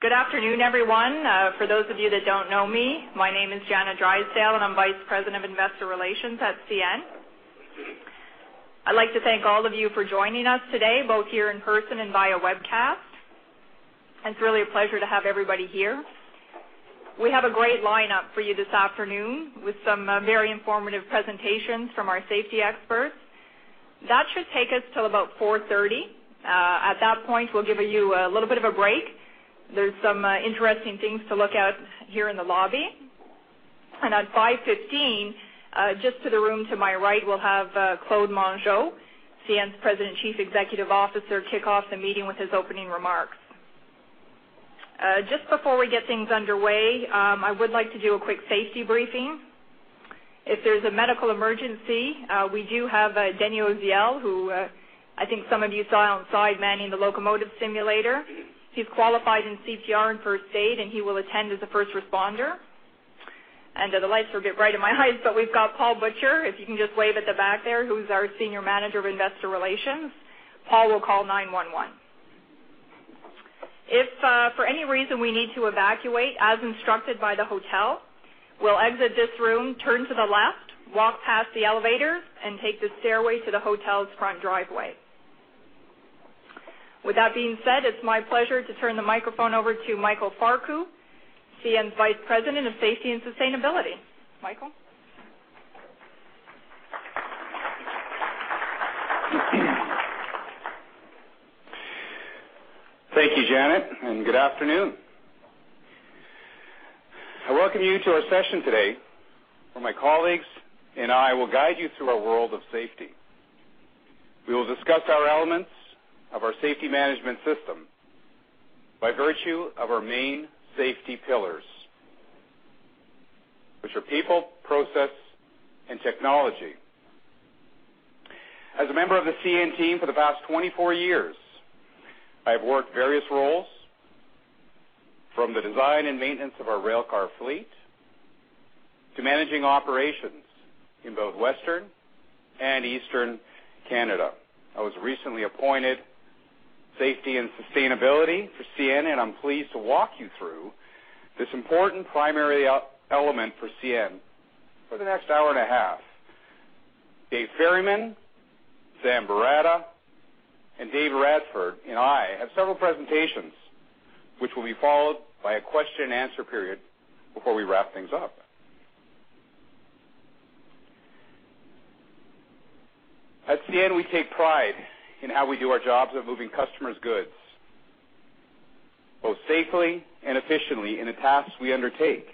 Good afternoon, everyone. For those of you that don't know me, my name is Janet Drysdale, and I'm Vice President of Investor Relations at CN. I'd like to thank all of you for joining us today, both here in person and via webcast. It's really a pleasure to have everybody here. We have a great lineup for you this afternoon with some very informative presentations from our safety experts. That should take us till about 4:30 P.M. At that point, we'll give you a little bit of a break. There's some interesting things to look at here in the lobby. And at 5:15 P.M., just to the room to my right, we'll have Claude Mongeau, CN's President, Chief Executive Officer, kick off the meeting with his opening remarks. Just before we get things underway, I would like to do a quick safety briefing. If there's a medical emergency, we do have a Daniel Oziel, who, I think some of you saw outside manning the locomotive simulator. He's qualified in CPR and first aid, and he will attend as a first responder. The lights are a bit bright in my eyes, but we've got Paul Butcher, if you can just wave at the back there, who's our Senior Manager of Investor Relations. Paul will call 911. If for any reason we need to evacuate, as instructed by the hotel, we'll exit this room, turn to the left, walk past the elevator, and take the stairway to the hotel's front driveway. With that being said, it's my pleasure to turn the microphone over to Michael Farkouh, CN's Vice President of Safety and Sustainability. Michael? Thank you, Janet, and good afternoon. I welcome you to our session today, where my colleagues and I will guide you through our world of safety. We will discuss our elements of our safety management system by virtue of our main safety pillars, which are people, process, and technology. As a member of the CN team for the past 24 years, I've worked various roles, from the design and maintenance of our railcar fleet to managing operations in both Western and Eastern Canada. I was recently appointed Safety and Sustainability for CN, and I'm pleased to walk you through this important primary element for CN for the next hour and a half. Dave Ferryman, Sam Baratta, and Dave Radford and I have several presentations which will be followed by a question and answer period before we wrap things up. At CN, we take pride in how we do our jobs of moving customers' goods, both safely and efficiently in the tasks we undertake,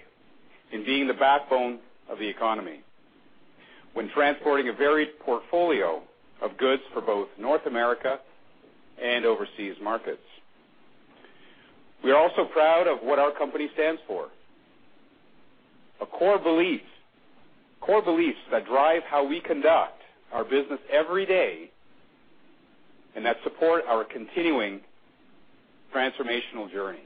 in being the backbone of the economy when transporting a varied portfolio of goods for both North America and overseas markets. We are also proud of what our company stands for, a core belief, core beliefs that drive how we conduct our business every day and that support our continuing transformational journey.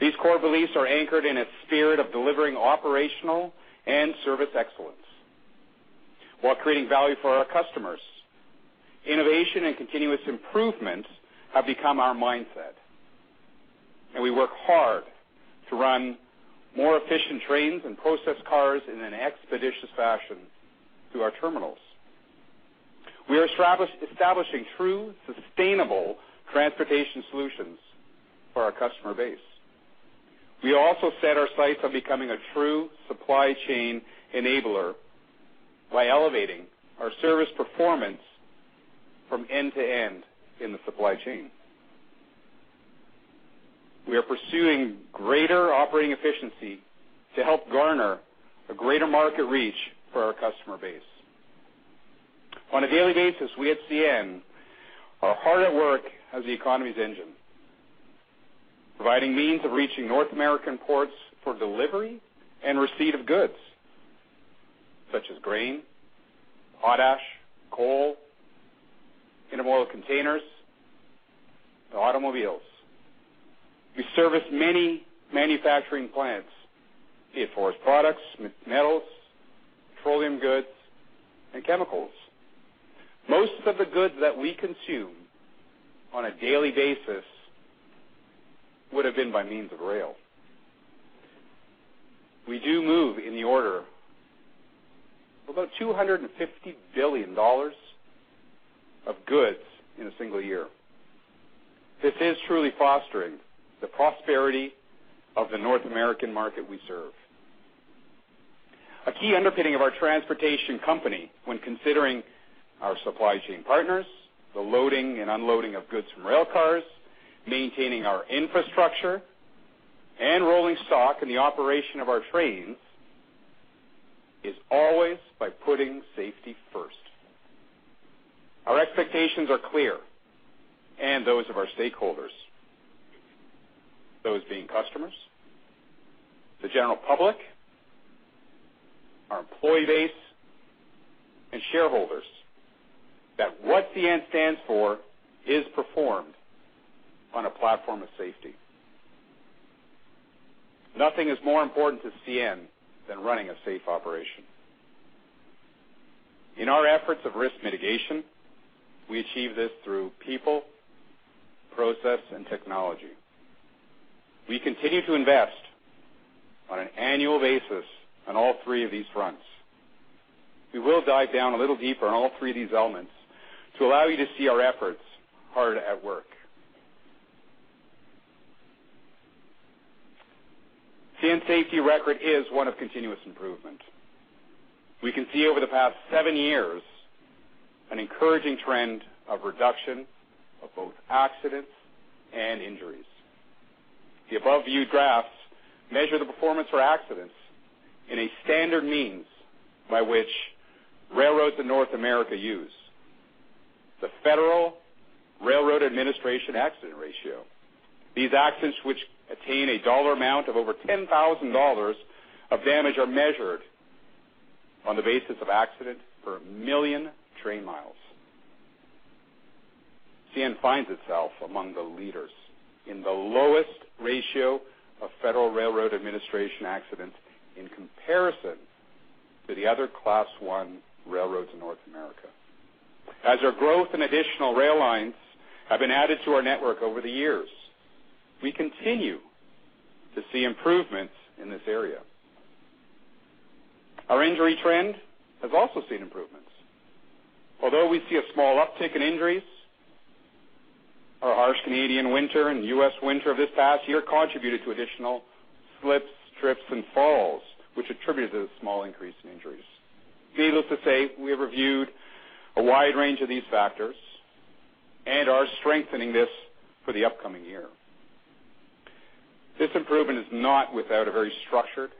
These core beliefs are anchored in a spirit of delivering operational and service excellence while creating value for our customers. Innovation and continuous improvements have become our mindset, and we work hard to run more efficient trains and process cars in an expeditious fashion through our terminals. We are establishing true, sustainable transportation solutions for our customer base. We also set our sights on becoming a true supply chain enabler by elevating our service performance from end to end in the supply chain. We are pursuing greater operating efficiency to help garner a greater market reach for our customer base. On a daily basis, we at CN are hard at work as the economy's engine, providing means of reaching North American ports for delivery and receipt of goods such as grain, potash, coal, intermodal containers, and automobiles. We service many manufacturing plants, be it forest products, metals, petroleum goods, and chemicals. Most of the goods that we consume on a daily basis would have been by means of rail. We do move in the order of about 250 billion dollars of goods in a single year. This is truly fostering the prosperity of the North American market we serve. A key underpinning of our transportation company when considering our supply chain partners, the loading and unloading of goods from railcars, maintaining our infrastructure and rolling stock, and the operation of our trains, is always by putting safety first. Our expectations are clear, and those of our stakeholders, those being customers, the general public, our employee base, and shareholders, that what CN stands for is performed on a platform of safety. Nothing is more important to CN than running a safe operation. In our efforts of risk mitigation, we achieve this through people, process, and technology. We continue to invest on an annual basis on all three of these fronts. We will dive down a little deeper on all three of these elements to allow you to see our efforts hard at work. CN safety record is one of continuous improvement. We can see over the past seven years, an encouraging trend of reduction of both accidents and injuries. The above viewed graphs measure the performance for accidents in a standard means by which railroads in North America use, the Federal Railroad Administration accident ratio. These accidents, which attain a dollar amount of over $10,000 of damage, are measured on the basis of accident per million train miles. CN finds itself among the leaders in the lowest ratio of Federal Railroad Administration accidents in comparison to the other Class I railroads in North America. As our growth and additional rail lines have been added to our network over the years, we continue to see improvements in this area. Our injury trend has also seen improvements. Although we see a small uptick in injuries, our harsh Canadian winter and US winter of this past year contributed to additional slips, trips, and falls, which attributed to the small increase in injuries. Needless to say, we have reviewed a wide range of these factors and are strengthening this for the upcoming year. This improvement is not without a very structured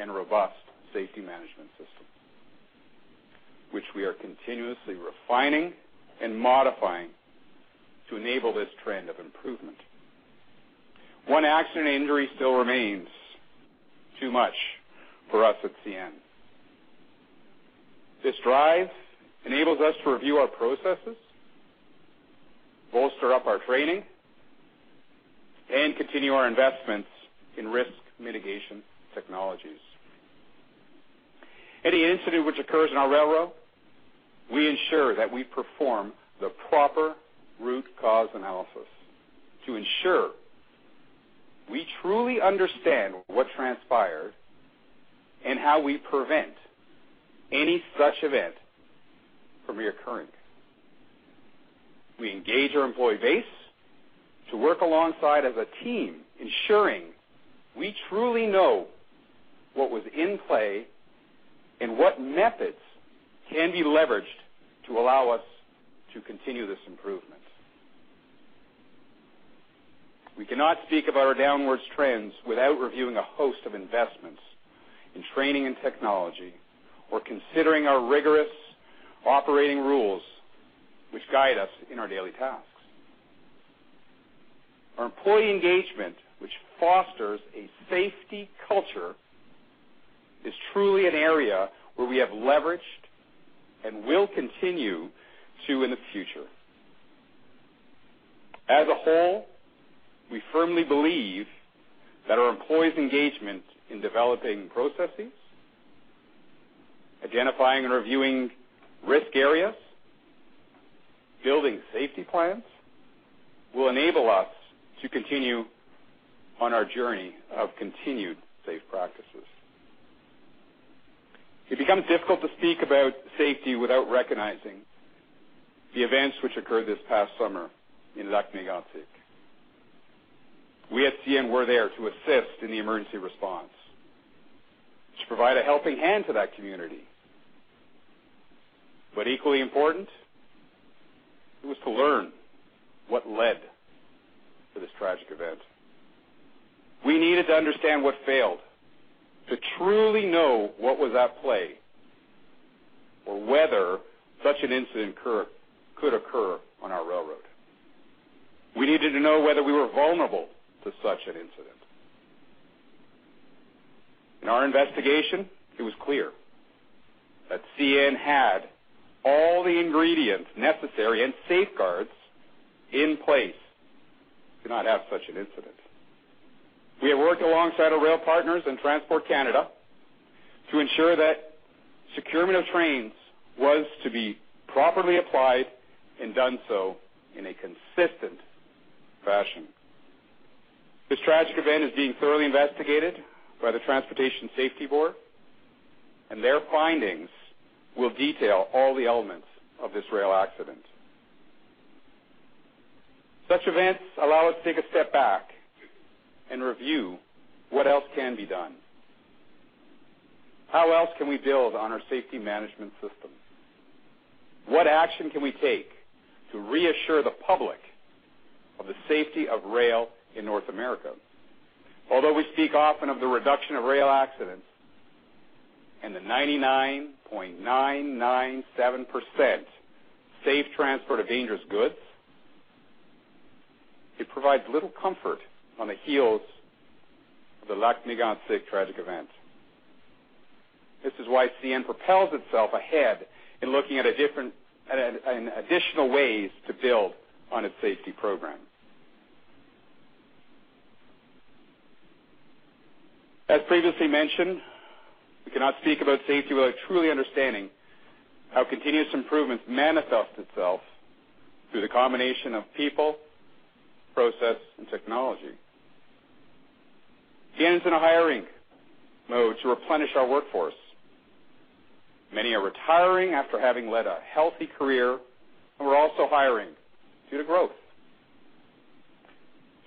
and robust safety management system, which we are continuously refining and modifying to enable this trend of improvement. One accident injury still remains too much for us at CN. This drive enables us to review our processes, bolster up our training, and continue our investments in risk mitigation technologies. Any incident which occurs in our railroad, we ensure that we perform the proper root cause analysis to ensure we truly understand what transpired and how we prevent any such event from recurring. We engage our employee base to work alongside as a team, ensuring we truly know what was in play and what methods can be leveraged to allow us to continue this improvement. We cannot speak about our downwards trends without reviewing a host of investments in training and technology, or considering our rigorous operating rules which guide us in our daily tasks. Our employee engagement, which fosters a safety culture, is truly an area where we have leveraged and will continue to in the future. As a whole, we firmly believe that our employees' engagement in developing processes, identifying and reviewing risk areas, building safety plans, will enable us to continue on our journey of continued safe practices. It becomes difficult to speak about safety without recognizing the events which occurred this past summer in Lac-Mégantic. We at CN were there to assist in the emergency response, to provide a helping hand to that community. Equally important, it was to learn what led to this tragic event. We needed to understand what failed, to truly know what was at play or whether such an incident could occur on our railroad. We needed to know whether we were vulnerable to such an incident. In our investigation, it was clear that CN had all the ingredients necessary and safeguards in place to not have such an incident. We have worked alongside our rail partners in Transport Canada to ensure that securement of trains was to be properly applied and done so in a consistent fashion. This tragic event is being thoroughly investigated by the Transportation Safety Board, and their findings will detail all the elements of this rail accident. Such events allow us to take a step back and review what else can be done. How else can we build on our safety management system? What action can we take to reassure the public of the safety of rail in North America? Although we speak often of the reduction of rail accidents and the 99.997% safe transport of dangerous goods, it provides little comfort on the heels of the Lac-Mégantic tragic event. This is why CN propels itself ahead in looking at a different—at an additional way to build on its safety program.... As previously mentioned, we cannot speak about safety without truly understanding how continuous improvement manifests itself through the combination of people, process, and technology. CN is in a hiring mode to replenish our workforce. Many are retiring after having led a healthy career, and we're also hiring due to growth.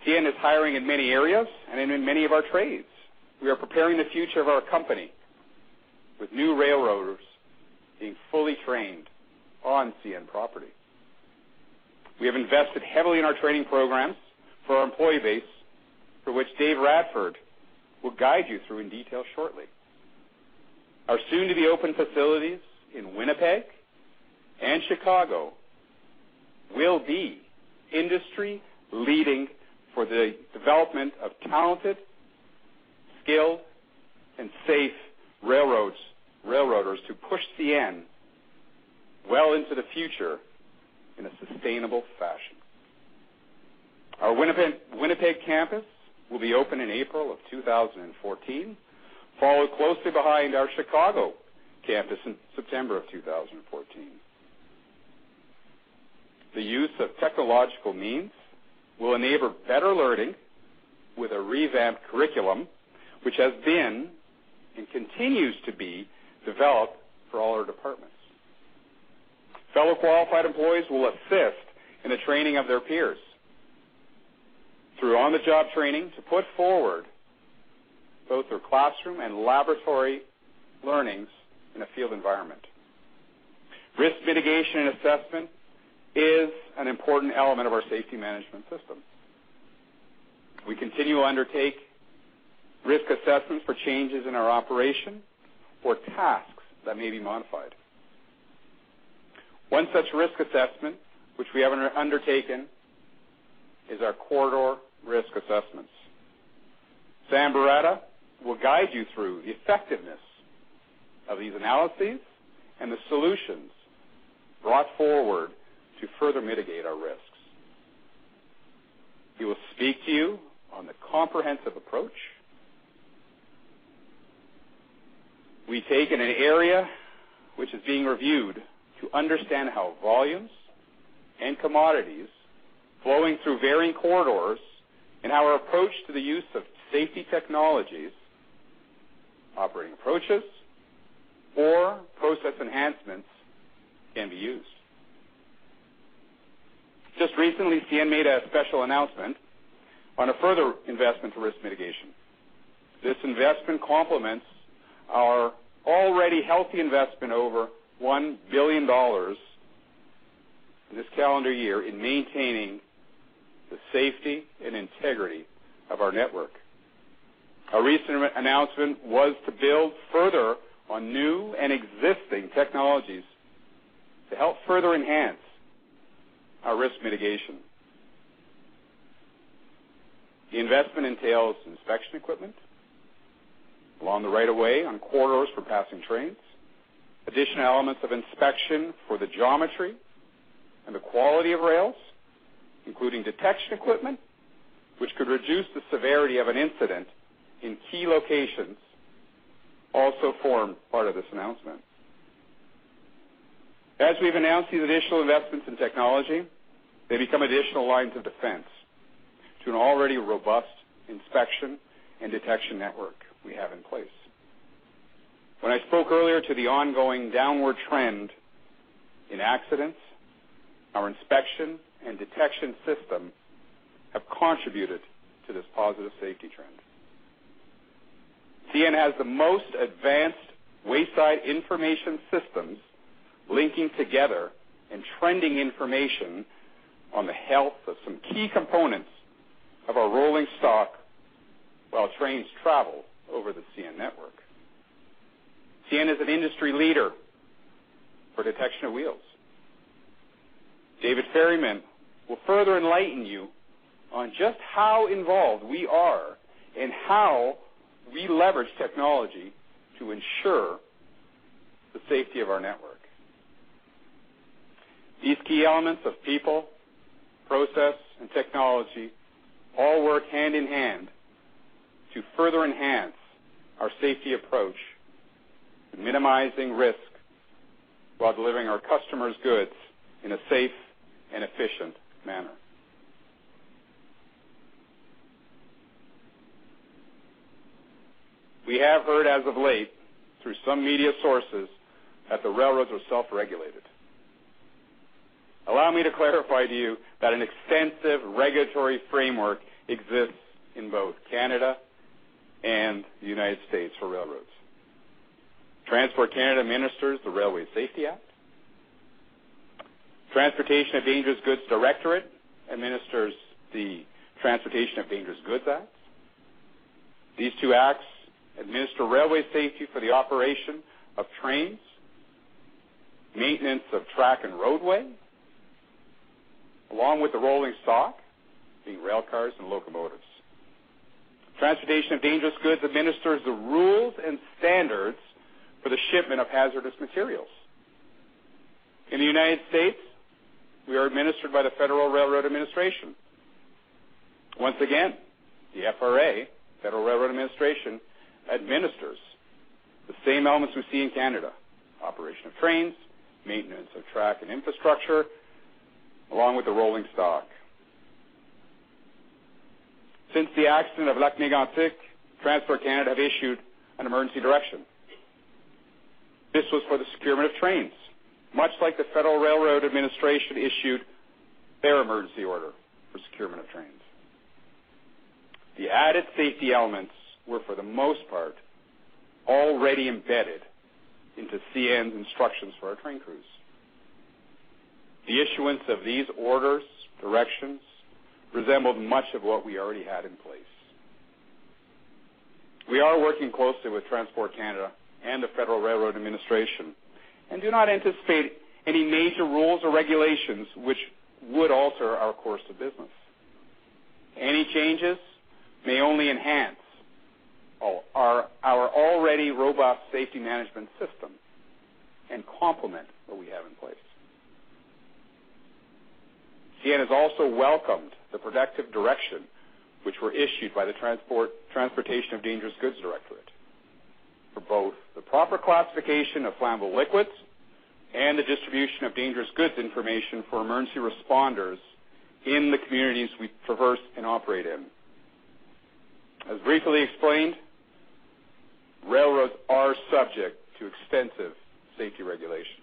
CN is hiring in many areas and in many of our trades. We are preparing the future of our company with new railroaders being fully trained on CN property. We have invested heavily in our training programs for our employee base, for which Dave Radford will guide you through in detail shortly. Our soon-to-be open facilities in Winnipeg and Chicago will be industry-leading for the development of talented, skilled, and safe railroaders to push CN well into the future in a sustainable fashion. Our Winnipeg campus will be open in April of 2014, followed closely behind our Chicago campus in September of 2014. The use of technological means will enable better learning with a revamped curriculum, which has been and continues to be developed for all our departments. Fellow qualified employees will assist in the training of their peers through on-the-job training to put forward both their classroom and laboratory learnings in a field environment. Risk mitigation and assessment is an important element of our Safety Management System. We continue to undertake risk assessments for changes in our operation or tasks that may be modified. One such risk assessment, which we have undertaken, is our Corridor Risk Assessments. Sam Baratta will guide you through the effectiveness of these analyses and the solutions brought forward to further mitigate our risks. He will speak to you on the comprehensive approach we take in an area which is being reviewed to understand how volumes and commodities flowing through varying corridors and our approach to the use of safety technologies, operating approaches, or process enhancements can be used. Just recently, CN made a special announcement on a further investment for risk mitigation. This investment complements our already healthy investment, over 1 billion dollars in this calendar year, in maintaining the safety and integrity of our network. Our recent announcement was to build further on new and existing technologies to help further enhance our risk mitigation. The investment entails inspection equipment along the right of way on corridors for passing trains. Additional elements of inspection for the geometry and the quality of rails, including detection equipment, which could reduce the severity of an incident in key locations, also form part of this announcement. As we've announced these additional investments in technology, they become additional lines of defense to an already robust inspection and detection network we have in place. When I spoke earlier to the ongoing downward trend in accidents, our inspection and detection systems have contributed to this positive safety trend. CN has the most advanced wayside information systems, linking together and trending information on the health of some key components of our rolling stock while trains travel over the CN network. CN is an industry leader for detection of wheels. David Ferryman will further enlighten you on just how involved we are and how we leverage technology to ensure the safety of our network. These key elements of people, process, and technology all work hand in hand to further enhance our safety approach to minimizing risk while delivering our customers' goods in a safe and efficient manner. We have heard as of late, through some media sources, that the railroads are self-regulated. Allow me to clarify to you that an extensive regulatory framework exists in both Canada and the United States for railroads. Transport Canada administers the Railway Safety Act. Transportation of Dangerous Goods Directorate administers the Transportation of Dangerous Goods Act. These two acts administer railway safety for the operation of trains, maintenance of track and roadway, along with the rolling stock, being rail cars and locomotives. Transportation of Dangerous Goods administers the rules and standards for the shipment of hazardous materials. In the United States, we are administered by the Federal Railroad Administration. Once again, the FRA, Federal Railroad Administration, administers the same elements we see in Canada: operation of trains, maintenance of track and infrastructure, along with the rolling stock. Since the accident of Lac-Mégantic, Transport Canada have issued an emergency direction. This was for the securement of trains, much like the Federal Railroad Administration issued their emergency order for securement of trains. The added safety elements were, for the most part, already embedded into CN's instructions for our train crews. The issuance of these orders, directions, resembled much of what we already had in place. We are working closely with Transport Canada and the Federal Railroad Administration, and do not anticipate any major rules or regulations which would alter our course of business. Any changes may only enhance our already robust safety management system and complement what we have in place. CN has also welcomed the protective direction, which were issued by the Transportation of Dangerous Goods Directorate, for both the proper classification of flammable liquids and the distribution of dangerous goods information for emergency responders in the communities we traverse and operate in. As briefly explained, railroads are subject to extensive safety regulation.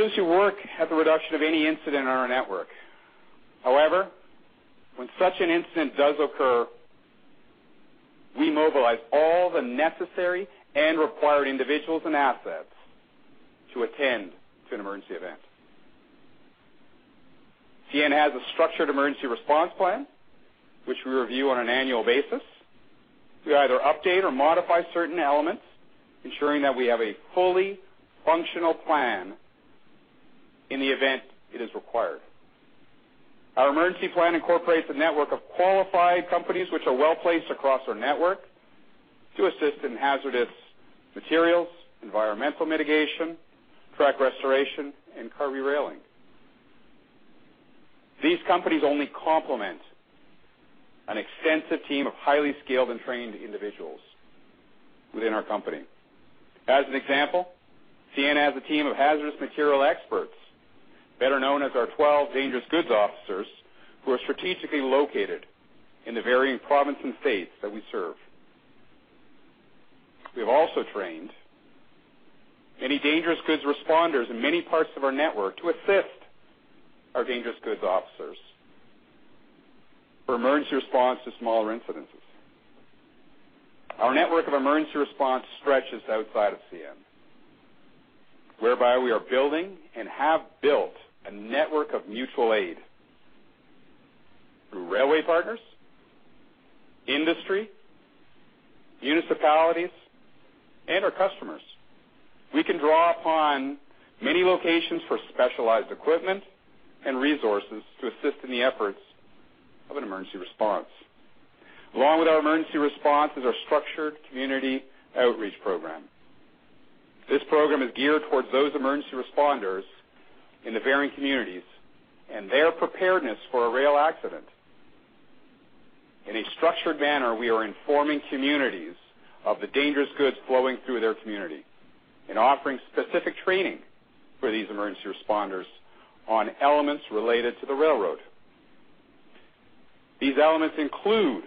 We continue to work at the reduction of any incident on our network. However, when such an incident does occur, we mobilize all the necessary and required individuals and assets to attend to an emergency event. CN has a structured emergency response plan, which we review on an annual basis. We either update or modify certain elements, ensuring that we have a fully functional plan in the event it is required. Our emergency plan incorporates a network of qualified companies, which are well-placed across our network, to assist in hazardous materials, environmental mitigation, track restoration, and car rerailing. These companies only complement an extensive team of highly skilled and trained individuals within our company. As an example, CN has a team of hazardous material experts, better known as our 12 dangerous goods officers, who are strategically located in the varying provinces and states that we serve. We have also trained many dangerous goods responders in many parts of our network to assist our dangerous goods officers for emergency response to smaller incidents. Our network of emergency response stretches outside of CN, whereby we are building and have built a network of mutual aid through railway partners, industry, municipalities, and our customers. We can draw upon many locations for specialized equipment and resources to assist in the efforts of an emergency response. Along with our emergency response is our structured community outreach program. This program is geared towards those emergency responders in the varying communities and their preparedness for a rail accident. In a structured manner, we are informing communities of the dangerous goods flowing through their community and offering specific training for these emergency responders on elements related to the railroad. These elements include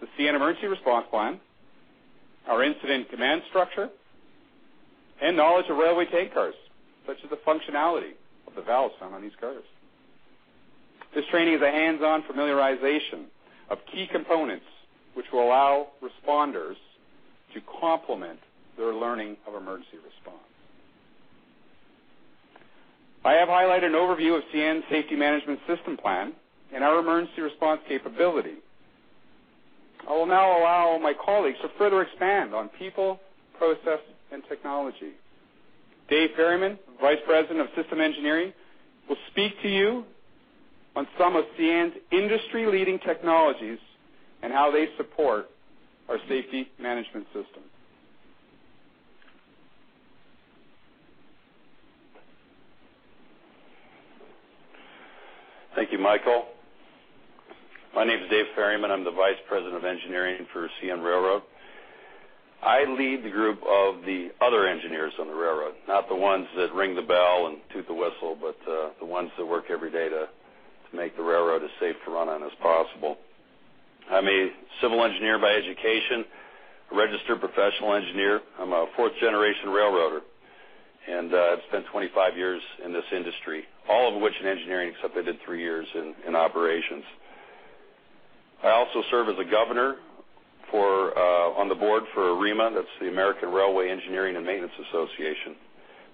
the CN emergency response plan, our incident command structure, and knowledge of railway tank cars, such as the functionality of the valves found on these cars. This training is a hands-on familiarization of key components, which will allow responders to complement their learning of emergency response. I have highlighted an overview of CN's Safety Management System plan and our emergency response capability. I will now allow my colleagues to further expand on people, process, and technology. Dave Ferryman, Vice President of System Engineering, will speak to you on some of CN's industry-leading technologies and how they support our safety management system. Thank you, Michael. My name is Dave Ferryman. I'm the Vice President of Engineering for CN Railroad. I lead the group of the other engineers on the railroad, not the ones that ring the bell and toot the whistle, but the ones that work every day to make the railroad as safe to run on as possible. I'm a civil engineer by education, a registered professional engineer. I'm a fourth-generation railroader, and I've spent 25 years in this industry, all of which in engineering, except I did 3 years in operations. I also serve as a governor on the board for AREMA. That's the American Railway Engineering and Maintenance Association.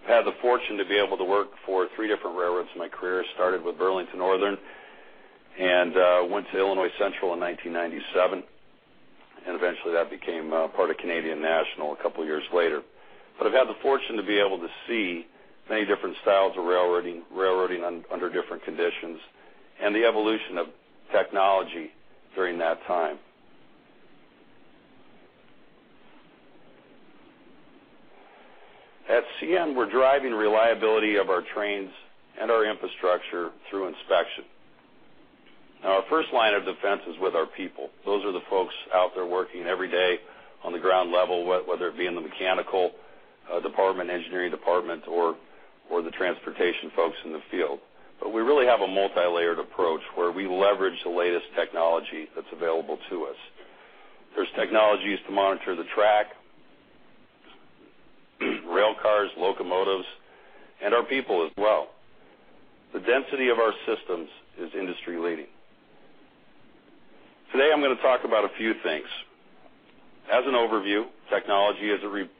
I've had the fortune to be able to work for 3 different railroads in my career, started with Burlington Northern and went to Illinois Central in 1997.... Eventually that became part of Canadian National a couple of years later. But I've had the fortune to be able to see many different styles of railroading, railroading under different conditions and the evolution of technology during that time. At CN, we're driving reliability of our trains and our infrastructure through inspection. Now, our first line of defense is with our people. Those are the folks out there working every day on the ground level, whether it be in the mechanical department, engineering department, or the transportation folks in the field. But we really have a multilayered approach where we leverage the latest technology that's available to us. There's technologies to monitor the track, rail cars, locomotives, and our people as well. The density of our systems is industry-leading. Today, I'm gonna talk about a few things. As an overview, technology as it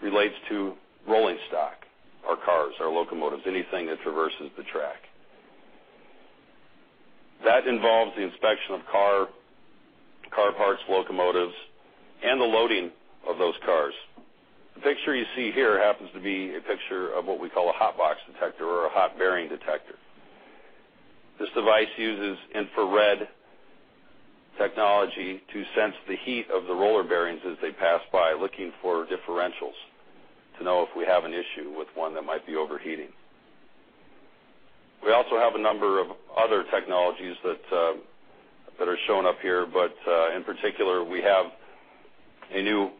relates to rolling stock, our cars, our locomotives, anything that traverses the track. That involves the inspection of car, car parts, locomotives, and the loading of those cars. The picture you see here happens to be a picture of what we call a hot box detector or a hot bearing detector. This device uses infrared technology to sense the heat of the roller bearings as they pass by, looking for differentials to know if we have an issue with one that might be overheating. We also have a number of other technologies that are shown up here, but in particular, we have a new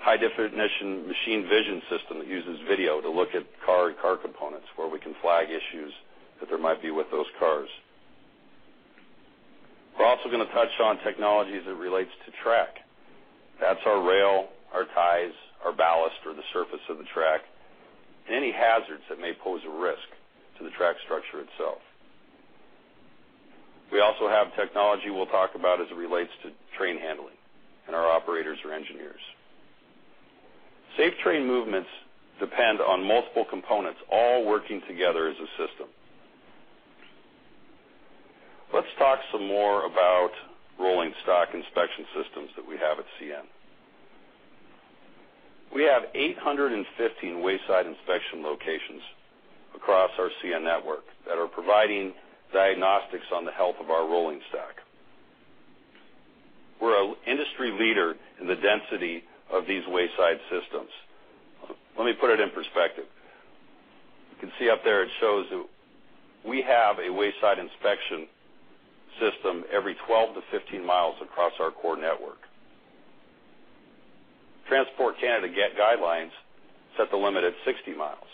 high-definition machine vision system that uses video to look at car and car components, where we can flag issues that there might be with those cars. We're also gonna touch on technology as it relates to track. That's our rail, our ties, our ballast, or the surface of the track, and any hazards that may pose a risk to the track structure itself. We also have technology we'll talk about as it relates to train handling and our operators or engineers. Safe train movements depend on multiple components, all working together as a system. Let's talk some more about rolling stock inspection systems that we have at CN. We have 815 wayside inspection locations across our CN network that are providing diagnostics on the health of our rolling stock. We're an industry leader in the density of these wayside systems. Let me put it in perspective. You can see up there, it shows that we have a wayside inspection system every 12-15 miles across our core network. Transport Canada guidelines set the limit at 60 miles,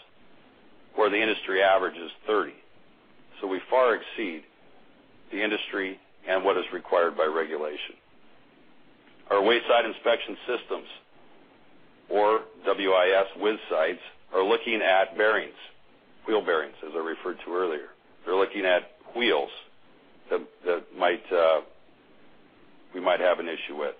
where the industry average is 30. So we far exceed the industry and what is required by regulation. Our Wayside Inspection Systems, or WIS, WIS sites, are looking at bearings, wheel bearings, as I referred to earlier. They're looking at wheels that we might have an issue with.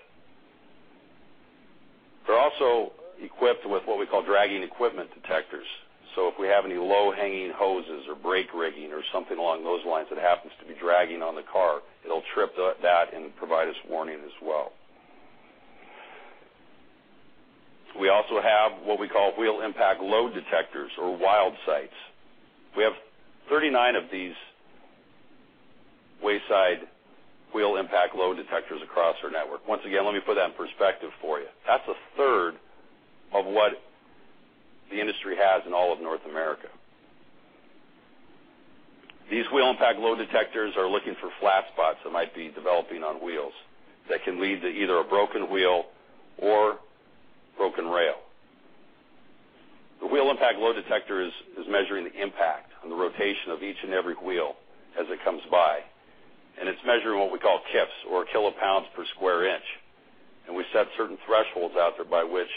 They're also equipped with what we call dragging equipment detectors. So if we have any low-hanging hoses or brake rigging or something along those lines that happens to be dragging on the car, it'll trip that and provide us warning as well. We also have what we call Wheel Impact Load Detectors, or WILD sites. We have 39 of these wayside wheel impact load detectors across our network. Once again, let me put that in perspective for you. That's a third of what the industry has in all of North America. These wheel impact load detectors are looking for flat spots that might be developing on wheels that can lead to either a broken wheel or broken rail. The wheel impact load detector is measuring the impact on the rotation of each and every wheel as it comes by, and it's measuring what we call KIPS, or kilopounds per square inch. We set certain thresholds out there by which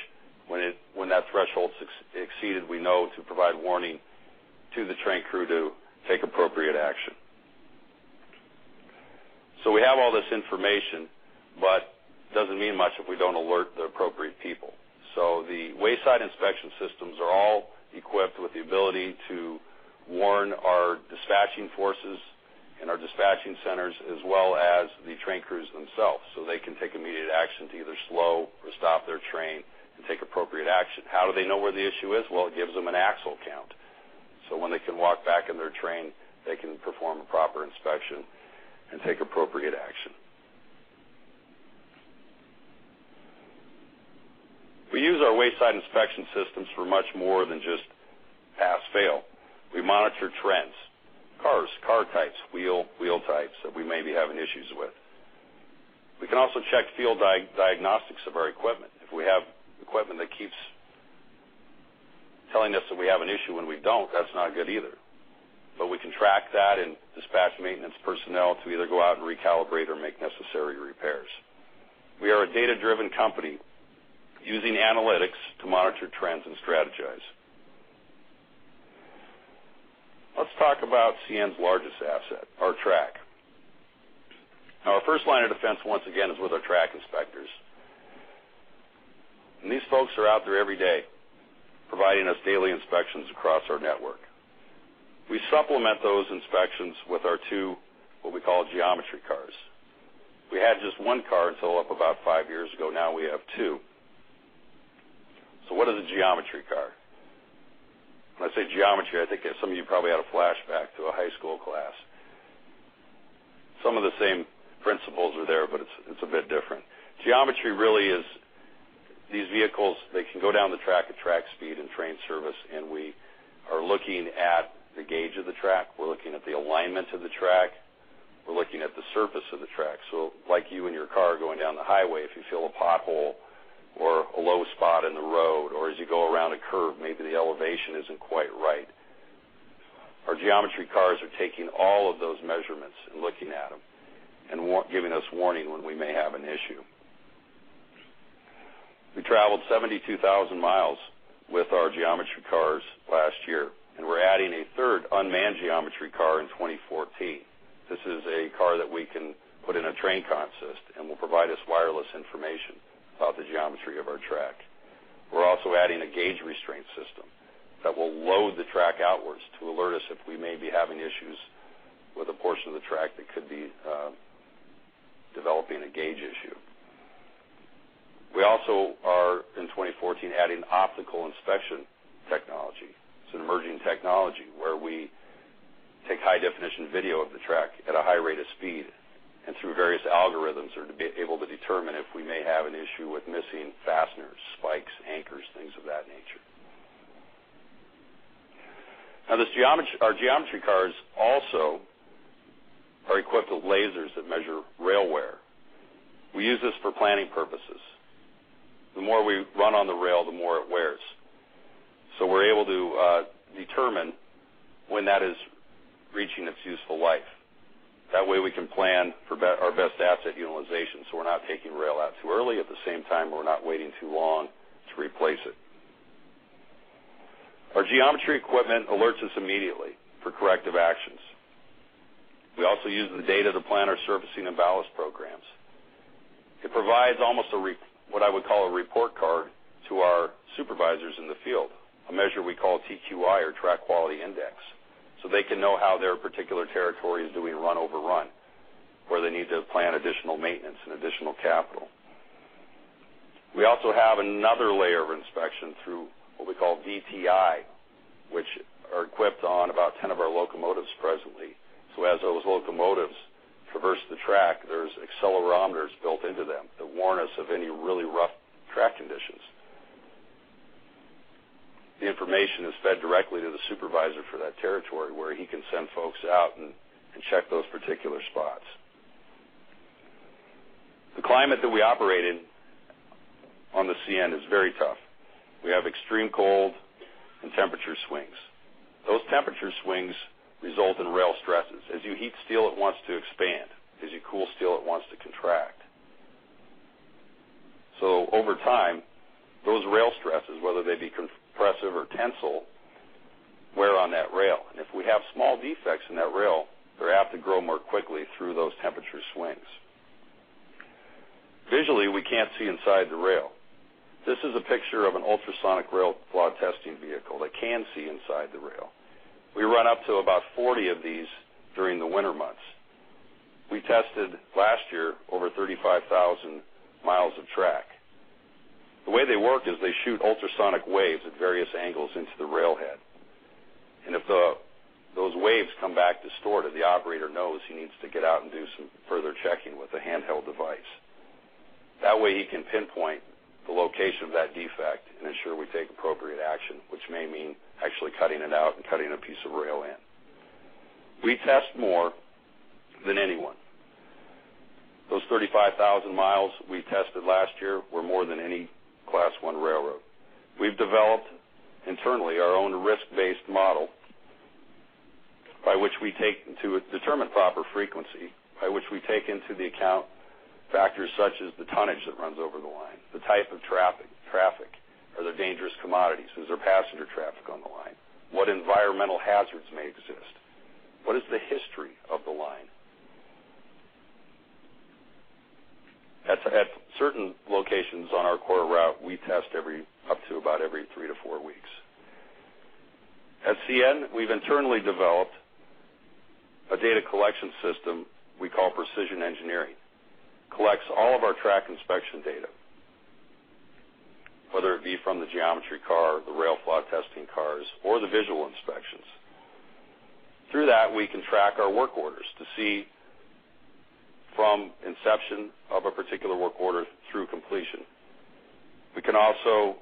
when that threshold's exceeded, we know to provide warning to the train crude to take appropriate action. We have all this information, but doesn't mean much if we don't alert the appropriate people. So the wayside inspection systems are all equipped with the ability to warn our dispatching forces and our dispatching centers, as well as the train crews themselves, so they can take immediate action to either slow or stop their train and take appropriate action. How do they know where the issue is? Well, it gives them an axle count, so when they can walk back in their train, they can perform a proper inspection and take appropriate action. We use our wayside inspection systems for much more than just pass, fail. We monitor trends, cars, car types, wheel, wheel types that we may be having issues with. We can also check field diagnostics of our equipment. If we have equipment that keeps telling us that we have an issue when we don't, that's not good either. But we can track that and dispatch maintenance personnel to either go out and recalibrate or make necessary repairs. We are a data-driven company using analytics to monitor trends and strategize. Let's talk about CN's largest asset, our track. Now, our first line of defense, once again, is with our track inspectors. These folks are out there every day, providing us daily inspections across our network. We supplement those inspections with our two, what we call geometry cars. We had just one car until up about five years ago, now we have two. So what is a geometry car? When I say geometry, I think some of you probably had a flashback to a high school class. Some of the same principles are there, but it's, it's a bit different. Geometry really is these vehicles; they can go down the track at track speed and train service, and we are looking at the gauge of the track, we're looking at the alignment of the track, we're looking at the surface of the track. So like you in your car going down the highway, if you feel a pothole or a low spot in the road, or as you go around a curve, maybe the elevation isn't quite right. Our geometry cars are taking all of those measurements and looking at them and warning us when we may have an issue. We traveled 72,000 miles with our geometry cars last year, and we're adding a third unmanned geometry car in 2014. This is a car that we can put in a train consist and will provide us wireless information about the geometry of our track. We're also adding a gauge restraint system that will load the track outwards to alert us if we may be having issues with a portion of the track that could be developing a gauge issue. We also are, in 2014, adding optical inspection technology. It's an emerging technology where we take high definition video of the track at a high rate of speed, and through various algorithms, are to be able to determine if we may have an issue with missing fasteners, spikes, anchors, things of that nature. Now, this geometry—our geometry cars also are equipped with lasers that measure rail wear. We use this for planning purposes. The more we run on the rail, the more it wears. So we're able to determine when that is reaching its useful life. That way, we can plan for our best asset utilization, so we're not taking rail out too early. At the same time, we're not waiting too long to replace it. Our geometry equipment alerts us immediately for corrective actions. We also use the data to plan our surfacing and ballast programs. It provides almost a report card to our supervisors in the field, a measure we call TQI, or Track Quality Index, so they can know how their particular territory is doing run over run, where they need to plan additional maintenance and additional capital. We also have another layer of inspection through what we call VTI, which are equipped on about 10 of our locomotives presently. So as those locomotives traverse the track, there's accelerometers built into them that warn us of any really rough track conditions. The information is fed directly to the supervisor for that territory, where he can send folks out and check those particular spots. The climate that we operate in on the CN is very tough. We have extreme cold and temperature swings. Those temperature swings result in rail stresses. As you heat steel, it wants to expand. As you cool steel, it wants to contract. So over time, those rail stresses, whether they be compressive or tensile, wear on that rail. And if we have small defects in that rail, they're apt to grow more quickly through those temperature swings. Visually, we can't see inside the rail. This is a picture of an ultrasonic rail flaw testing vehicle that can see inside the rail. We run up to about 40 of these during the winter months. We tested last year, over 35,000 miles of track. The way they work is they shoot ultrasonic waves at various angles into the rail head, and if those waves come back distorted, the operator knows he needs to get out and do some further checking with a handheld device. That way, he can pinpoint the location of that defect and ensure we take appropriate action, which may mean actually cutting it out and cutting a piece of rail in. We test more than anyone. Those 35,000 miles we tested last year were more than any Class I railroad. We've developed, internally, our own risk-based model, by which we take to determine proper frequency, by which we take into the account factors such as the tonnage that runs over the line, the type of traffic. Are there dangerous commodities? Is there passenger traffic on the line? What environmental hazards may exist? What is the history of the line? At certain locations on our core route, we test every up to about every three to four weeks. At CN, we've internally developed a data collection system we call Precision Engineering. It collects all of our track inspection data, whether it be from the Geometry Car, the rail flaw testing cars, or the visual inspections. Through that, we can track our work orders to see from inception of a particular work order through completion. We can also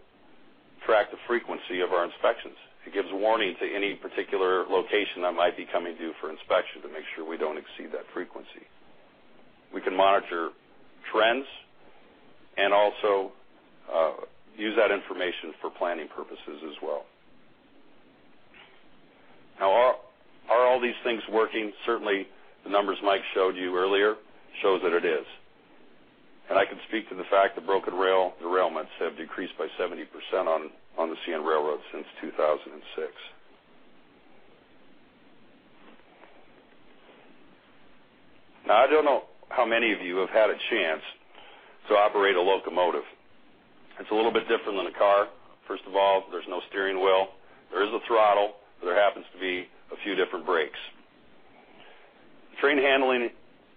track the frequency of our inspections. It gives warning to any particular location that might be coming due for inspection to make sure we don't exceed that frequency. We can monitor trends and also use that information for planning purposes as well. Now, are all these things working? Certainly, the numbers Mike showed you earlier shows that it is. I can speak to the fact that broken rail derailments have decreased by 70% on the CN Railroad since 2006. Now, I don't know how many of you have had a chance to operate a locomotive. It's a little bit different than a car. First of all, there's no steering wheel. There is a throttle. There happens to be a few different brakes. Train handling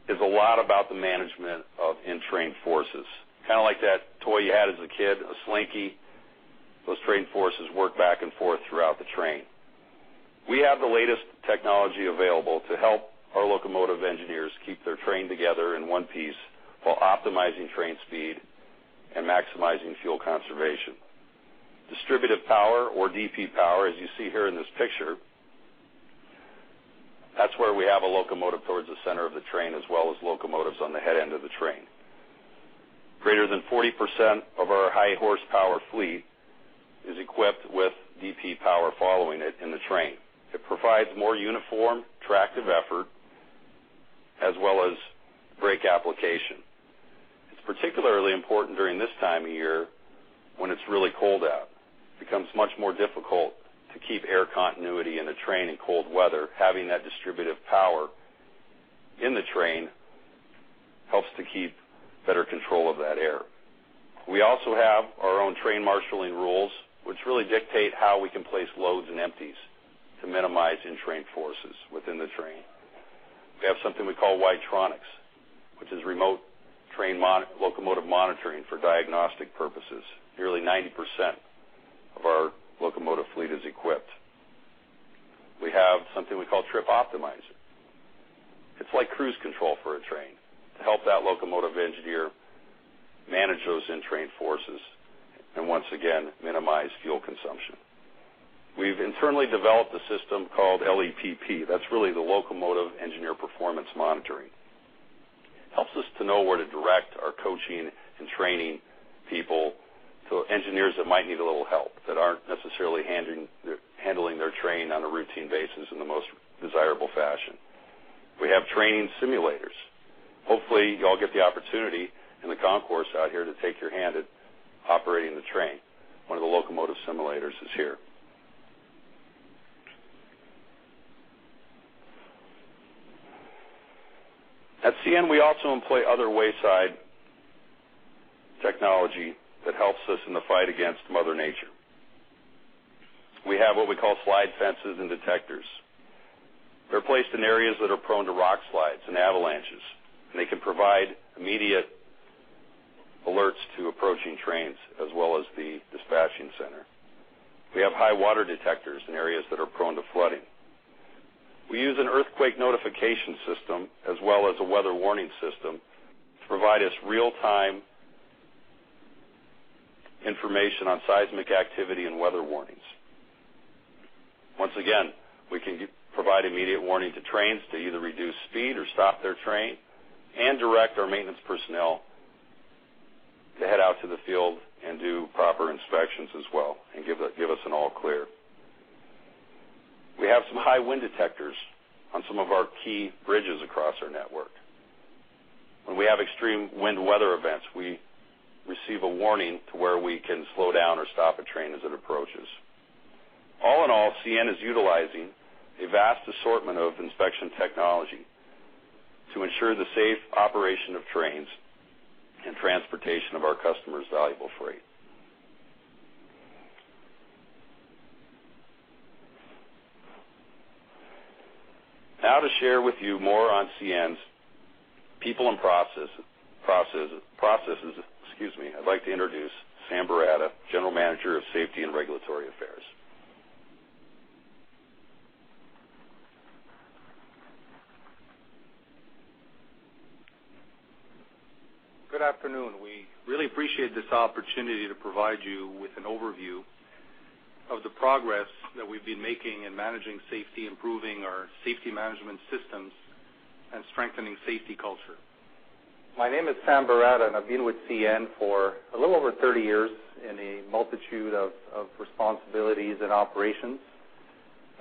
is a lot about the management of in-train forces, kind of like that toy you had as a kid, a Slinky. Those train forces work back and forth throughout the train. We have the latest technology available to help our locomotive engineers keep their train together in one piece while optimizing train speed and maximizing fuel conservation. Distributed power or DP power, as you see here in this picture, that's where we have a locomotive towards the center of the train, as well as locomotives on the head end of the train. Greater than 40% of our high horsepower fleet is equipped with DP power following it in the train. It provides more uniform, tractive effort, as well as brake application. It's particularly important during this time of year when it's really cold out, it becomes much more difficult to keep air continuity in a train in cold weather. Having that distributed power in the train helps to keep better control of that air. We also have our own train marshaling rules, which really dictate how we can place loads and empties to minimize in-train forces within the train. We have something we call Wi-Tronix, which is remote train locomotive monitoring for diagnostic purposes. Nearly 90% of our locomotive fleet is equipped. We have something we call Trip Optimizer. It's like cruise control for a train to help that locomotive engineer manage those in-train forces and once again, minimize fuel consumption. We've internally developed a system called LEPP. That's really the Locomotive Engineer Performance Monitoring. Helps us to know where to direct our coaching and training people to engineers that might need a little help, that aren't necessarily handling, handling their train on a routine basis in the most desirable fashion. We have training simulators. Hopefully, you all get the opportunity in the concourse out here to take your hand at operating the train. One of the locomotive simulators is here. At CN, we also employ other wayside technology that helps us in the fight against mother nature. We have what we call slide fences and detectors. They're placed in areas that are prone to rock slides and avalanches, and they can provide immediate alerts to approaching trains as well as the dispatching center. We have high water detectors in areas that are prone to flooding. We use an earthquake notification system as well as a weather warning system to provide us real-time information on seismic activity and weather warnings. Once again, we can provide immediate warning to trains to either reduce speed or stop their train and direct our maintenance personnel to head out to the field and do proper inspections as well and give, give us an all clear. We have some high wind detectors on some of our key bridges across our network. When we have extreme wind weather events, we receive a warning to where we can slow down or stop a train as it approaches. All in all, CN is utilizing a vast assortment of inspection technology to ensure the safe operation of trains and transportation of our customers' valuable freight. Now, to share with you more on CN's people and process, processes, excuse me, I'd like to introduce Sam Baratta, General Manager of Safety and Regulatory Affairs. Good afternoon. We really appreciate this opportunity to provide you with an overview of the progress that we've been making in managing safety, improving our safety management systems, and strengthening safety culture. My name is Sam Baratta, and I've been with CN for a little over 30 years in a multitude of responsibilities and operations,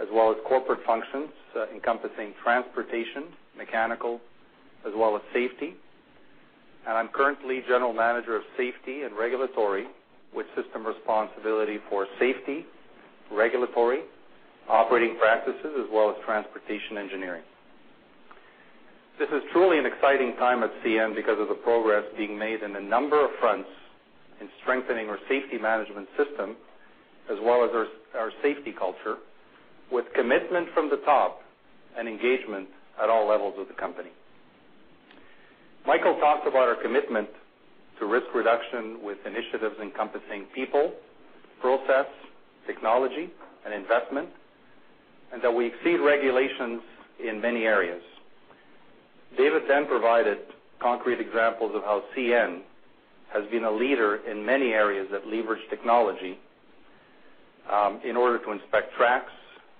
as well as corporate functions encompassing transportation, mechanical, as well as safety. I'm currently General Manager of Safety and Regulatory, with system responsibility for safety, regulatory, operating practices, as well as transportation engineering. This is truly an exciting time at CN because of the progress being made in a number of fronts in strengthening our safety management system, as well as our safety culture, with commitment from the top and engagement at all levels of the company. Michael talked about our commitment to risk reduction with initiatives encompassing people, process, technology, and investment, and that we exceed regulations in many areas. David then provided concrete examples of how CN has been a leader in many areas that leverage technology, in order to inspect tracks,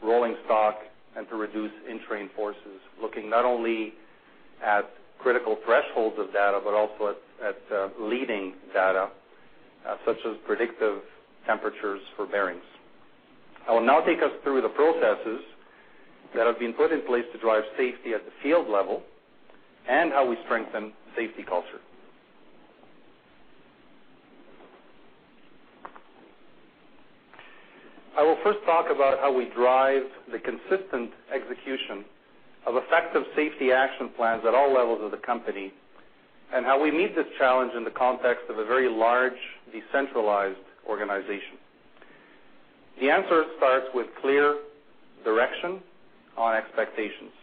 rolling stock, and to reduce in-train forces, looking not only at critical thresholds of data, but also at leading data, such as predictive temperatures for bearings. I will now take us through the processes that have been put in place to drive safety at the field level and how we strengthen safety culture... I will first talk about how we drive the consistent execution of effective safety action plans at all levels of the company, and how we meet this challenge in the context of a very large, decentralized organization. The answer starts with clear direction on expectations.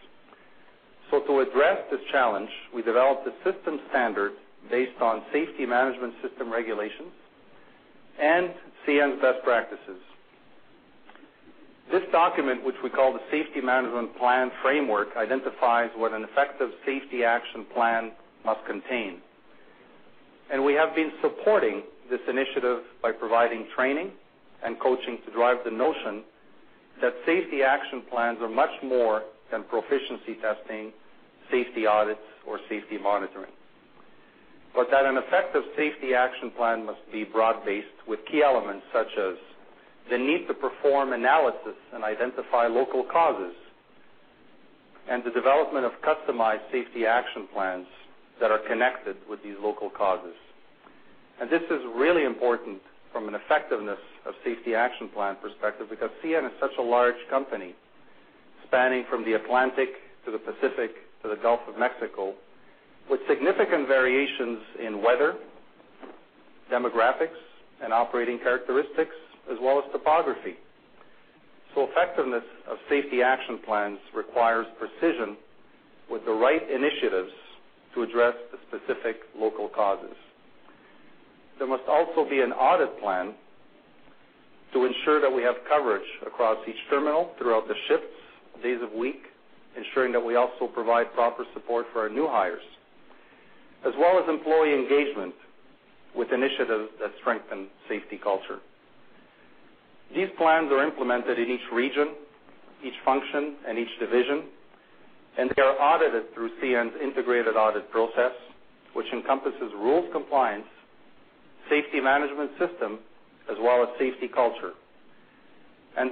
To address this challenge, we developed a system standard based on safety management system regulations and CN's best practices. This document, which we call the Safety Management Plan Framework, identifies what an effective safety action plan must contain. We have been supporting this initiative by providing training and coaching to drive the notion that safety action plans are much more than proficiency testing, safety audits, or safety monitoring, but that an effective safety action plan must be broad-based, with key elements such as the need to perform analysis and identify local causes, and the development of customized safety action plans that are connected with these local causes. This is really important from an effectiveness of safety action plan perspective, because CN is such a large company, spanning from the Atlantic to the Pacific to the Gulf of Mexico, with significant variations in weather, demographics, and operating characteristics, as well as topography. So effectiveness of safety action plans requires precision with the right initiatives to address the specific local causes. There must also be an audit plan to ensure that we have coverage across each terminal throughout the shifts, days of week, ensuring that we also provide proper support for our new hires, as well as employee engagement with initiatives that strengthen safety culture. These plans are implemented in each region, each function, and each division, and they are audited through CN's integrated audit process, which encompasses rules compliance, safety management system, as well as safety culture.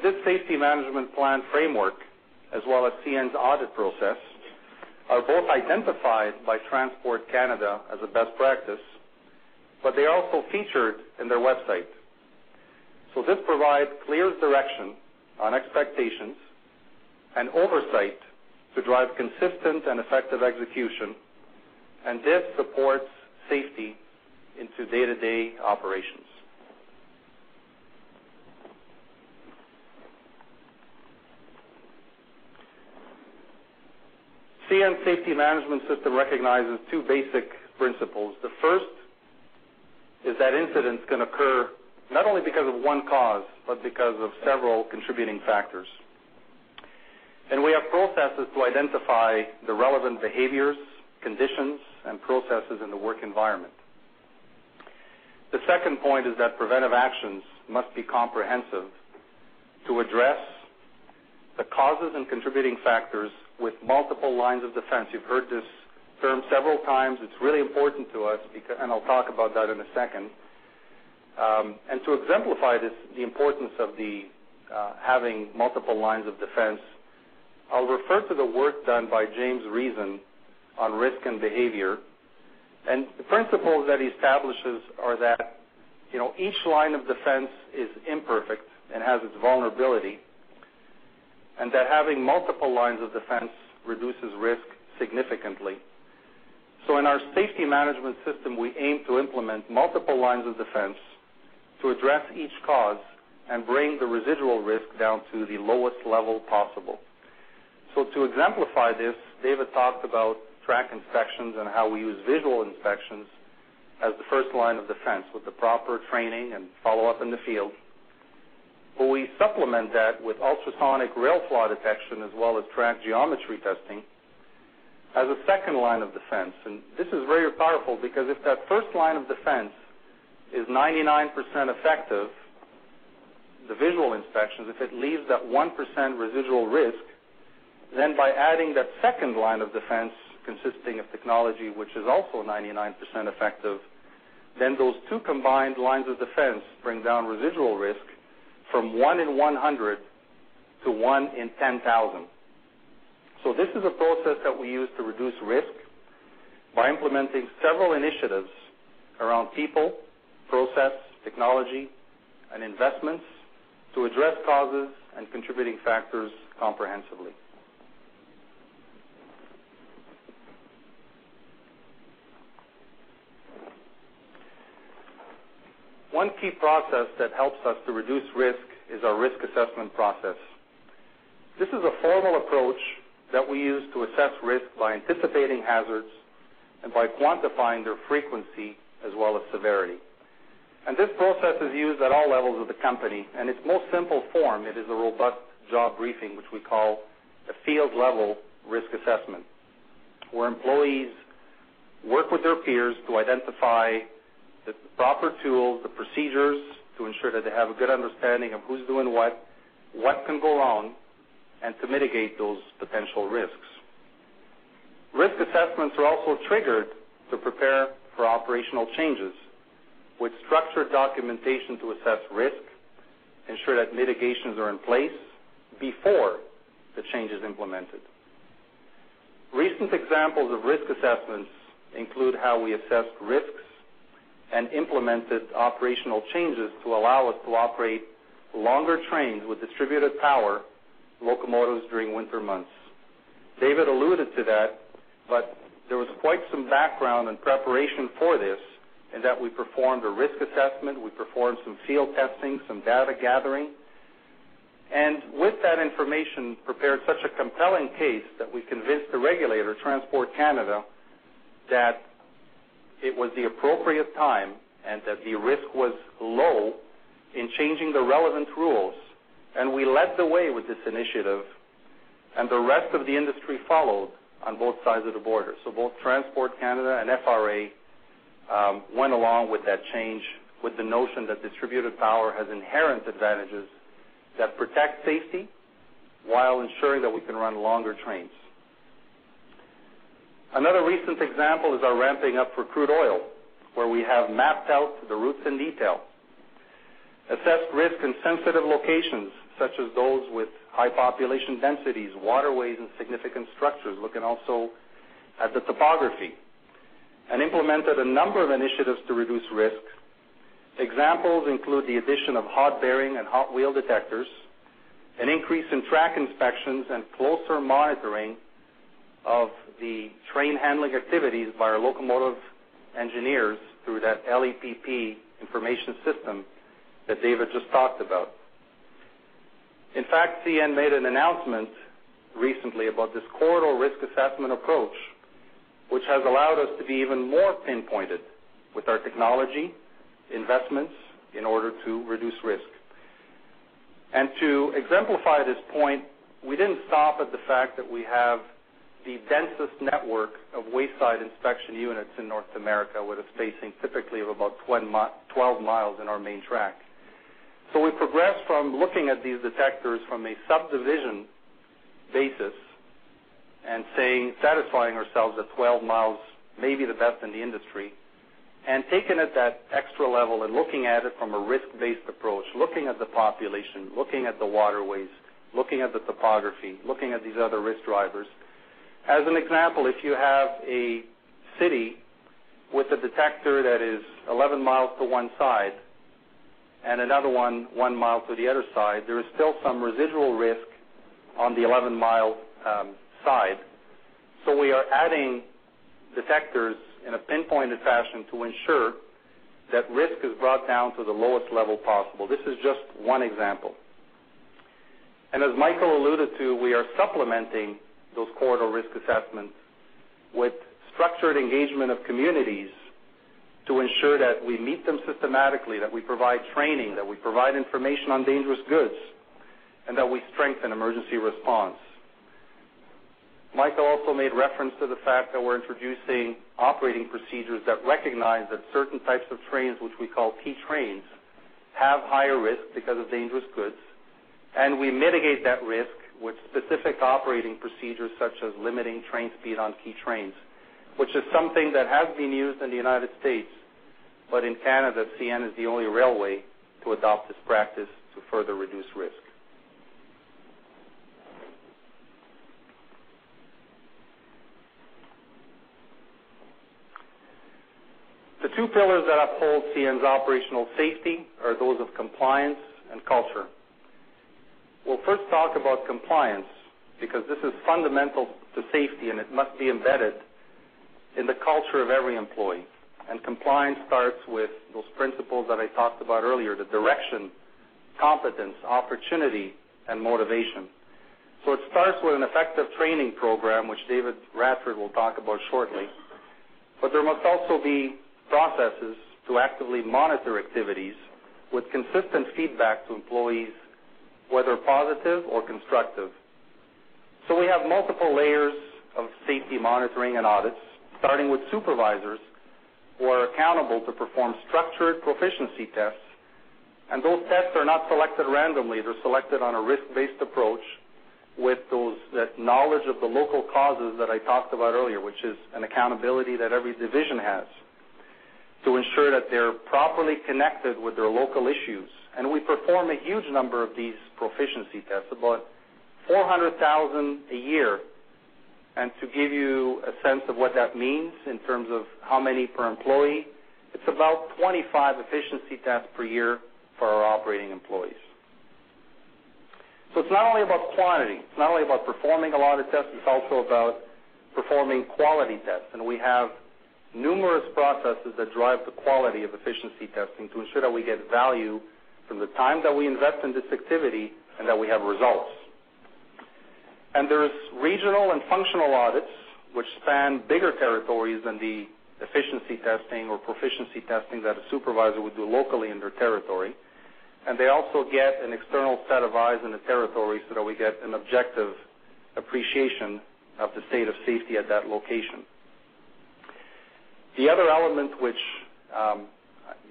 This safety management plan framework, as well as CN's audit process, are both identified by Transport Canada as a best practice, but they are also featured in their website. So this provides clear direction on expectations and oversight to drive consistent and effective execution, and this supports safety into day-to-day operations. CN safety management system recognizes two basic principles. The first is that incidents can occur not only because of one cause, but because of several contributing factors. And we have processes to identify the relevant behaviors, conditions, and processes in the work environment. The second point is that preventive actions must be comprehensive to address the causes and contributing factors with multiple lines of defense. You've heard this term several times. It's really important to us, because, and I'll talk about that in a second. To exemplify this, the importance of having multiple lines of defense, I'll refer to the work done by James Reason on risk and behavior. The principles that he establishes are that, you know, each line of defense is imperfect and has its vulnerability, and that having multiple lines of defense reduces risk significantly. In our safety management system, we aim to implement multiple lines of defense to address each cause and bring the residual risk down to the lowest level possible. To exemplify this, David talked about track inspections and how we use visual inspections as the first line of defense, with the proper training and follow-up in the field. We supplement that with ultrasonic rail flaw detection, as well as track geometry testing, as a second line of defense. This is very powerful because if that first line of defense is 99% effective, the visual inspections, if it leaves that 1% residual risk, then by adding that second line of defense, consisting of technology, which is also 99% effective, then those two combined lines of defense bring down residual risk from 1 in 100 to 1 in 10,000. So this is a process that we use to reduce risk by implementing several initiatives around people, process, technology, and investments to address causes and contributing factors comprehensively. One key process that helps us to reduce risk is our risk assessment process. This is a formal approach that we use to assess risk by anticipating hazards and by quantifying their frequency as well as severity. This process is used at all levels of the company, and in its most simple form, it is a robust job briefing, which we call a Field Level Risk Assessment, where employees work with their peers to identify the proper tools, the procedures, to ensure that they have a good understanding of who's doing what, what can go wrong, and to mitigate those potential risks. Risk assessments are also triggered to prepare for operational changes, with structured documentation to assess risk, ensure that mitigations are in place before the change is implemented. Recent examples of risk assessments include how we assess risks and implemented operational changes to allow us to operate longer trains with distributed power locomotives during winter months. David alluded to that, but there was quite some background and preparation for this, and that we performed a risk assessment. We performed some field testing, some data gathering, and with that information, prepared such a compelling case that we convinced the regulator, Transport Canada, that it was the appropriate time and that the risk was low in changing the relevant rules. We led the way with this initiative, and the rest of the industry followed on both sides of the border. So both Transport Canada and FRA went along with that change, with the notion that distributed power has inherent advantages that protect safety while ensuring that we can run longer trains. Another recent example is our ramping up for crude oil, where we have mapped out the routes in detail, assessed risk and sensitive locations, such as those with high population densities, waterways, and significant structures, looking also at the topography, and implemented a number of initiatives to reduce risk. Examples include the addition of hot bearing and hot wheel detectors, an increase in track inspections, and closer monitoring of the train handling activities by our locomotive engineers through that LEPP information system that David just talked about. In fact, CN made an announcement recently about this corridor risk assessment approach, which has allowed us to be even more pinpointed with our technology investments in order to reduce risk. And to exemplify this point, we didn't stop at the fact that we have the densest network of wayside inspection units in North America, with a spacing typically of about 12 miles in our main track. We progressed from looking at these detectors from a subdivision basis and saying, satisfying ourselves that 12 miles may be the best in the industry, and taking it that extra level and looking at it from a risk-based approach, looking at the population, looking at the waterways, looking at the topography, looking at these other risk drivers. As an example, if you have a city with a detector that is 11 miles to one side and another 1, 1 mile to the other side, there is still some residual risk on the 11-mile side. We are adding detectors in a pinpointed fashion to ensure that risk is brought down to the lowest level possible. This is just one example. As Michael alluded to, we are supplementing those Corridor Risk Assessments with structured engagement of communities to ensure that we meet them systematically, that we provide training, that we provide information on dangerous goods, and that we strengthen emergency response. Michael also made reference to the fact that we're introducing operating procedures that recognize that certain types of trains, which we call Key Trains, have higher risk because of dangerous goods, and we mitigate that risk with specific operating procedures, such as limiting train speed on Key Trains, which is something that has been used in the United States. But in Canada, CN is the only railway to adopt this practice to further reduce risk. The two pillars that uphold CN's operational safety are those of compliance and culture. We'll first talk about compliance, because this is fundamental to safety, and it must be embedded in the culture of every employee. Compliance starts with those principles that I talked about earlier, the direction, competence, opportunity, and motivation. It starts with an effective training program, which David Radford will talk about shortly. There must also be processes to actively monitor activities with consistent feedback to employees, whether positive or constructive. We have multiple layers of safety monitoring and audits, starting with supervisors, who are accountable to perform structured proficiency tests. Those tests are not selected randomly. They're selected on a risk-based approach with those, that knowledge of the local causes that I talked about earlier, which is an accountability that every division has, to ensure that they're properly connected with their local issues. We perform a huge number of these proficiency tests, about 400,000 a year. To give you a sense of what that means in terms of how many per employee, it's about 25 efficiency tests per year for our operating employees. So it's not only about quantity, it's not only about performing a lot of tests, it's also about performing quality tests. We have numerous processes that drive the quality of efficiency testing to ensure that we get value from the time that we invest in this activity and that we have results. There is regional and functional audits, which span bigger territories than the efficiency testing or proficiency testing that a supervisor would do locally in their territory. They also get an external set of eyes in the territory so that we get an objective appreciation of the state of safety at that location. The other element, which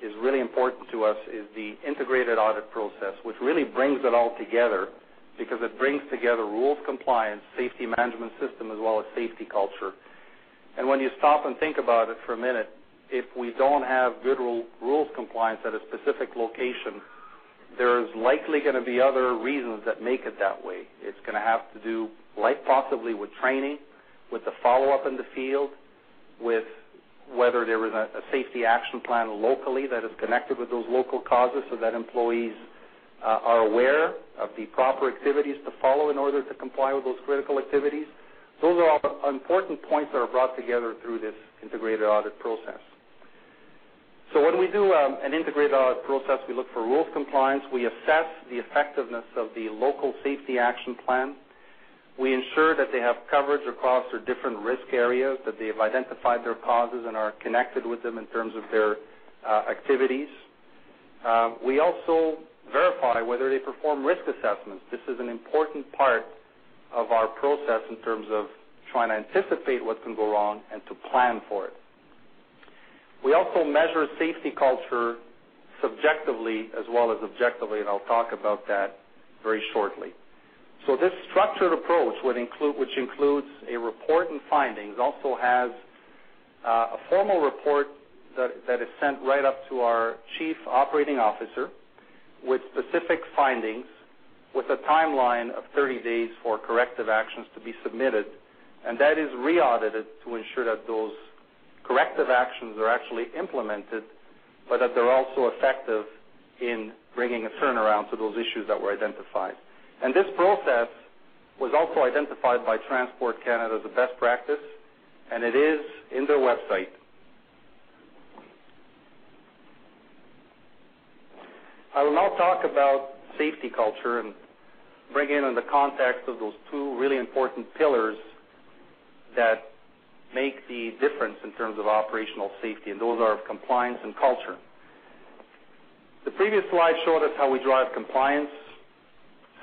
is really important to us, is the integrated audit process, which really brings it all together because it brings together rules, compliance, safety management system, as well as safety culture. When you stop and think about it for a minute, if we don't have good rules compliance at a specific location... There is likely going to be other reasons that make it that way. It's going to have to do, like, possibly with training, with the follow-up in the field, with whether there is a safety action plan locally that is connected with those local causes so that employees are aware of the proper activities to follow in order to comply with those critical activities. Those are all important points that are brought together through this integrated audit process. So when we do an integrated audit process, we look for rules compliance, we assess the effectiveness of the local safety action plan. We ensure that they have coverage across the different risk areas, that they've identified their causes and are connected with them in terms of their activities. We also verify whether they perform risk assessments. This is an important part of our process in terms of trying to anticipate what can go wrong and to plan for it. We also measure safety culture subjectively as well as objectively, and I'll talk about that very shortly. This structured approach, which includes a report and findings, also has a formal report that is sent right up to our Chief Operating Officer, with specific findings, with a timeline of 30 days for corrective actions to be submitted, and that is re-audited to ensure that those corrective actions are actually implemented, but that they're also effective in bringing a turnaround to those issues that were identified. This process was also identified by Transport Canada as a best practice, and it is in their website. I will now talk about safety culture and bring in on the context of those two really important pillars that make the difference in terms of operational safety, and those are compliance and culture. The previous slide showed us how we drive compliance.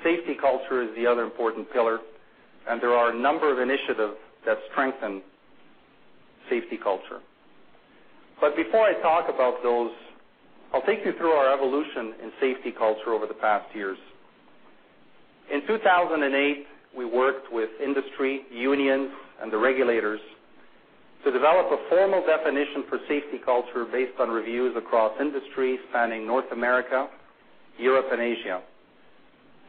Safety culture is the other important pillar, and there are a number of initiatives that strengthen safety culture. But before I talk about those, I'll take you through our evolution in safety culture over the past years. In 2008, we worked with industry, unions, and the regulators to develop a formal definition for safety culture based on reviews across industries spanning North America, Europe,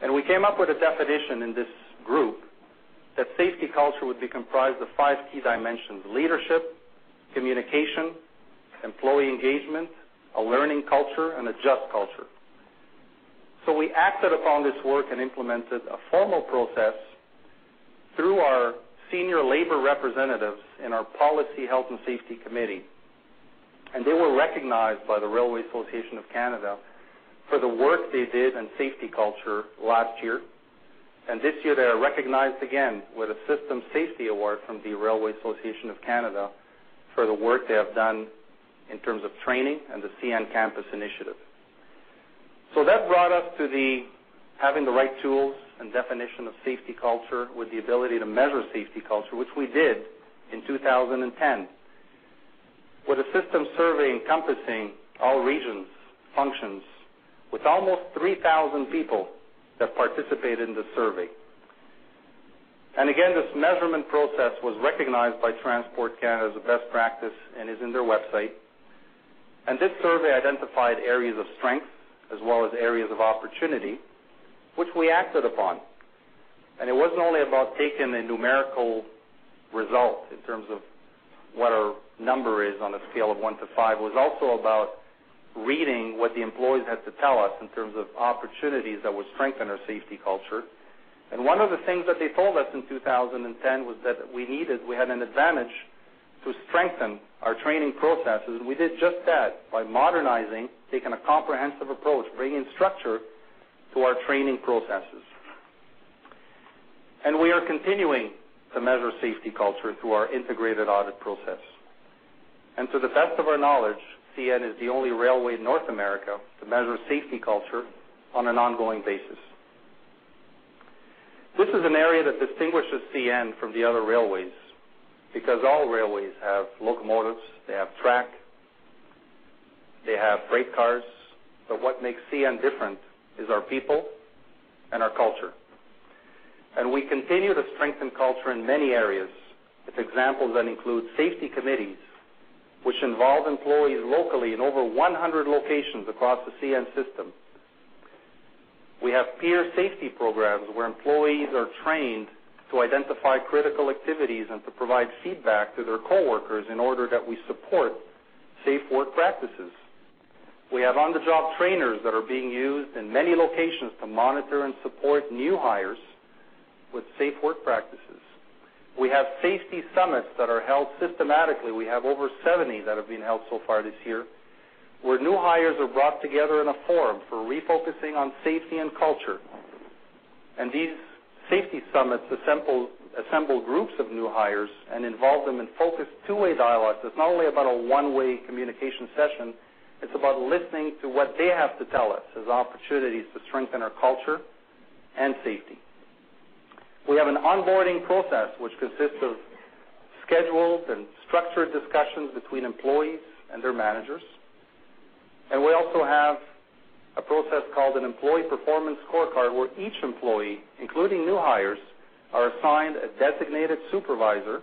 and Asia. We came up with a definition in this group, that safety culture would be comprised of five key dimensions: leadership, communication, employee engagement, a learning culture, and a just culture. So we acted upon this work and implemented a formal process through our senior labor representatives in our Policy, Health and Safety Committee, and they were recognized by the Railway Association of Canada for the work they did in safety culture last year. And this year, they are recognized again with a System Safety Award from the Railway Association of Canada for the work they have done in terms of training and the CN Campus initiative. So that brought us to having the right tools and definition of safety culture, with the ability to measure safety culture, which we did in 2010, with a system survey encompassing all regions, functions, with almost 3,000 people that participated in the survey. And again, this measurement process was recognized by Transport Canada as a best practice and is in their website. This survey identified areas of strength as well as areas of opportunity, which we acted upon. It wasn't only about taking a numerical result in terms of what our number is on a scale of one to five, it was also about reading what the employees had to tell us in terms of opportunities that would strengthen our safety culture. One of the things that they told us in 2010 was that we needed, we had an advantage to strengthen our training processes, and we did just that by modernizing, taking a comprehensive approach, bringing structure to our training processes. We are continuing to measure safety culture through our integrated audit process. To the best of our knowledge, CN is the only railway in North America to measure safety culture on an ongoing basis. This is an area that distinguishes CN from the other railways, because all railways have locomotives, they have track, they have freight cars, but what makes CN different is our people and our culture. We continue to strengthen culture in many areas, with examples that include safety committees, which involve employees locally in over 100 locations across the CN system. We have peer safety programs, where employees are trained to identify critical activities and to provide feedback to their coworkers in order that we support safe work practices. We have on-the-job trainers that are being used in many locations to monitor and support new hires with safe work practices. We have safety summits that are held systematically. We have over 70 that have been held so far this year, where new hires are brought together in a forum for refocusing on safety and culture. These safety summits assemble groups of new hires and involve them in focused two-way dialogue. It's not only about a one-way communication session, it's about listening to what they have to tell us as opportunities to strengthen our culture and safety. We have an onboarding process, which consists of scheduled and structured discussions between employees and their managers, and we also have a process called an employee performance scorecard, where each employee, including new hires, are assigned a designated supervisor,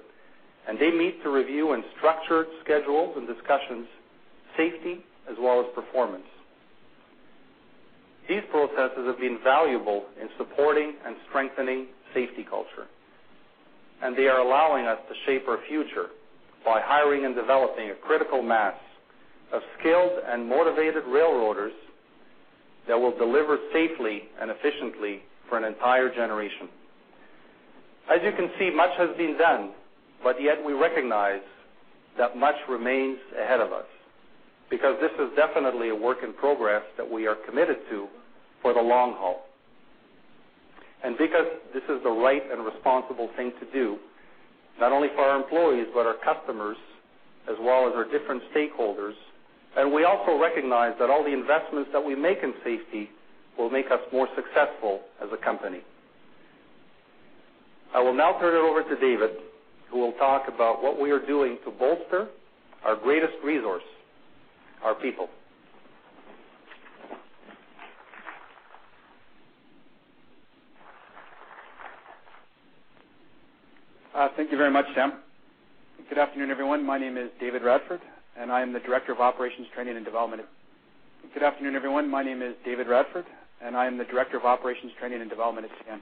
and they meet to review and structure schedules and discussions, safety as well as performance. These processes have been valuable in supporting and strengthening safety culture, and they are allowing us to shape our future by hiring and developing a critical mass of skilled and motivated railroaders that will deliver safely and efficiently for an entire generation. As you can see, much has been done, but yet we recognize that much remains ahead of us, because this is definitely a work in progress that we are committed to for the long haul. And because this is the right and responsible thing to do, not only for our employees, but our customers, as well as our different stakeholders. We also recognize that all the investments that we make in safety will make us more successful as a company. I will now turn it over to David, who will talk about what we are doing to bolster our greatest resource, our people. Thank you very much, Sam. Good afternoon, everyone. My name is David Radford, and I am the Director of Operations, Training and Development. Good afternoon, everyone. My name is David Radford, and I am the Director of Operations, Training and Development at CN.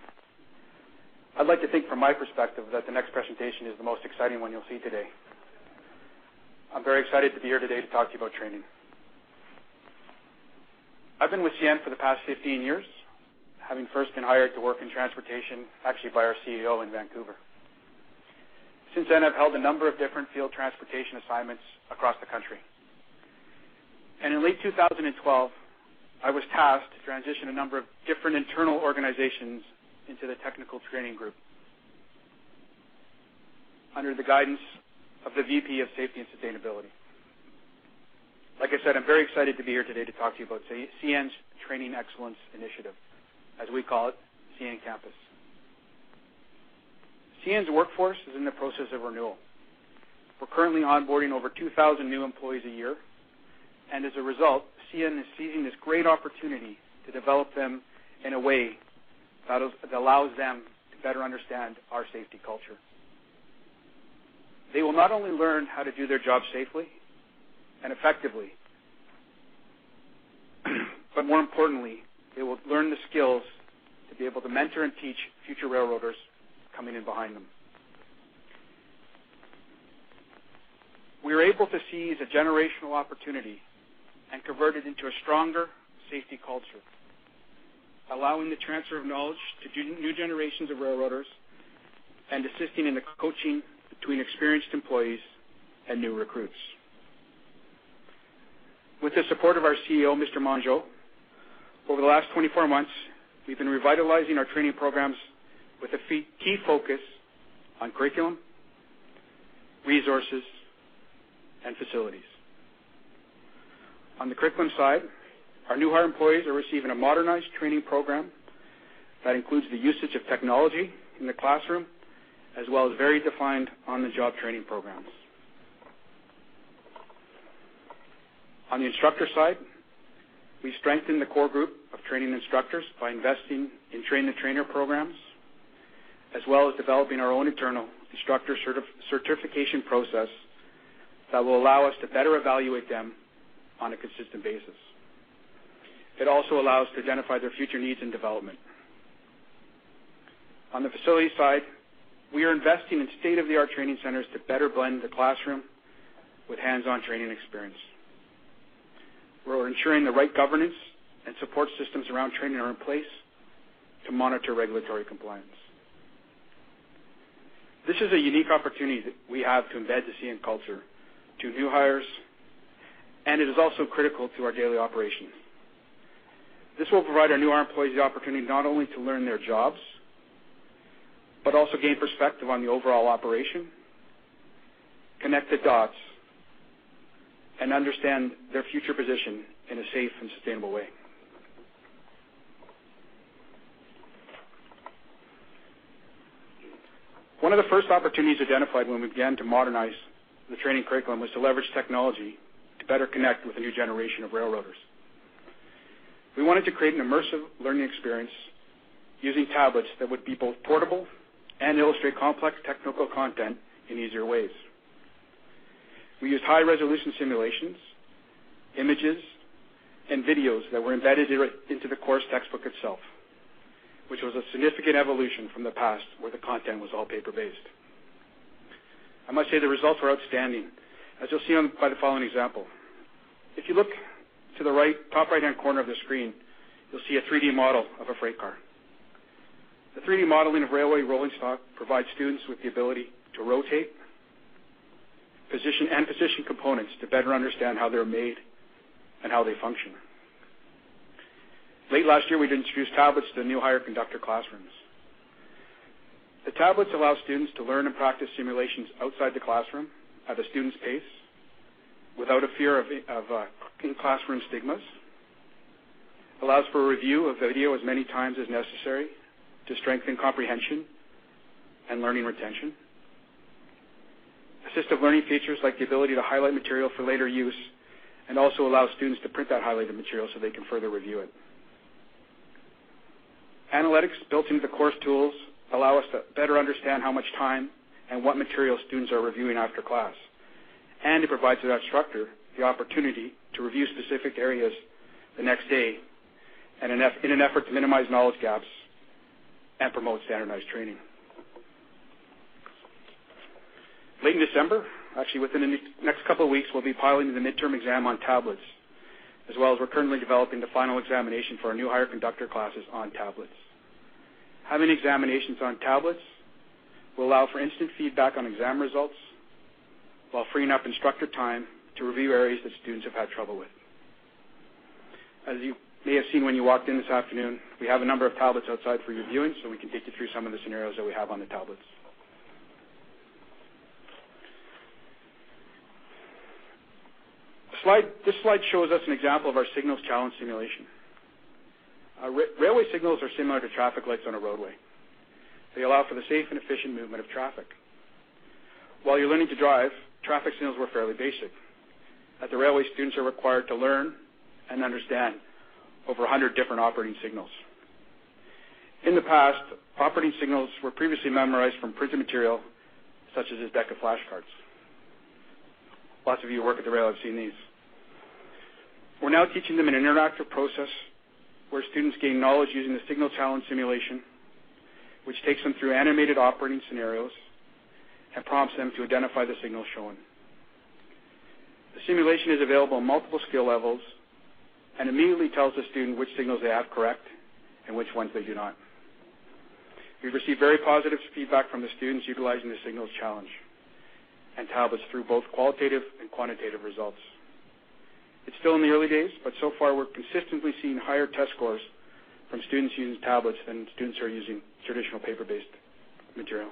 I'd like to think from my perspective, that the next presentation is the most exciting one you'll see today. I'm very excited to be here today to talk to you about training. I've been with CN for the past 15 years, having first been hired to work in transportation, actually, by our CEO in Vancouver. Since then, I've held a number of different field transportation assignments across the country. In late 2012, I was tasked to transition a number of different internal organizations into the technical training group, under the guidance of the VP of Safety and Sustainability. Like I said, I'm very excited to be here today to talk to you about CN's Training Excellence Initiative. As we call it, CN Campus. CN's workforce is in the process of renewal. We're currently onboarding over 2,000 new employees a year, and as a result, CN is seizing this great opportunity to develop them in a way that allows them to better understand our safety culture. They will not only learn how to do their job safely and effectively, but more importantly, they will learn the skills to be able to mentor and teach future railroaders coming in behind them. We are able to seize a generational opportunity and convert it into a stronger safety culture, allowing the transfer of knowledge to new generations of railroaders and assisting in the coaching between experienced employees and new recruits. With the support of our CEO, Mr. Mongeau, over the last 24 months, we've been revitalizing our training programs with a key focus on curriculum, resources, and facilities. On the curriculum side, our new hire employees are receiving a modernized training program that includes the usage of technology in the classroom, as well as very defined on-the-job training programs. On the instructor side, we strengthen the core group of training instructors by investing in train-the-trainer programs, as well as developing our own internal instructor certification process that will allow us to better evaluate them on a consistent basis. It also allows us to identify their future needs and development. On the facility side, we are investing in state-of-the-art training centers to better blend the classroom with hands-on training experience. We're ensuring the right governance and support systems around training are in place to monitor regulatory compliance. This is a unique opportunity that we have to embed the CN culture to new hires, and it is also critical to our daily operations. This will provide our new hire employees the opportunity not only to learn their jobs, but also gain perspective on the overall operation, connect the dots, and understand their future position in a safe and sustainable way. One of the first opportunities identified when we began to modernize the training curriculum was to leverage technology to better connect with a new generation of railroaders. We wanted to create an immersive learning experience using tablets that would be both portable and illustrate complex technical content in easier ways. We used high-resolution simulations, images, and videos that were embedded directly into the course textbook itself, which was a significant evolution from the past, where the content was all paper-based. I must say, the results are outstanding, as you'll see on by the following example. If you look to the right, top right-hand corner of the screen, you'll see a 3D model of a freight car. The 3D modeling of railway rolling stock provides students with the ability to rotate, position, and position components to better understand how they're made and how they function. Late last year, we'd introduced tablets to the new hire conductor classrooms. The tablets allow students to learn and practice simulations outside the classroom at a student's pace, without a fear of classroom stigmas, allows for review of video as many times as necessary to strengthen comprehension and learning retention. Assistive learning features, like the ability to highlight material for later use, and also allow students to print that highlighted material so they can further review it. Analytics built into the course tools allow us to better understand how much time and what material students are reviewing after class, and it provides to that instructor the opportunity to review specific areas the next day in an effort to minimize knowledge gaps and promote standardized training. Late in December, actually, within the next couple of weeks, we'll be piloting the midterm exam on tablets, as well as we're currently developing the final examination for our new hire conductor classes on tablets. Having examinations on tablets will allow for instant feedback on exam results while freeing up instructor time to review areas that students have had trouble with. As you may have seen when you walked in this afternoon, we have a number of tablets outside for your viewing, so we can take you through some of the scenarios that we have on the tablets. This slide shows us an example of our signals challenge simulation. Our railway signals are similar to traffic lights on a roadway. They allow for the safe and efficient movement of traffic. While you're learning to drive, traffic signals were fairly basic. At the railway, students are required to learn and understand over a hundred different operating signals. In the past, operating signals were previously memorized from printed material, such as this deck of flashcards. Lots of you who work at the rail have seen these. We're now teaching them an interactive process where students gain knowledge using the signal challenge simulation, which takes them through animated operating scenarios and prompts them to identify the signal shown. The simulation is available on multiple skill levels and immediately tells the student which signals they have correct and which ones they do not. We've received very positive feedback from the students utilizing the signals challenge and tablets through both qualitative and quantitative results. It's still in the early days, but so far, we're consistently seeing higher test scores from students using tablets than students who are using traditional paper-based material.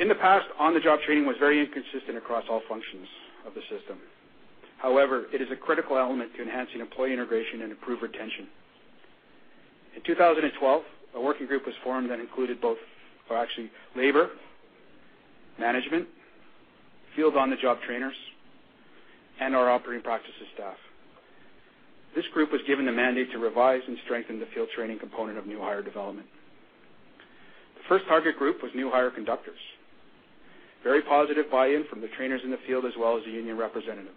In the past, on-the-job training was very inconsistent across all functions of the system. However, it is a critical element to enhancing employee integration and improve retention. In 2012, a working group was formed that included both, or actually, labor, management, field on-the-job trainers, and our operating practices staff. This group was given the mandate to revise and strengthen the field training component of new hire development. The first target group was new hire conductors. Very positive buy-in from the trainers in the field, as well as the union representatives.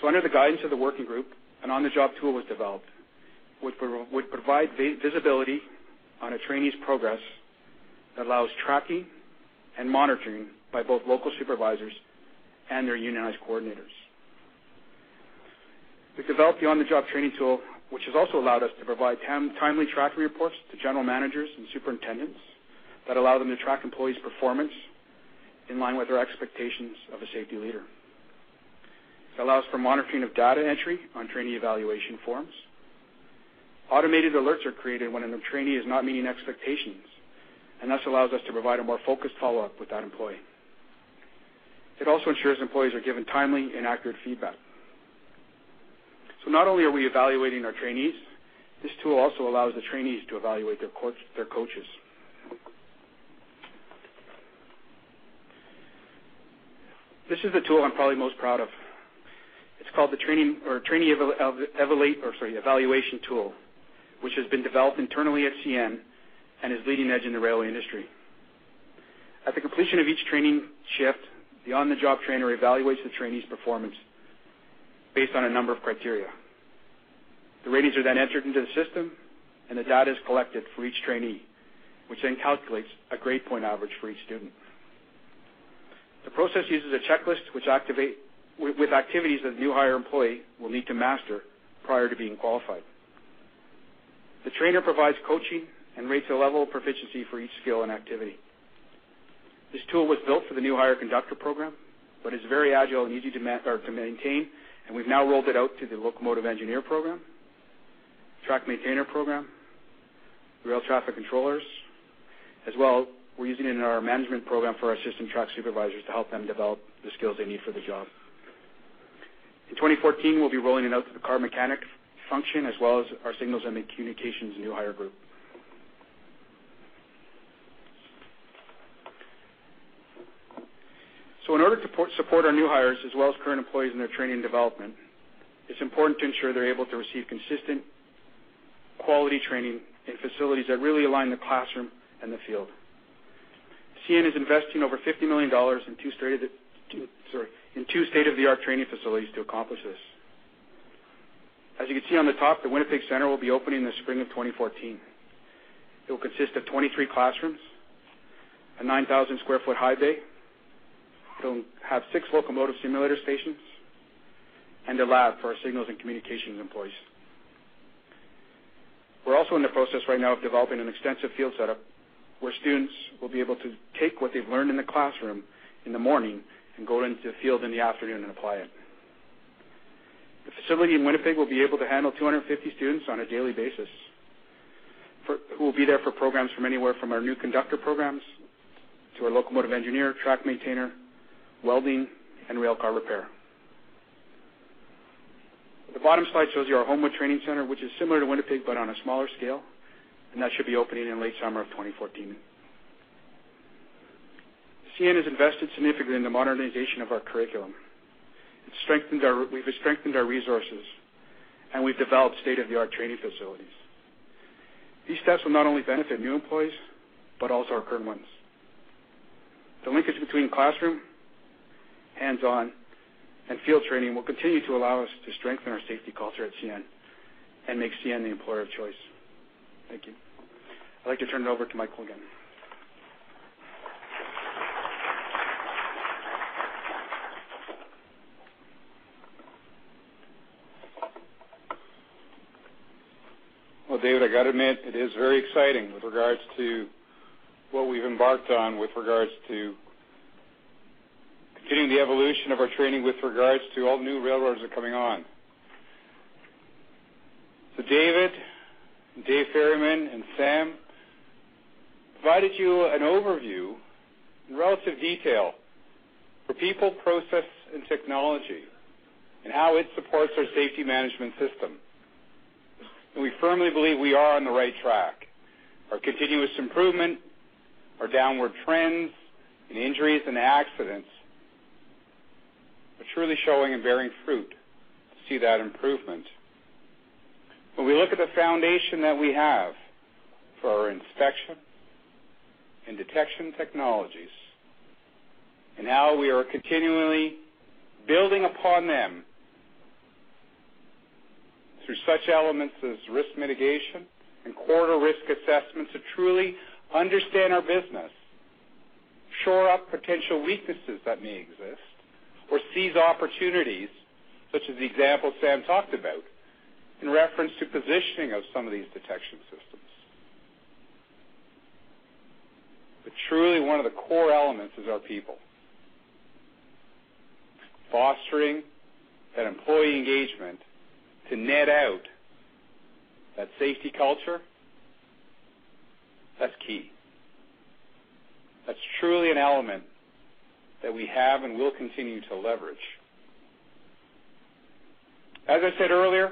So under the guidance of the working group, an on-the-job tool was developed, which would provide visibility on a trainee's progress that allows tracking and monitoring by both local supervisors and their unionized coordinators. We developed the on-the-job training tool, which has also allowed us to provide timely tracking reports to general managers and superintendents that allow them to track employees' performance in line with their expectations of a safety leader. It allows for monitoring of data entry on trainee evaluation forms. Automated alerts are created when a new trainee is not meeting expectations, and this allows us to provide a more focused follow-up with that employee. It also ensures employees are given timely and accurate feedback. So not only are we evaluating our trainees, this tool also allows the trainees to evaluate their coach, their coaches. This is the tool I'm probably most proud of. It's called the training or trainee evaluation tool, which has been developed internally at CN and is leading edge in the railway industry. At the completion of each training shift, the on-the-job trainer evaluates the trainee's performance based on a number of criteria. The ratings are then entered into the system, and the data is collected for each trainee, which then calculates a grade point average for each student. The process uses a checklist, which activates with activities that a new hire employee will need to master prior to being qualified. The trainer provides coaching and rates a level of proficiency for each skill and activity. This tool was built for the new hire conductor program, but is very agile and easy to maintain, and we've now rolled it out to the locomotive engineer program, track maintainer program, rail traffic controllers. As well, we're using it in our management program for our assistant track supervisors to help them develop the skills they need for the job. In 2014, we'll be rolling it out to the car mechanic function, as well as our signals and the communications new hire group. So in order to support our new hires, as well as current employees in their training development, it's important to ensure they're able to receive consistent quality training in facilities that really align the classroom and the field. CN is investing over 50 million dollars in two state-of-the-art training facilities to accomplish this. As you can see on the top, the Winnipeg Center will be opening in the spring of 2014. It will consist of 23 classrooms, a 9,000 sq ft high bay. It'll have 6 locomotive simulator stations and a lab for our signals and communications employees. We're also in the process right now of developing an extensive field setup, where students will be able to take what they've learned in the classroom in the morning and go into the field in the afternoon and apply it. The facility in Winnipeg will be able to handle 250 students on a daily basis, for who will be there for programs from anywhere from our new conductor programs to our locomotive engineer, track maintainer, welding, and rail car repair. The bottom slide shows you our Homewood Training Center, which is similar to Winnipeg, but on a smaller scale, and that should be opening in late summer of 2014.... CN has invested significantly in the modernization of our curriculum, and we've strengthened our resources, and we've developed state-of-the-art training facilities. These steps will not only benefit new employees, but also our current ones. The linkage between classroom, hands-on, and field training will continue to allow us to strengthen our safety culture at CN and make CN the employer of choice. Thank you. I'd like to turn it over to Michael again. Well, David, I got to admit, it is very exciting with regards to what we've embarked on, with regards to getting the evolution of our training, with regards to all new railroads are coming on. So David, Dave Ferryman, and Sam Baratta provided you an overview in relative detail for people, process, and technology, and how it supports our safety management system. We firmly believe we are on the right track. Our continuous improvement, our downward trends in injuries and accidents are truly showing and bearing fruit to see that improvement. When we look at the foundation that we have for our inspection and detection technologies, and how we are continually building upon them through such elements as risk mitigation and corridor risk assessments, to truly understand our business, shore up potential weaknesses that may exist, or seize opportunities, such as the example Sam talked about in reference to positioning of some of these detection systems. But truly, one of the core elements is our people. Fostering that employee engagement to net out that safety culture, that's key. That's truly an element that we have and will continue to leverage. As I said earlier,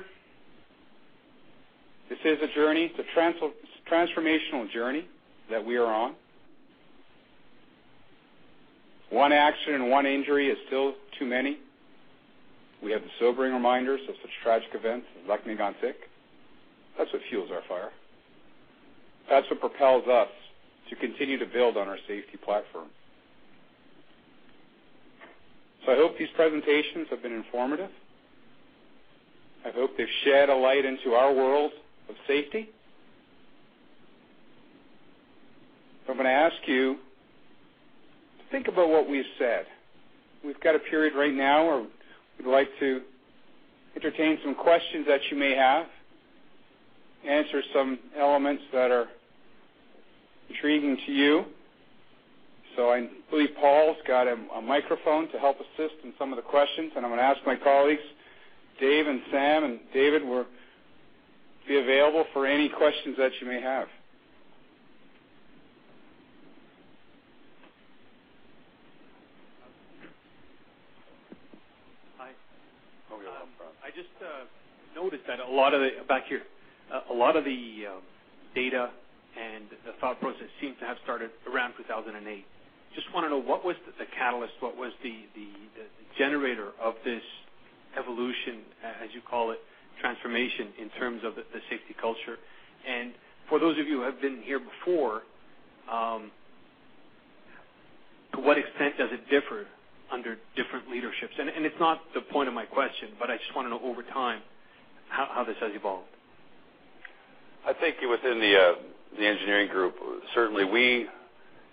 this is a journey, it's a transformational journey that we are on. One accident, one injury is still too many. We have the sobering reminders of such tragic events as Lac-Mégantic. That's what fuels our fire. That's what propels us to continue to build on our safety platform. So I hope these presentations have been informative. I hope they've shed a light into our world of safety. I'm going to ask you to think about what we've said. We've got a period right now where we'd like to entertain some questions that you may have, answer some elements that are intriguing to you. So I believe Paul's got a microphone to help assist in some of the questions, and I'm going to ask my colleagues, Dave and Sam, and David, will be available for any questions that you may have. Hi. I just noticed that a lot of the data and the thought process seems to have started around 2008. Just want to know, what was the catalyst, what was the generator of this evolution, as you call it, transformation, in terms of the safety culture? And for those of you who have been here before, to what extent does it differ under different leaderships? And it's not the point of my question, but I just want to know over time, how this has evolved. I think within the engineering group, certainly we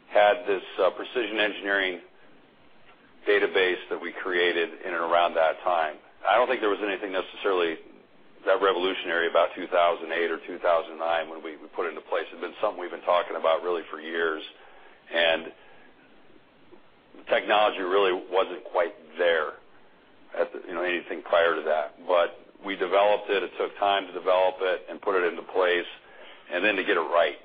had this Precision Engineering database that we created in and around that time. I don't think there was anything necessarily that revolutionary about 2008 or 2009 when we put into place. It's been something we've been talking about really for years, and technology really wasn't quite there at the, you know, anything prior to that. But we developed it. It took time to develop it and put it into place, and then to get it right.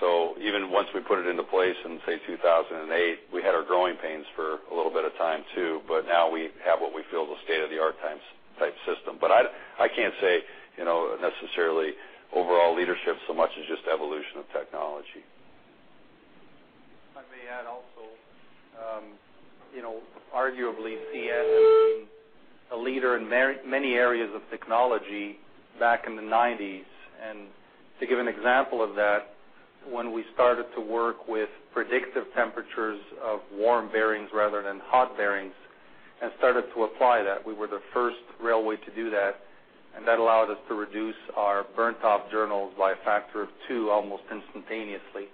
So even once we put it into place in, say, 2008, we had our growing pains for a little bit of time, too, but now we have what we feel is a state-of-the-art times-- type system. But I can't say, you know, necessarily overall leadership so much as just evolution of technology. I may add also, you know, arguably, CN has been a leader in many, many areas of technology back in the nineties. And to give an example of that, when we started to work with predictive temperatures of warm bearings rather than hot bearings, and started to apply that, we were the first railway to do that, and that allowed us to reduce our burnt-off journals by a factor of two, almost instantaneously.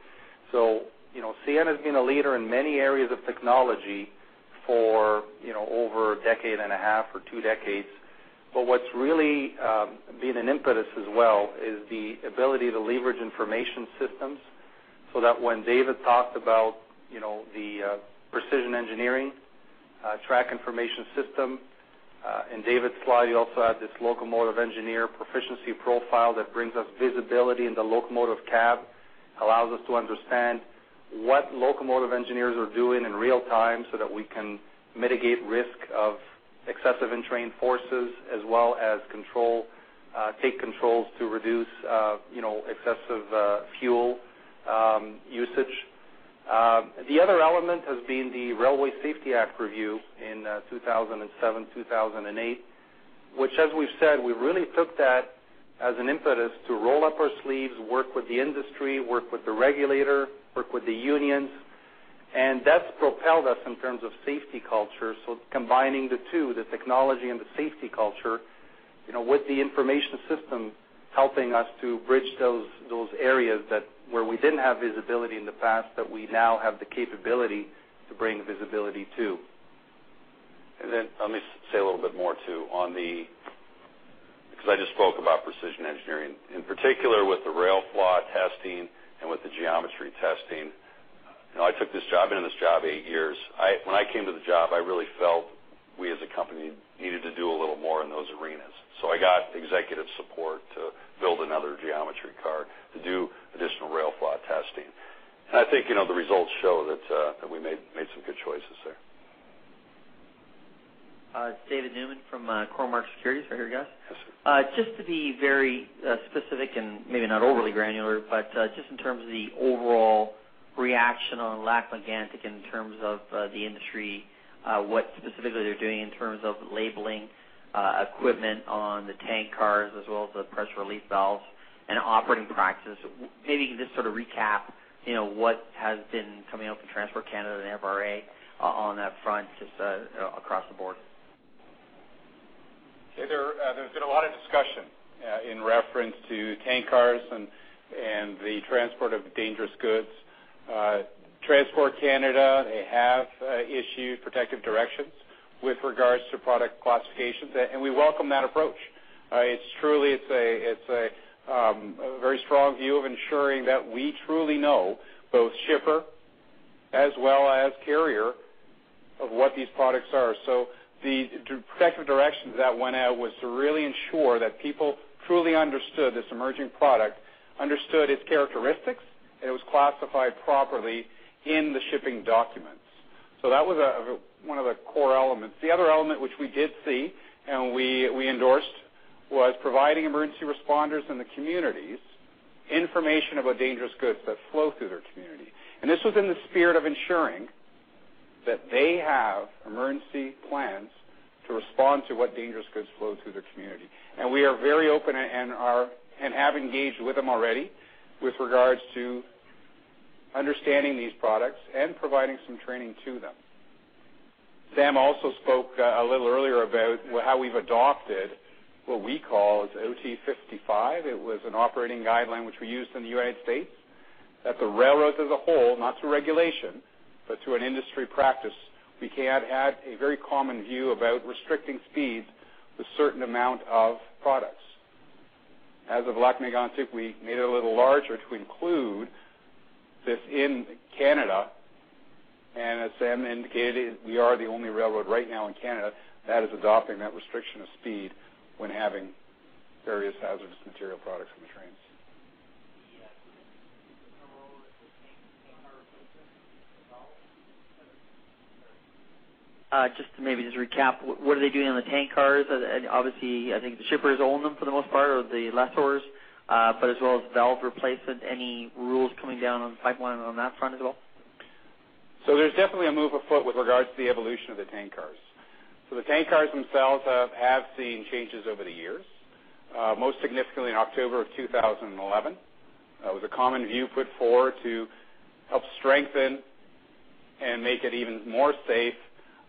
So, you know, CN has been a leader in many areas of technology for, you know, over a decade and a half or two decades. But what's really been an impetus as well, is the ability to leverage information systems, so that when David talked about, you know, the Precision Engineering track information system in David's slide, he also had this Locomotive Engineer Performance Monitoring that brings us visibility in the locomotive cab, allows us to understand what locomotive engineers are doing in real time, so that we can mitigate risk of excessive in-train forces, as well as control-... take controls to reduce, you know, excessive, fuel usage. The other element has been the Railway Safety Act review in 2007, 2008, which, as we've said, we really took that as an impetus to roll up our sleeves, work with the industry, work with the regulator, work with the unions, and that's propelled us in terms of safety culture. So combining the two, the technology and the safety culture, you know, with the information system, helping us to bridge those, those areas that where we didn't have visibility in the past, that we now have the capability to bring visibility to. And then let me say a little bit more, too, on the, because I just spoke about Precision Engineering. In particular, with the rail flaw testing and with the geometry testing, you know, I took this job. Been in this job eight years. When I came to the job, I really felt we, as a company, needed to do a little more in those arenas. So I got executive support to build another geometry car to do additional rail flaw testing. And I think, you know, the results show that we made some good choices there. Don Newman from Cormark Securities. Right here, guys. Yes, sir. Just to be very specific and maybe not overly granular, but just in terms of the overall reaction on Lac-Mégantic in terms of the industry, what specifically they're doing in terms of labeling equipment on the tank cars, as well as the pressure relief valves and operating practices. Maybe just sort of recap, you know, what has been coming out from Transport Canada and FRA on that front, just, you know, across the board. There's been a lot of discussion in reference to tank cars and the transport of dangerous goods. Transport Canada, they have issued protective directions with regards to product classifications, and we welcome that approach. It's truly, it's a, it's a, a very strong view of ensuring that we truly know both shipper as well as carrier of what these products are. So the protective directions that went out was to really ensure that people truly understood this emerging product, understood its characteristics, and it was classified properly in the shipping documents. So that was a, one of the core elements. The other element, which we did see and we, we endorsed, was providing emergency responders in the communities information about dangerous goods that flow through their community. This was in the spirit of ensuring that they have emergency plans to respond to what dangerous goods flow through their community. We are very open and are and have engaged with them already with regards to understanding these products and providing some training to them. Sam also spoke a little earlier about how we've adopted what we call OT-55. It was an operating guideline which we used in the United States, that the railroads as a whole, not through regulation, but through an industry practice, we can have had a very common view about restricting speeds with certain amount of products. As of Lac-Mégantic, we made it a little larger to include this in Canada, and as Sam indicated, we are the only railroad right now in Canada that is adopting that restriction of speed when having various hazardous material products on the trains. Just to maybe just recap, what are they doing on the tank cars? Obviously, I think the shippers own them for the most part, or the lessors, but as well as valve replacement, any rules coming down on the pipeline on that front as well? So there's definitely a move afoot with regards to the evolution of the tank cars. So the tank cars themselves have seen changes over the years, most significantly in October of 2011. It was a common view put forward to help strengthen and make it even more safe,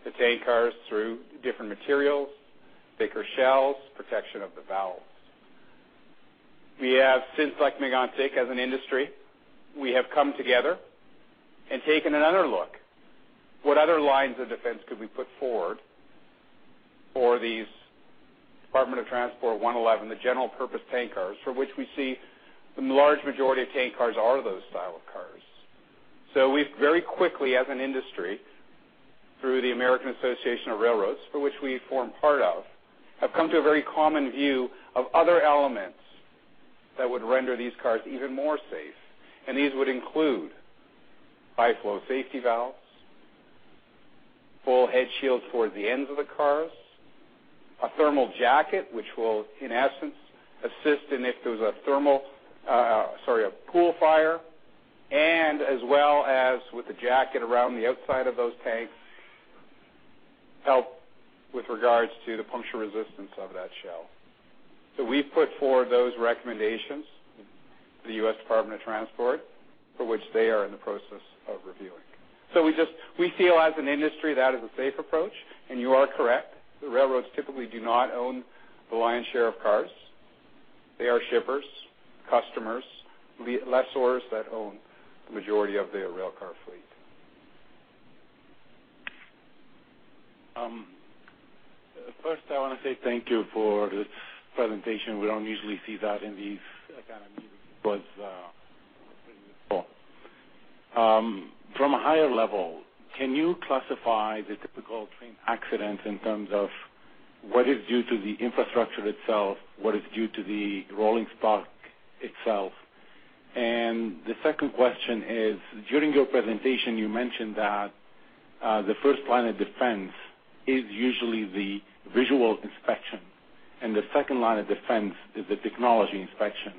the tank cars, through different materials, thicker shells, protection of the valves. We have, since Lac-Mégantic, as an industry, we have come together and taken another look. What other lines of defense could we put forward for these Department of Transport One Eleven, the general purpose tank cars, for which we see the large majority of tank cars are those style of cars. So we've very quickly, as an industry, through the American of Association Railroads, for which we form part of, have come to a very common view of other elements that would render these cars even more safe. And these would include high flow safety valves, full head shields toward the ends of the cars, a thermal jacket, which will, in essence, assist in if there's a pool fire, and as well as with the jacket around the outside of those tanks, help with regards to the puncture resistance of that shell. So we've put forward those recommendations to the U.S. Department of Transportation, for which they are in the process of reviewing. So we just feel as an industry, that is a safe approach. And you are correct, the railroads typically do not own the lion's share of cars. They are shippers, customers, lessors that own the majority of the railcar fleet. First, I wanna say thank you for this presentation. We don't usually see that in these kind of meetings, but, from a higher level, can you classify the typical train accidents in terms of what is due to the infrastructure itself, what is due to the rolling stock itself? And the second question is, during your presentation, you mentioned that, the first line of defense is usually the visual inspection, and the second line of defense is the technology inspection.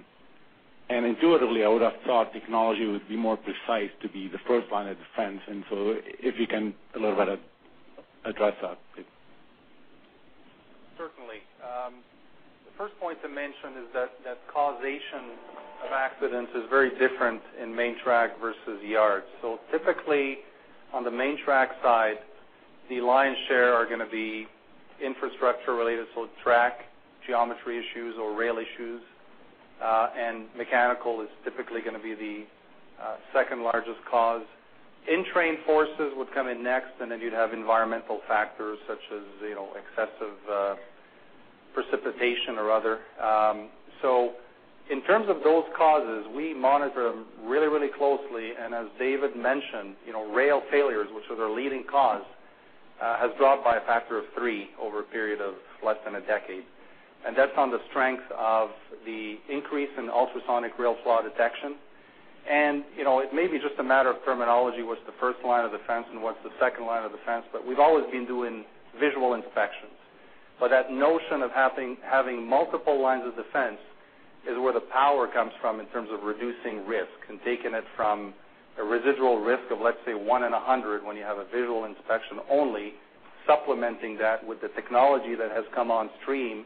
And intuitively, I would have thought technology would be more precise to be the first line of defense. And so if you can a little bit address that, please. Certainly. The first point to mention is that, that causation of accidents is very different in main track versus yards. So typically, on the main track side, the lion's share are going to be infrastructure related, so track geometry issues or rail issues, and mechanical is typically going to be the second largest cause. In-train forces would come in next, and then you'd have environmental factors such as, you know, excessive precipitation or other. So in terms of those causes, we monitor them really, really closely. And as David mentioned, you know, rail failures, which are the leading cause, has dropped by a factor of three over a period of less than a decade. And that's on the strength of the increase in ultrasonic rail flaw detection. You know, it may be just a matter of terminology, what's the first line of defense and what's the second line of defense, but we've always been doing visual inspections. But that notion of having multiple lines of defense is where the power comes from in terms of reducing risk and taking it from a residual risk of, let's say, one in a hundred, when you have a visual inspection only, supplementing that with the technology that has come on stream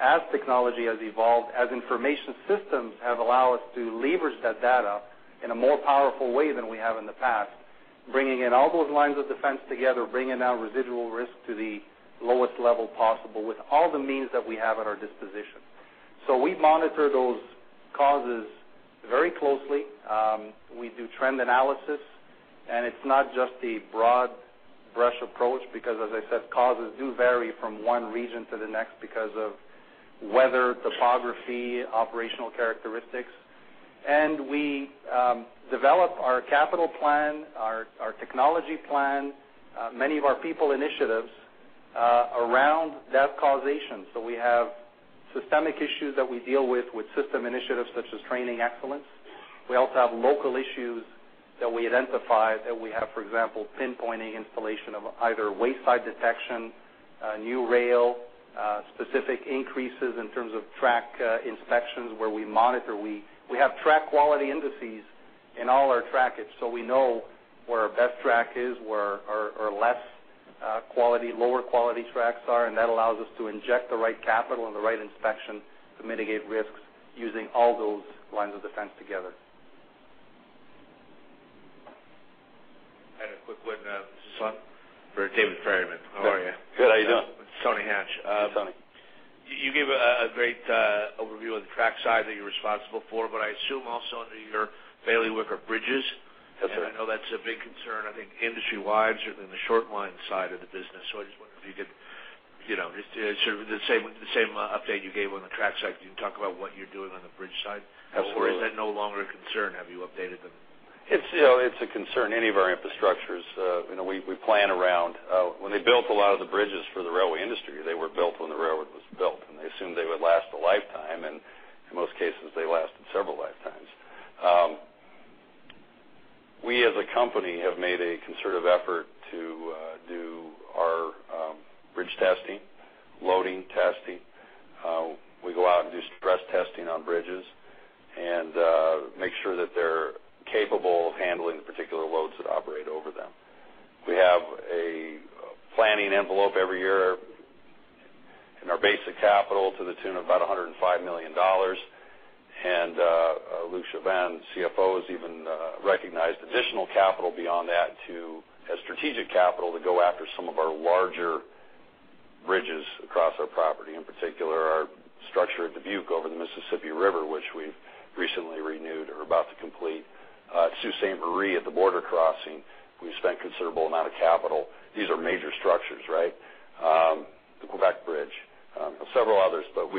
as technology has evolved, as information systems have allowed us to leverage that data in a more powerful way than we have in the past, bringing in all those lines of defense together, bringing our residual risk to the lowest level possible with all the means that we have at our disposition. So we monitor those causes very closely. We do trend analysis, and it's not just the broad brush approach, because, as I said, causes do vary from one region to the next because of weather, topography, operational characteristics. We develop our capital plan, our technology plan, many of our people initiatives around that causation. So we have systemic issues that we deal with, with system initiatives such as training excellence. We also have local issues that we identify, that we have, for example, pinpointing installation of either wayside detection, new rail, specific increases in terms of track inspections, where we monitor. We have track quality indices in all our trackage, so we know where our best track is, where our less quality, lower quality tracks are, and that allows us to inject the right capital and the right inspection to mitigate risks using all those lines of defense together. I had a quick one, this is for Dave Ferryman. How are you? Good. How are you doing? Sony Hanch. Tony. You gave a great overview of the track side that you're responsible for, but I assume also under your bailiwick are bridges? That's right. I know that's a big concern, I think industry-wide, certainly in the short line side of the business. So I just wonder if you could, you know, just sort of the same, the same, update you gave on the track side. Can you talk about what you're doing on the bridge side? Absolutely. Or is that no longer a concern? Have you updated them? It's, you know, it's a concern, any of our infrastructures, you know, we plan around. When they built a lot of the bridges for the railway industry, they were built when the railroad was built, and they assumed they would last a lifetime, and in most cases, they lasted several lifetimes. We, as a company, have made a conservative effort to do our bridge testing, loading testing. We go out and do stress testing on bridges and make sure that they're capable of handling the particular loads that operate over them. We have a planning envelope every year in our basic capital to the tune of about 105 million dollars. And, Luc Jobin, CFO, has even recognized additional capital beyond that to a strategic capital to go after some of our larger bridges across our property, in particular, our structure at Dubuque, over the Mississippi River, which we've recently renewed or are about to complete. Sault Ste. Marie, at the border crossing, we spent considerable amount of capital. These are major structures, right? The Quebec Bridge, several others, but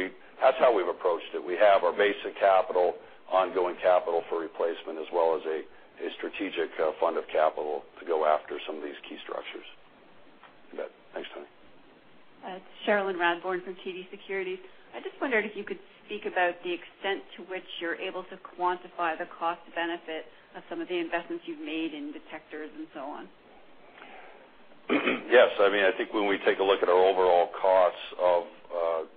we... That's how we've approached it. We have our basic capital, ongoing capital for replacement, as well as a, a strategic, fund of capital to go after some of these key structures. You bet. Thanks, Tony. Cherilyn Radbourne from TD Securities. I just wondered if you could speak about the extent to which you're able to quantify the cost benefit of some of the investments you've made in detectors and so on. Yes. I mean, I think when we take a look at our overall costs of accidents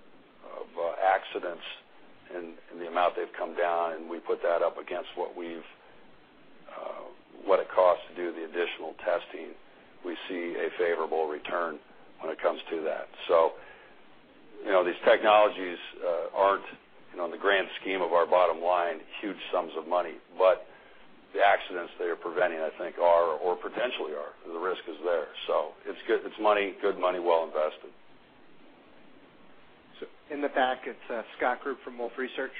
and the amount they've come down, and we put that up against what we've, what it costs to do the additional testing, we see a favorable return when it comes to that. So, you know, these technologies, aren't, you know, in the grand scheme of our bottom line, huge sums of money, but the accidents they are preventing, I think, are or potentially are. The risk is there. So it's good. It's money, good money, well invested. In the back, it's Scott Group from Wolfe Research.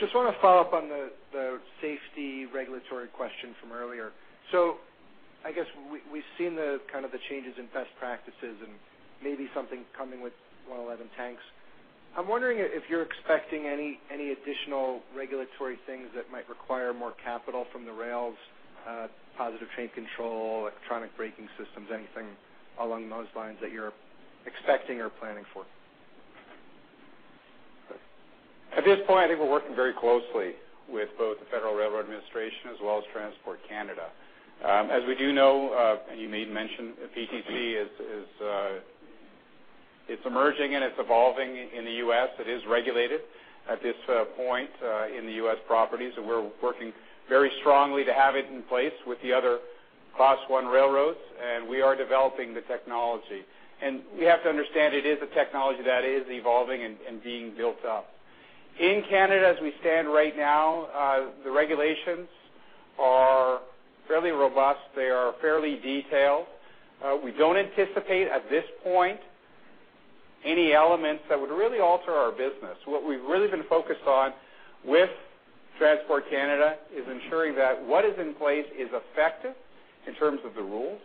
Just want to follow up on the safety regulatory question from earlier. I guess we've seen the kind of the changes in best practices and maybe something coming with one eleven tanks. I'm wondering if you're expecting any additional regulatory things that might require more capital from the rails, positive train control, electronic braking systems, anything along those lines that you're expecting or planning for? ... At this point, I think we're working very closely with both the Federal Railroad Administration as well as Transport Canada. As we do know, and you made mention, PTC is, it's emerging, and it's evolving in the U.S. It is regulated at this point in the U.S. properties, and we're working very strongly to have it in place with the other Class One railroads, and we are developing the technology. And we have to understand it is a technology that is evolving and being built up. In Canada, as we stand right now, the regulations are fairly robust. They are fairly detailed. We don't anticipate, at this point, any elements that would really alter our business. What we've really been focused on with Transport Canada is ensuring that what is in place is effective in terms of the rules,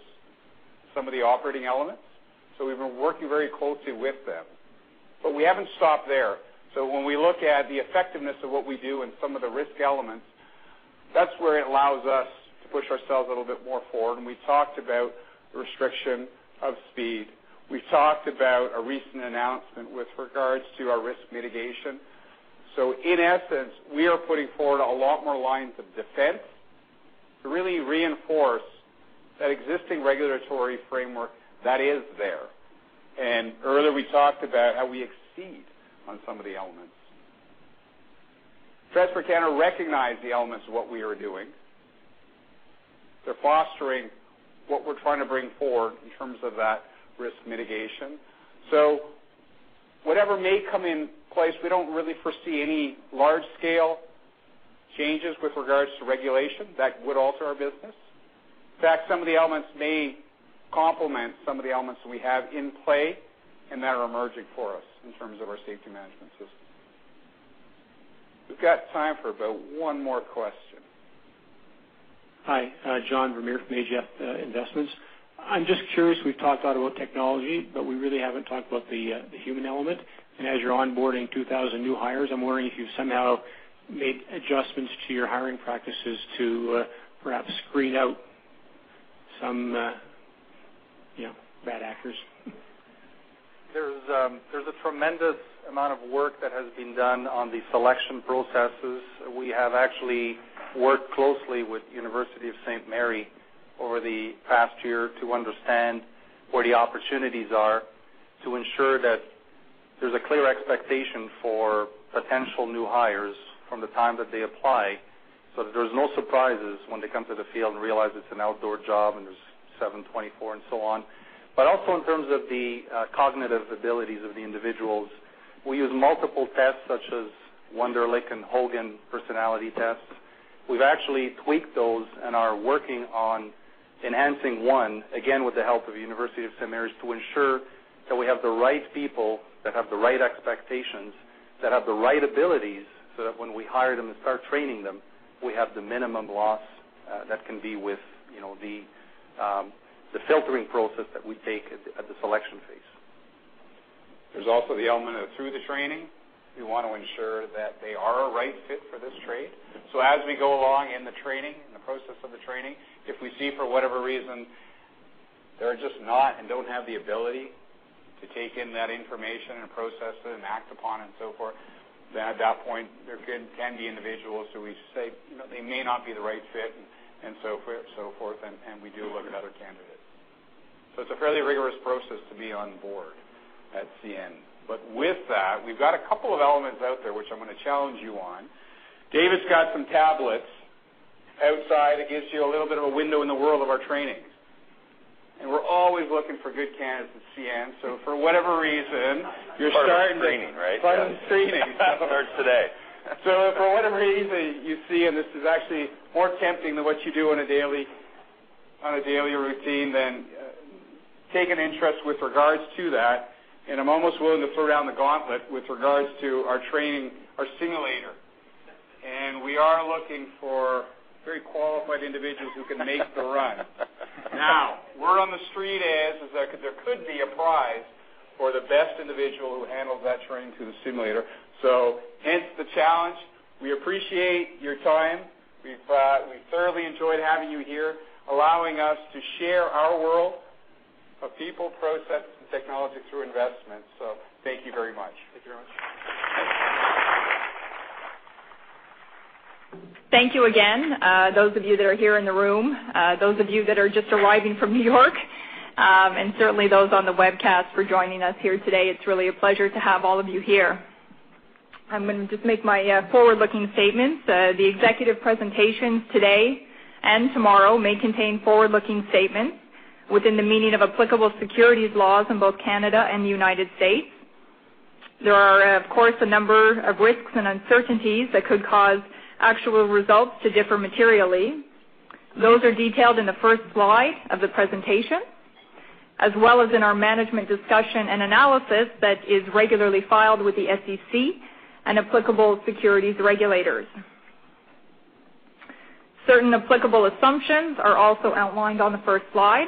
some of the operating elements, so we've been working very closely with them. But we haven't stopped there. So when we look at the effectiveness of what we do and some of the risk elements, that's where it allows us to push ourselves a little bit more forward. And we talked about restriction of speed. We talked about a recent announcement with regards to our risk mitigation. So in essence, we are putting forward a lot more lines of defense to really reinforce that existing regulatory framework that is there. And earlier, we talked about how we exceed on some of the elements. Transport Canada recognize the elements of what we are doing. They're fostering what we're trying to bring forward in terms of that risk mitigation. So whatever may come in place, we don't really foresee any large-scale changes with regards to regulation that would alter our business. In fact, some of the elements may complement some of the elements that we have in play and that are emerging for us in terms of our safety management system. We've got time for about one more question. Hi, John Vermeer from AGF Investments. I'm just curious, we've talked a lot about technology, but we really haven't talked about the, the human element. As you're onboarding 2,000 new hires, I'm wondering if you've somehow made adjustments to your hiring practices to, perhaps screen out some, you know, bad actors? There's a tremendous amount of work that has been done on the selection processes. We have actually worked closely with Saint Mary's University over the past year to understand where the opportunities are, to ensure that there's a clear expectation for potential new hires from the time that they apply, so that there's no surprises when they come to the field and realize it's an outdoor job and there's seven/twenty-four, and so on. But also, in terms of the cognitive abilities of the individuals, we use multiple tests, such as Wonderlic and Hogan personality tests. We've actually tweaked those and are working on enhancing one, again, with the help of Saint Mary's University, to ensure that we have the right people, that have the right expectations, that have the right abilities, so that when we hire them and start training them, we have the minimum loss, that can be with, you know, the filtering process that we take at the selection phase. There's also the element of through the training, we want to ensure that they are a right fit for this trade. So as we go along in the training, in the process of the training, if we see, for whatever reason, they're just not and don't have the ability to take in that information and process it and act upon it and so forth, then at that point, there can be individuals who we say, "You know, they may not be the right fit," and so forth, and we do look at other candidates. So it's a fairly rigorous process to be on board at CN. But with that, we've got a couple of elements out there, which I'm gonna challenge you on. Dave has got some tablets outside that gives you a little bit of a window in the world of our trainings. And we're always looking for good candidates at CN, so for whatever reason, you're starting. Part of the training, right? Part of the training. It starts today. So for whatever reason, you see, and this is actually more tempting than what you do on a daily, on a daily routine, then take an interest with regards to that. And I'm almost willing to throw down the gauntlet with regards to our training, our simulator. And we are looking for very qualified individuals who can make the run. Now, word on the street is that there could be a prize for the best individual who handles that training through the simulator. So hence the challenge. We appreciate your time. We've we've thoroughly enjoyed having you here, allowing us to share our world of people, process, and technology through investment. So thank you very much. Thank you very much. Thank you again, those of you that are here in the room, those of you that are just arriving from New York, and certainly those on the webcast, for joining us here today. It's really a pleasure to have all of you here. I'm gonna just make my, forward-looking statements. The executive presentations today and tomorrow may contain forward-looking statements within the meaning of applicable securities laws in both Canada and the United States. There are, of course, a number of risks and uncertainties that could cause actual results to differ materially. Those are detailed in the first slide of the presentation, as well as in our management discussion and analysis that is regularly filed with the SEC and applicable securities regulators. Certain applicable assumptions are also outlined on the first slide,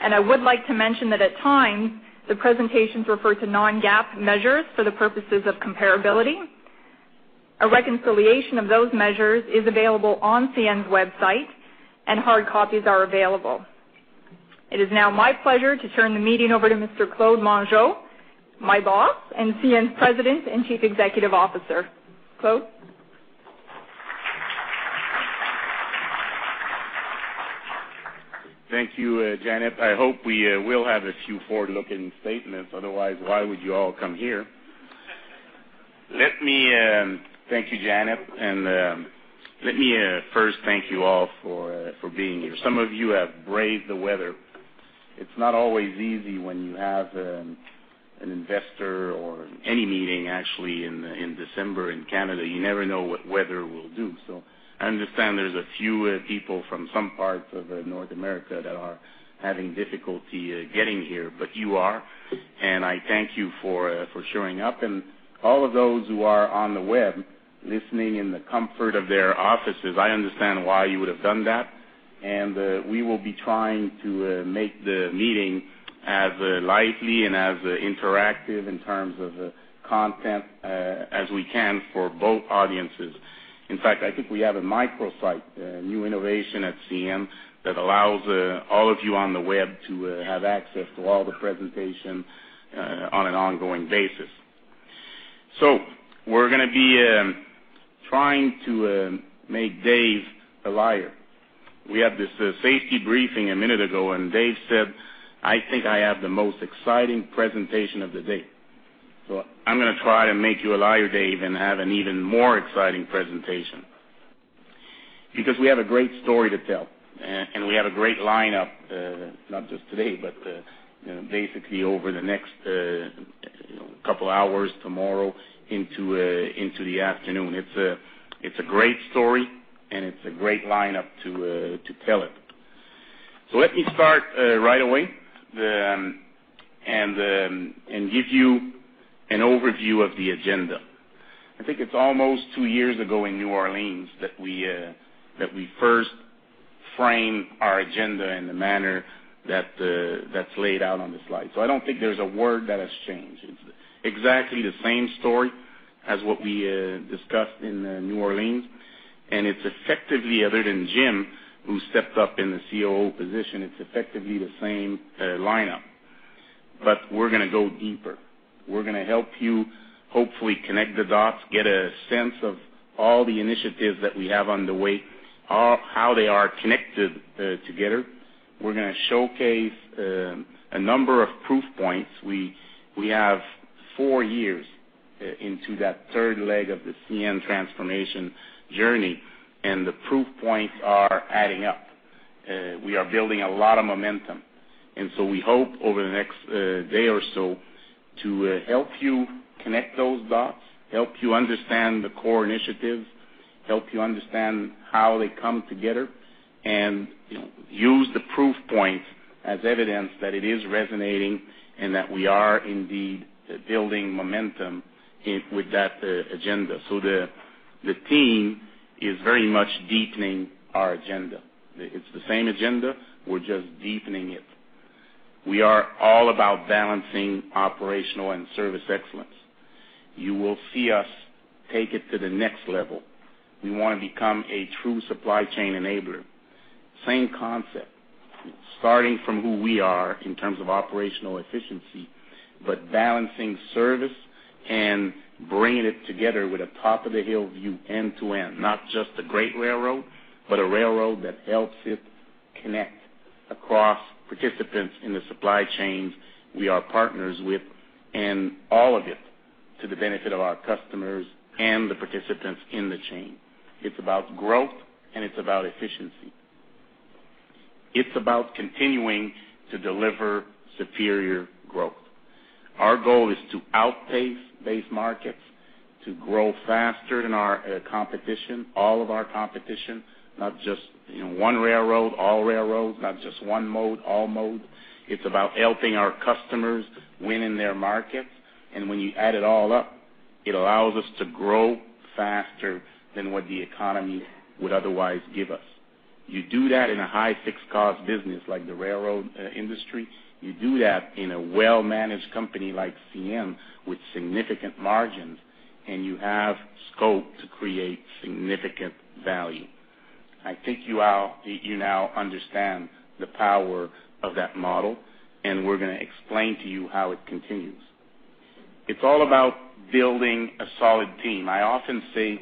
and I would like to mention that at times, the presentations refer to non-GAAP measures for the purposes of comparability.... A reconciliation of those measures is available on CN's website, and hard copies are available. It is now my pleasure to turn the meeting over to Mr. Claude Mongeau, my boss, and CN's President and Chief Executive Officer. Claude? Thank you, Janet. I hope we will have a few forward-looking statements, otherwise, why would you all come here? Let me thank you, Janet, and let me first thank you all for being here. Some of you have braved the weather. It's not always easy when you have an investor or any meeting, actually, in December in Canada. You never know what weather will do. So I understand there's a few people from some parts of North America that are having difficulty getting here, but you are, and I thank you for showing up. All of those who are on the web, listening in the comfort of their offices, I understand why you would have done that, and we will be trying to make the meeting as lively and as interactive in terms of content as we can for both audiences. In fact, I think we have a microsite, new innovation at CN, that allows all of you on the web to have access to all the presentation on an ongoing basis. So we're gonna be trying to make Dave a liar. We had this safety briefing a minute ago, and Dave said, "I think I have the most exciting presentation of the day." So I'm gonna try to make you a liar, Dave, and have an even more exciting presentation. Because we have a great story to tell, and we have a great lineup, not just today, but basically over the next couple hours, tomorrow, into the afternoon. It's a great story, and it's a great lineup to tell it. So let me start right away, and give you an overview of the agenda. I think it's almost two years ago in New Orleans that we first framed our agenda in the manner that's laid out on the slide. So I don't think there's a word that has changed. It's exactly the same story as what we discussed in New Orleans, and it's effectively, other than Jim, who stepped up in the COO position, it's effectively the same lineup. But we're gonna go deeper. We're gonna help you hopefully connect the dots, get a sense of all the initiatives that we have underway, all how they are connected together. We're gonna showcase a number of proof points. We have four years into that third leg of the CN transformation journey, and the proof points are adding up. We are building a lot of momentum, and so we hope over the next day or so to help you connect those dots, help you understand the core initiatives, help you understand how they come together, and, you know, use the proof points as evidence that it is resonating and that we are indeed building momentum with that agenda. So the team is very much deepening our agenda. It's the same agenda, we're just deepening it. We are all about balancing operational and service excellence. You will see us take it to the next level. We want to become a true supply chain enabler. Same concept, starting from who we are in terms of operational efficiency, but balancing service and bringing it together with a top-of-the-hill view, end-to-end. Not just a great railroad, but a railroad that helps it connect across participants in the supply chains we are partners with, and all of it to the benefit of our customers and the participants in the chain. It's about growth, and it's about efficiency. It's about continuing to deliver superior growth. Our goal is to outpace base markets, to grow faster than our competition, all of our competition, not just, you know, one railroad, all railroads, not just one mode, all mode. It's about helping our customers win in their markets, and when you add it all up, it allows us to grow faster than what the economy would otherwise give us. You do that in a high fixed cost business like the railroad industry, you do that in a well-managed company like CN, with significant margins, and you have scope to create significant value. I think you all-you now understand the power of that model, and we're gonna explain to you how it continues. It's all about building a solid team. I often say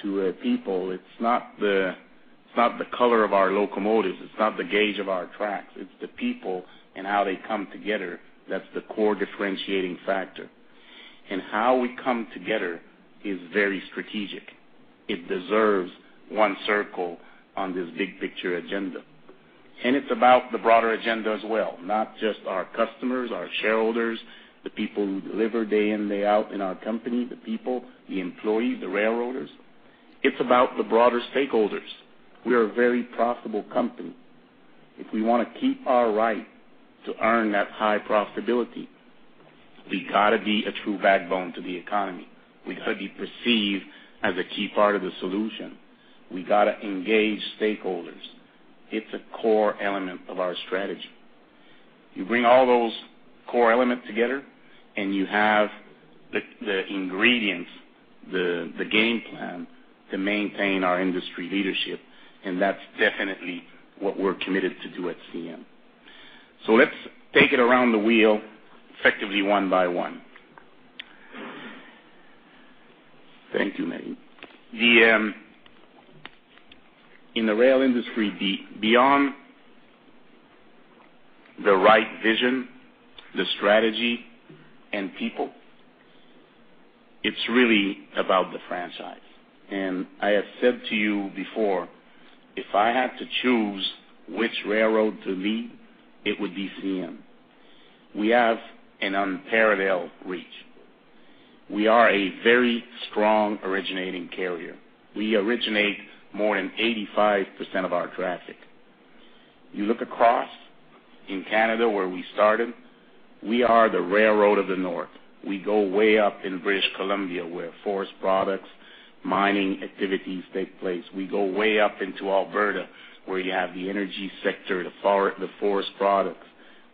to people, it's not the, it's not the color of our locomotives, it's not the gauge of our tracks, it's the people and how they come together. That's the core differentiating factor. And how we come together is very strategic. It deserves one circle on this big picture agenda. And it's about the broader agenda as well, not just our customers, our shareholders, the people who deliver day in, day out in our company, the people, the employees, the railroaders. It's about the broader stakeholders. We are a very profitable company. If we want to keep our right to earn that high profitability, we've got to be a true backbone to the economy. We've got to be perceived as a key part of the solution. We've got to engage stakeholders. It's a core element of our strategy... You bring all those core elements together, and you have the, the ingredients, the, the game plan to maintain our industry leadership, and that's definitely what we're committed to do at CN. So let's take it around the wheel, effectively, one by one. Thank you, Mary. In the rail industry, beyond the right vision, the strategy, and people, it's really about the franchise. And I have said to you before, if I had to choose which railroad to lead, it would be CN. We have an unparalleled reach. We are a very strong originating carrier. We originate more than 85% of our traffic. You look across, in Canada, where we started, we are the railroad of the North. We go way up in British Columbia, where forest products, mining activities take place. We go way up into Alberta, where you have the energy sector, the forest products,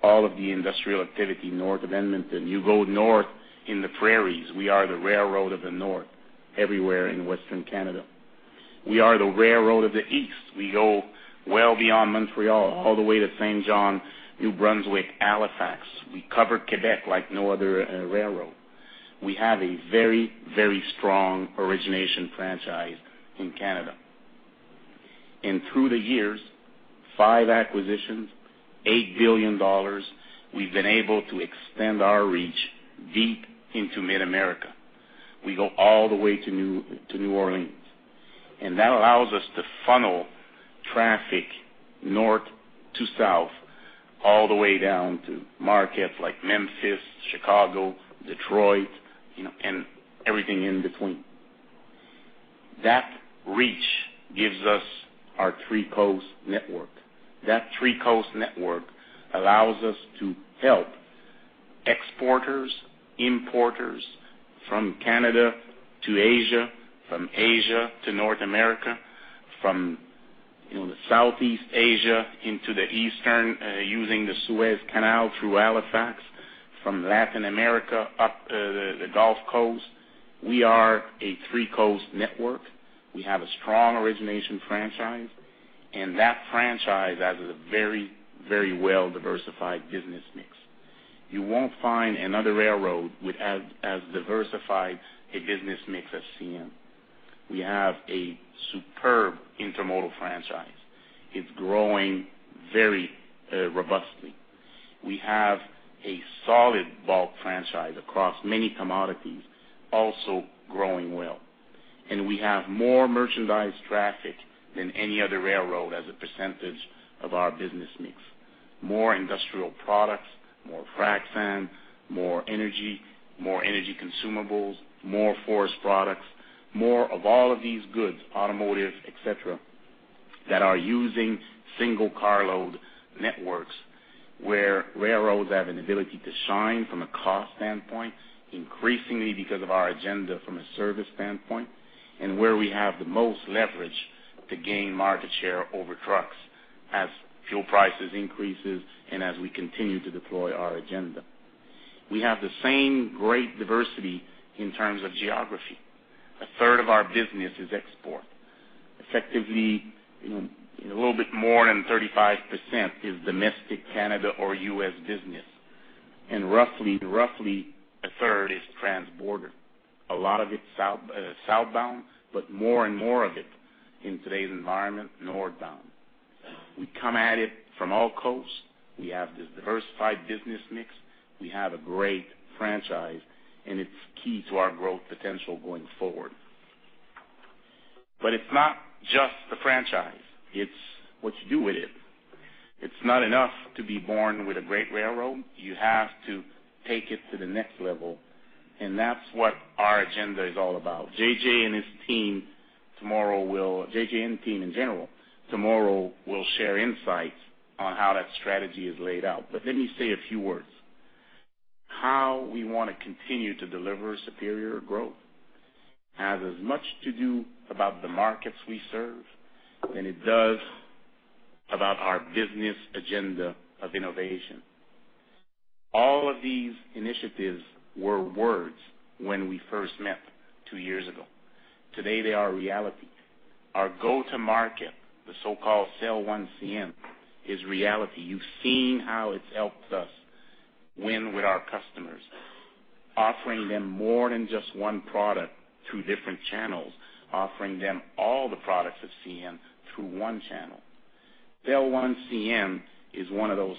all of the industrial activity north of Edmonton. You go north in the prairies, we are the railroad of the North, everywhere in Western Canada. We are the railroad of the East. We go well beyond Montreal, all the way to Saint John, New Brunswick, Halifax. We cover Quebec like no other railroad. We have a very, very strong origination franchise in Canada. And through the years, five acquisitions, 8 billion dollars, we've been able to extend our reach deep into Mid-America. We go all the way to New, to New Orleans, and that allows us to funnel traffic north to south, all the way down to markets like Memphis, Chicago, Detroit, you know, and everything in between. That reach gives us our three coast network. That three coast network allows us to help exporters, importers from Canada to Asia, from Asia to North America, from, you know, Southeast Asia into the Eastern, using the Suez Canal through Halifax, from Latin America, up, the Gulf Coast. We are a three coast network. We have a strong origination franchise, and that franchise has a very, very well-diversified business mix. You won't find another railroad with as diversified a business mix as CN. We have a superb intermodal franchise. It's growing very, robustly. We have a solid bulk franchise across many commodities, also growing well. And we have more merchandise traffic than any other railroad as a percentage of our business mix. More industrial products, more frac sand, more energy, more energy consumables, more forest products, more of all of these goods, automotive, et cetera, that are using single carload networks, where railroads have an ability to shine from a cost standpoint, increasingly because of our agenda from a service standpoint, and where we have the most leverage to gain market share over trucks as fuel prices increases and as we continue to deploy our agenda. We have the same great diversity in terms of geography. A third of our business is export. Effectively, you know, a little bit more than 35% is domestic Canada or US business, and roughly, roughly a third is transborder. A lot of it's south, southbound, but more and more of it in today's environment, northbound. We come at it from all coasts. We have this diversified business mix. We have a great franchise, and it's key to our growth potential going forward. But it's not just the franchise, it's what you do with it. It's not enough to be born with a great railroad. You have to take it to the next level, and that's what our agenda is all about. JJ and his team tomorrow will... JJ and the team in general, tomorrow will share insights on how that strategy is laid out. But let me say a few words. How we want to continue to deliver superior growth has as much to do about the markets we serve, than it does about our business agenda of innovation. All of these initiatives were words when we first met two years ago. Today, they are a reality. Our go-to-market, the so-called Sell One CN, is reality. You've seen how it's helped us win with our customers, offering them more than just one product through different channels, offering them all the products of CN through one channel. Sell One CN is one of those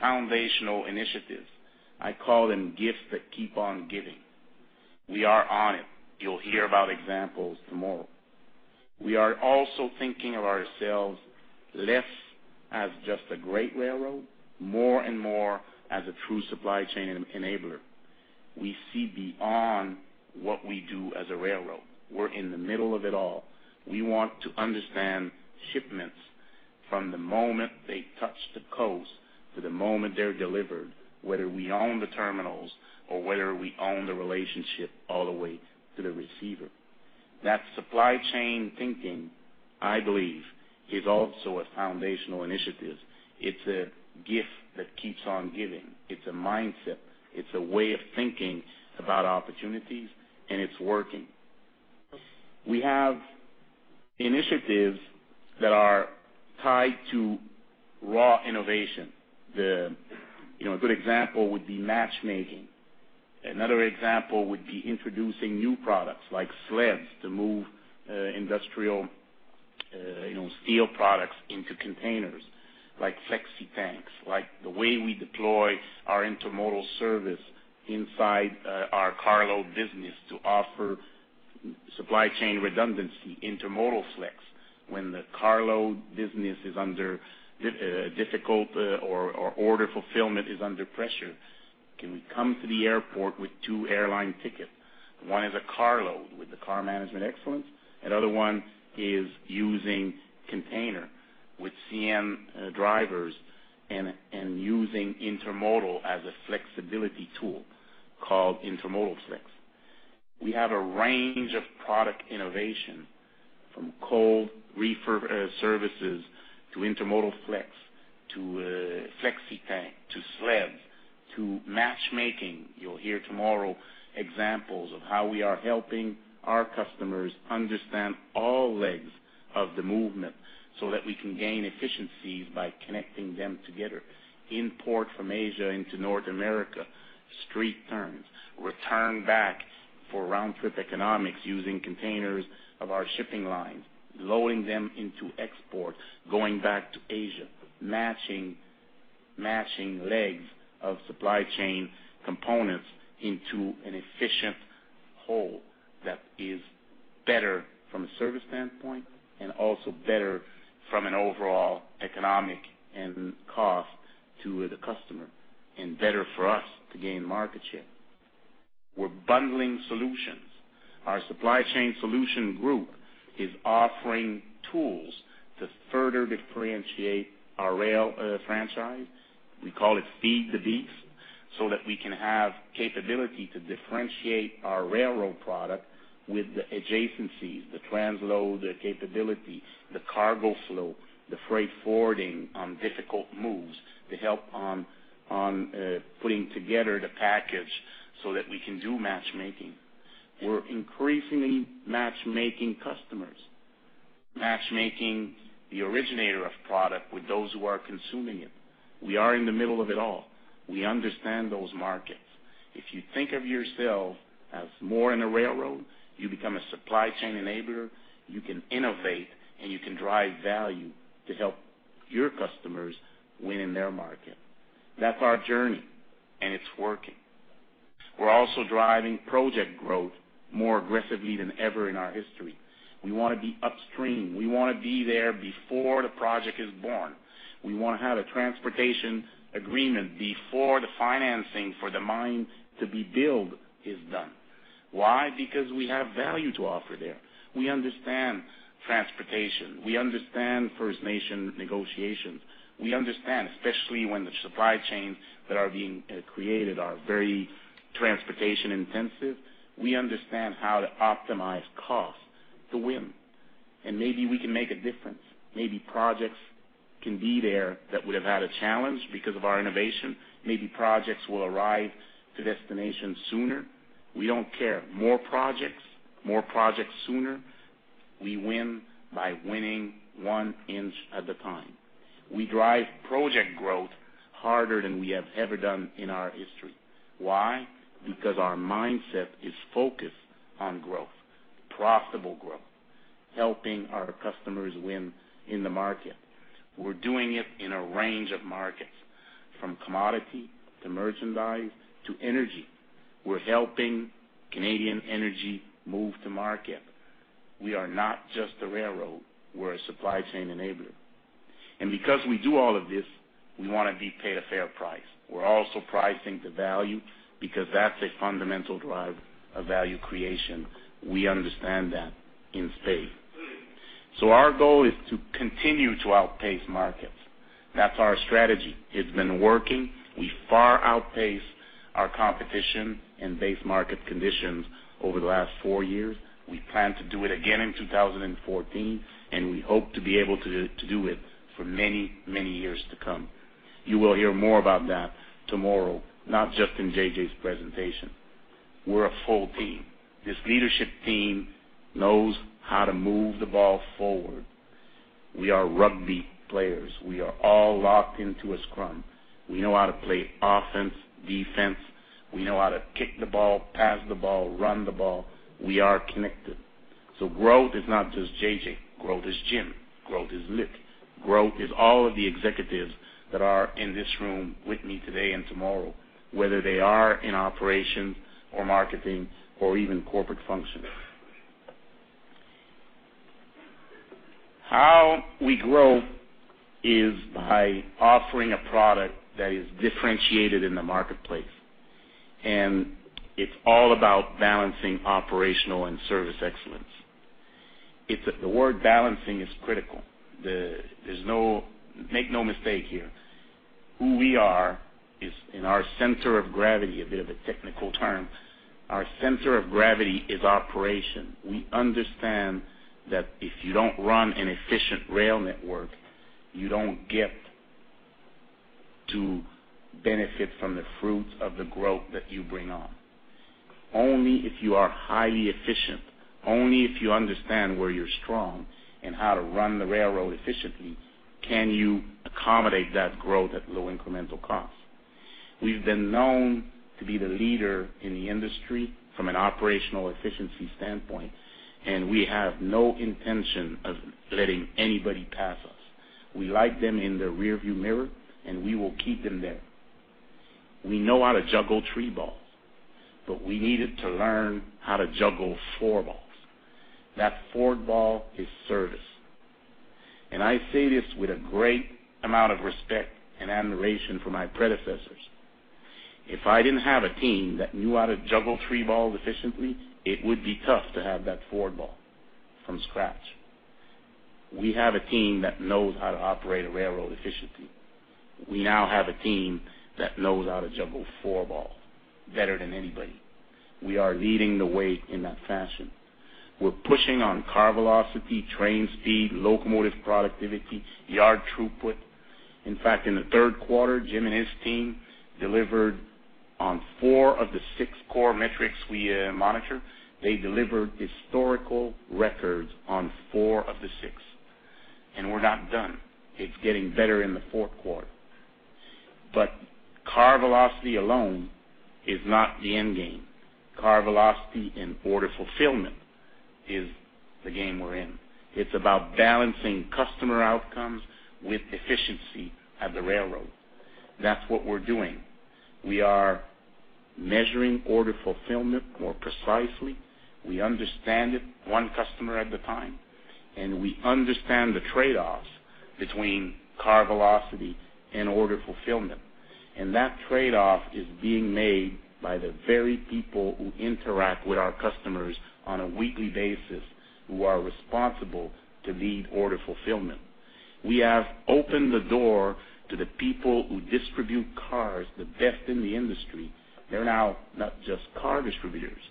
foundational initiatives. I call them gifts that keep on giving. We are on it. You'll hear about examples tomorrow. We are also thinking of ourselves less as just a great railroad, more and more as a true supply chain enabler. We see beyond what we do as a railroad. We're in the middle of it all. We want to understand shipments from the moment they touch the coast to the moment they're delivered, whether we own the terminals or whether we own the relationship all the way to the receiver.... That supply chain thinking, I believe, is also a foundational initiative. It's a gift that keeps on giving. It's a mindset, it's a way of thinking about opportunities, and it's working. We have initiatives that are tied to raw innovation. The, you know, a good example would be matchmaking. Another example would be introducing new products like sleds to move, industrial, you know, steel products into containers, like flexi tanks, like the way we deploy our intermodal service inside our carload business to offer supply chain redundancy, Intermodal Flex. When the carload business is under difficult, or order fulfillment is under pressure, can we come to the airport with two airline tickets? One is a carload with the car management excellence, another one is using container with CM drivers and using intermodal as a flexibility tool called Intermodal Flex. We have a range of product innovation, from cold reefer services, to Intermodal Flex, to flexitank, to sled, to matchmaking. You'll hear tomorrow examples of how we are helping our customers understand all legs of the movement so that we can gain efficiencies by connecting them together. Import from Asia into North America, street turns, return back for round-trip economics using containers of our shipping line, loading them into exports, going back to Asia, matching, matching legs of supply chain components into an efficient whole that is better from a service standpoint and also better from an overall economic and cost to the customer, and better for us to gain market share. We're bundling solutions. Our Supply Chain Solution group is offering tools to further differentiate our rail franchise. We call it Feed the Beast, so that we can have capability to differentiate our railroad product with the adjacencies, the transload capability, the cargo flow, the freight forwarding on difficult moves to help on, on, putting together the package so that we can do matchmaking. We're increasingly matchmaking customers, matchmaking the originator of product with those who are consuming it. We are in the middle of it all. We understand those markets. If you think of yourself as more in a railroad, you become a supply chain enabler, you can innovate, and you can drive value to help your customers win in their market. That's our journey, and it's working. We're also driving project growth more aggressively than ever in our history. We want to be upstream. We want to be there before the project is born. We want to have a transportation agreement before the financing for the mine to be built is done. Why? Because we have value to offer there. We understand transportation. We understand First Nation negotiations. We understand, especially when the supply chains that are being created are very transportation intensive, we understand how to optimize costs to win, and maybe we can make a difference. Maybe projects can be there that would have had a challenge because of our innovation. Maybe projects will arrive to destinations sooner. We don't care. More projects, more projects sooner. We win by winning one inch at a time. We drive project growth harder than we have ever done in our history. Why? Because our mindset is focused on growth, profitable growth, helping our customers win in the market. We're doing it in a range of markets, from commodity, to merchandise, to energy. We're helping Canadian energy move to market. We are not just a railroad, we're a supply chain enabler. And because we do all of this, we want to be paid a fair price. We're also pricing to value, because that's a fundamental drive of value creation. We understand that in space. So our goal is to continue to outpace markets. That's our strategy. It's been working. We far outpace our competition and base market conditions over the last four years. We plan to do it again in 2014, and we hope to be able to, to do it for many, many years to come. You will hear more about that tomorrow, not just in JJ's presentation. We're a full team. This leadership team knows how to move the ball forward. We are rugby players. We are all locked into a scrum. We know how to play offense, defense. We know how to kick the ball, pass the ball, run the ball. We are connected. So growth is not just JJ, growth is Jim, growth is Luc, growth is all of the executives that are in this room with me today and tomorrow, whether they are in operations or marketing or even corporate functions. How we grow is by offering a product that is differentiated in the marketplace, and it's all about balancing operational and service excellence. It's the word balancing is critical. Make no mistake here. Who we are is in our center of gravity, a bit of a technical term. Our center of gravity is operation. We understand that if you don't run an efficient rail network, you don't get to benefit from the fruits of the growth that you bring on. Only if you are highly efficient, only if you understand where you're strong and how to run the railroad efficiently, can you accommodate that growth at low incremental cost. We've been known to be the leader in the industry from an operational efficiency standpoint, and we have no intention of letting anybody pass us. We like them in the rearview mirror, and we will keep them there. We know how to juggle three balls, but we needed to learn how to juggle four balls. That fourth ball is service, and I say this with a great amount of respect and admiration for my predecessors. If I didn't have a team that knew how to juggle three balls efficiently, it would be tough to have that fourth ball from scratch. We have a team that knows how to operate a railroad efficiently. We now have a team that knows how to juggle four balls better than anybody. We are leading the way in that fashion. We're pushing on car velocity, train speed, locomotive productivity, yard throughput. In fact, in the third quarter, Jim and his team delivered on four of the six core metrics we monitor. They delivered historical records on 4 of the 6, and we're not done. It's getting better in the fourth quarter. Car velocity alone is not the end game. Car velocity and order fulfillment is the game we're in. It's about balancing customer outcomes with efficiency at the railroad. That's what we're doing. We are measuring order fulfillment more precisely. We understand it, one customer at a time, and we understand the trade-offs between car velocity and order fulfillment. That trade-off is being made by the very people who interact with our customers on a weekly basis, who are responsible to lead order fulfillment. We have opened the door to the people who distribute cars, the best in the industry. They're now not just car distributors.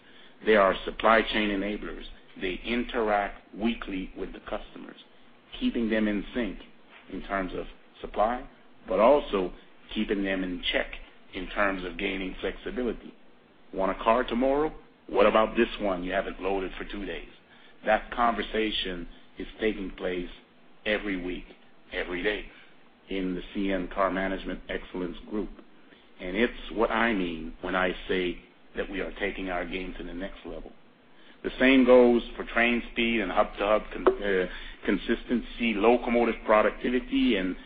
They are supply chain enablers. They interact weekly with the customers, keeping them in sync in terms of supply, but also keeping them in check in terms of gaining flexibility. Want a car tomorrow? What about this one? You have it loaded for two days. That conversation is taking place every week, every day in the CN Car Management Excellence Group, and it's what I mean when I say that we are taking our game to the next level. The same goes for train speed and hub-to-hub consistency, locomotive productivity and efficiency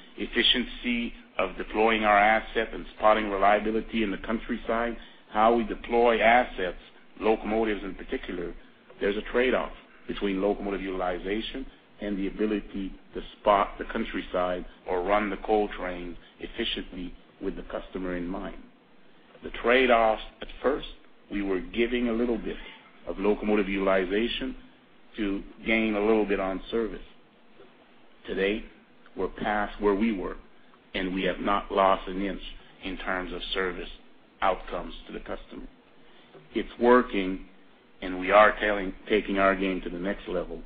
of deploying our asset and spotting reliability in the countryside. How we deploy assets, locomotives in particular, there's a trade-off between locomotive utilization and the ability to spot the countryside or run the coal train efficiently with the customer in mind. The trade-off, at first, we were giving a little bit of locomotive utilization to gain a little bit on service. Today, we're past where we were, and we have not lost an inch in terms of service outcomes to the customer. It's working, and we are taking our game to the next level,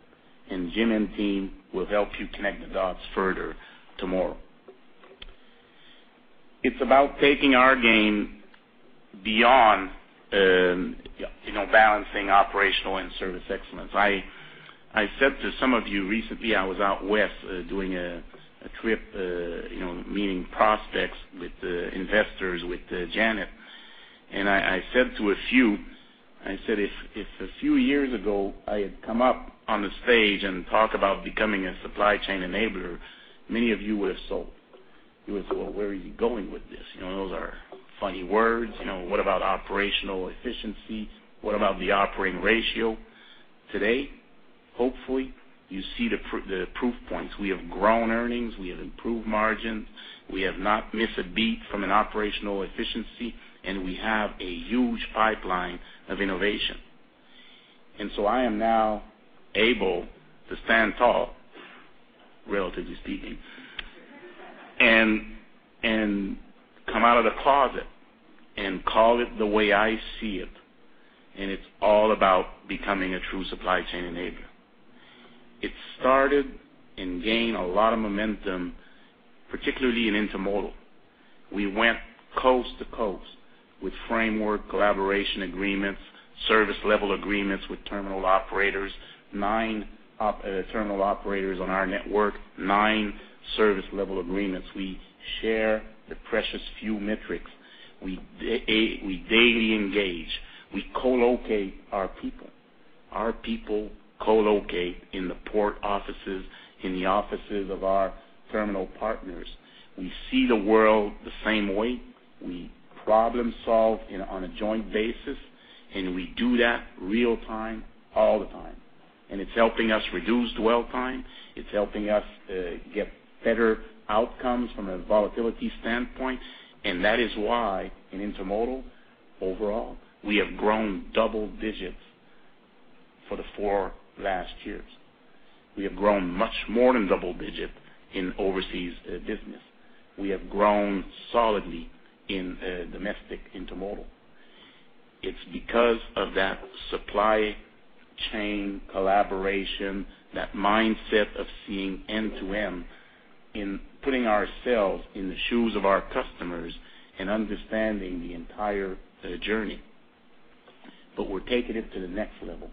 and Jim and team will help you connect the dots further tomorrow. It's about taking our game beyond, you know, balancing operational and service excellence. I said to some of you recently, I was out west doing a trip, you know, meeting prospects with investors with Janet. And I said to a few, I said, "If a few years ago I had come up on the stage and talk about becoming a supply chain enabler, many of you would have sold." You would have said, "Well, where are you going with this? You know, those are funny words. You know, what about operational efficiency? What about the operating ratio?" Today, hopefully, you see the proof points. We have grown earnings, we have improved margins, we have not missed a beat from an operational efficiency, and we have a huge pipeline of innovation. And so I am now able to stand tall, relatively speaking, and, and come out of the closet and call it the way I see it, and it's all about becoming a true supply chain enabler. It started and gained a lot of momentum, particularly in intermodal. We went coast to coast with framework, collaboration agreements, service level agreements with terminal operators, nine terminal operators on our network, nine service level agreements. We share the precious few metrics. We daily engage. We co-locate our people. Our people co-locate in the port offices, in the offices of our terminal partners. We see the world the same way. We problem solve in, on a joint basis, and we do that real time, all the time. And it's helping us reduce dwell time. It's helping us get better outcomes from a volatility standpoint. And that is why in intermodal- overall, we have grown double digits for the four last years. We have grown much more than double digit in overseas business. We have grown solidly in domestic intermodal. It's because of that supply chain collaboration, that mindset of seeing end-to-end, in putting ourselves in the shoes of our customers and understanding the entire journey. But we're taking it to the next level.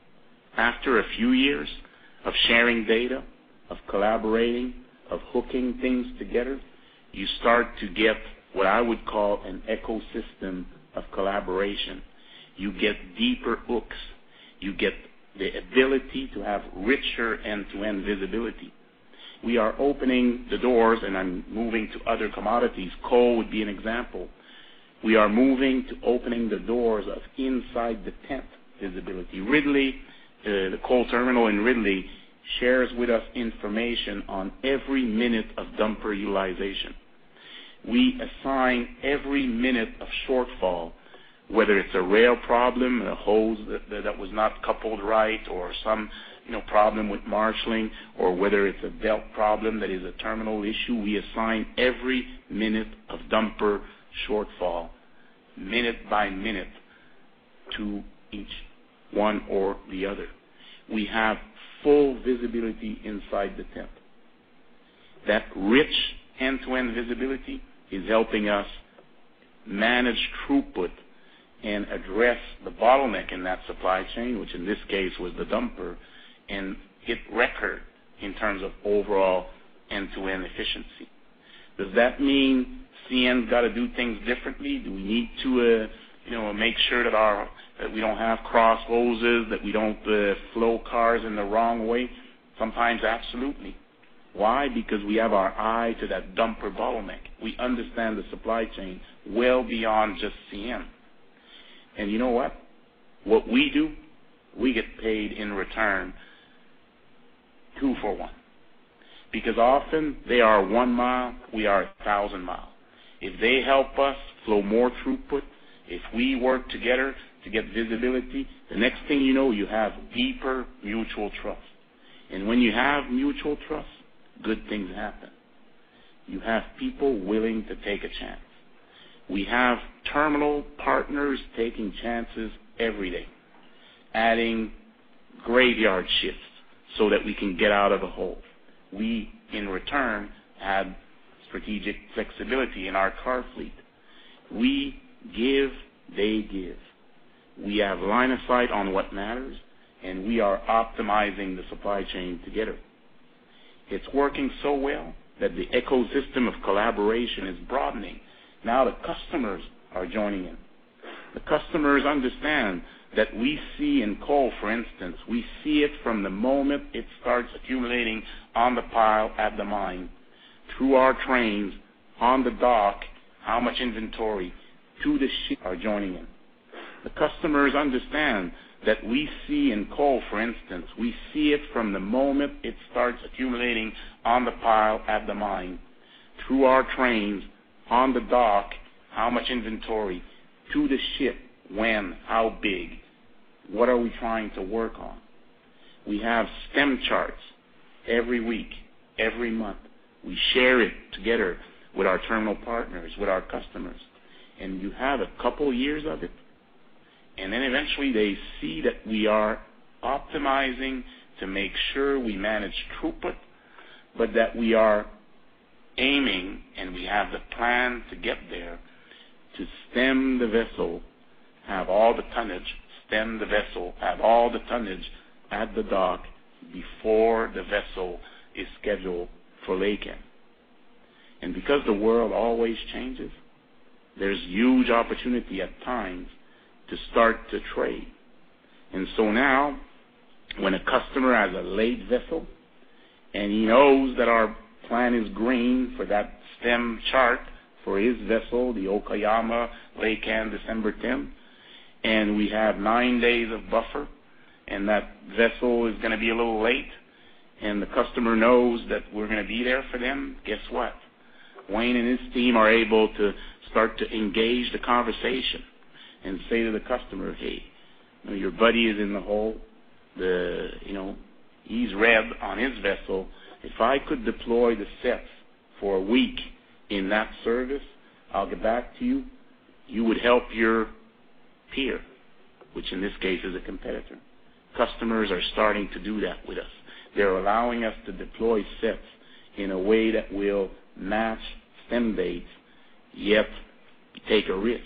After a few years of sharing data, of collaborating, of hooking things together, you start to get what I would call an ecosystem of collaboration. You get deeper hooks, you get the ability to have richer end-to-end visibility. We are opening the doors, and I'm moving to other commodities. Coal would be an example. We are moving to opening the doors of inside the tent visibility. Ridley, the coal terminal in Ridley, shares with us information on every minute of dumper utilization. We assign every minute of shortfall, whether it's a rail problem, a hose that, that was not coupled right, or some, you know, problem with marshaling, or whether it's a belt problem that is a terminal issue. We assign every minute of dumper shortfall, minute by minute, to each one or the other. We have full visibility inside the tent. That rich end-to-end visibility is helping us manage throughput and address the bottleneck in that supply chain, which in this case was the dumper, and hit record in terms of overall end-to-end efficiency. Does that mean CN's got to do things differently? Do we need to, you know, make sure that our-- that we don't have crossed hoses, that we don't flow cars in the wrong way? Sometimes, absolutely. Why? Because we have our eye to that dumper bottleneck. We understand the supply chain well beyond just CN. And you know what? What we do, we get paid in return two for one, because often they are one mile, we are a thousand miles. If they help us flow more throughput, if we work together to get visibility, the next thing you know, you have deeper mutual trust. And when you have mutual trust, good things happen. You have people willing to take a chance. We have terminal partners taking chances every day, adding graveyard shifts so that we can get out of the hole. We, in return, have strategic flexibility in our car fleet. We give, they give. We have line of sight on what matters, and we are optimizing the supply chain together. It's working so well that the ecosystem of collaboration is broadening. Now, the customers are joining in. The customers understand that we see in coal, for instance, we see it from the moment it starts accumulating on the pile at the mine, through our trains, on the dock, how much inventory to the ship are joining in. The customers understand that we see in coal, for instance, we see it from the moment it starts accumulating on the pile at the mine, through our trains, on the dock, how much inventory to the ship, when, how big, what are we trying to work on? We have STEM charts every week, every month. We share it together with our terminal partners, with our customers, and you have a couple years of it. And then eventually they see that we are optimizing to make sure we manage throughput, but that we are aiming, and we have the plan to get there, to stem the vessel, have all the tonnage, stem the vessel, have all the tonnage at the dock before the vessel is scheduled for laycan. And because the world always changes, there's huge opportunity at times to start to trade. And so now, when a customer has a late vessel, and he knows that our plan is green for that stem chart for his vessel, the Okayama, laycan December tenth, and we have 9 days of buffer, and that vessel is gonna be a little late, and the customer knows that we're gonna be there for them, guess what? Wayne and his team are able to start to engage the conversation and say to the customer, "Hey, you know, your buddy is in the hole. The, you know, he's revved on his vessel. If I could deploy the sets for a week in that service, I'll get back to you. You would help your peer," which in this case is a competitor. Customers are starting to do that with us. They're allowing us to deploy sets in a way that will match STEM dates, yet take a risk.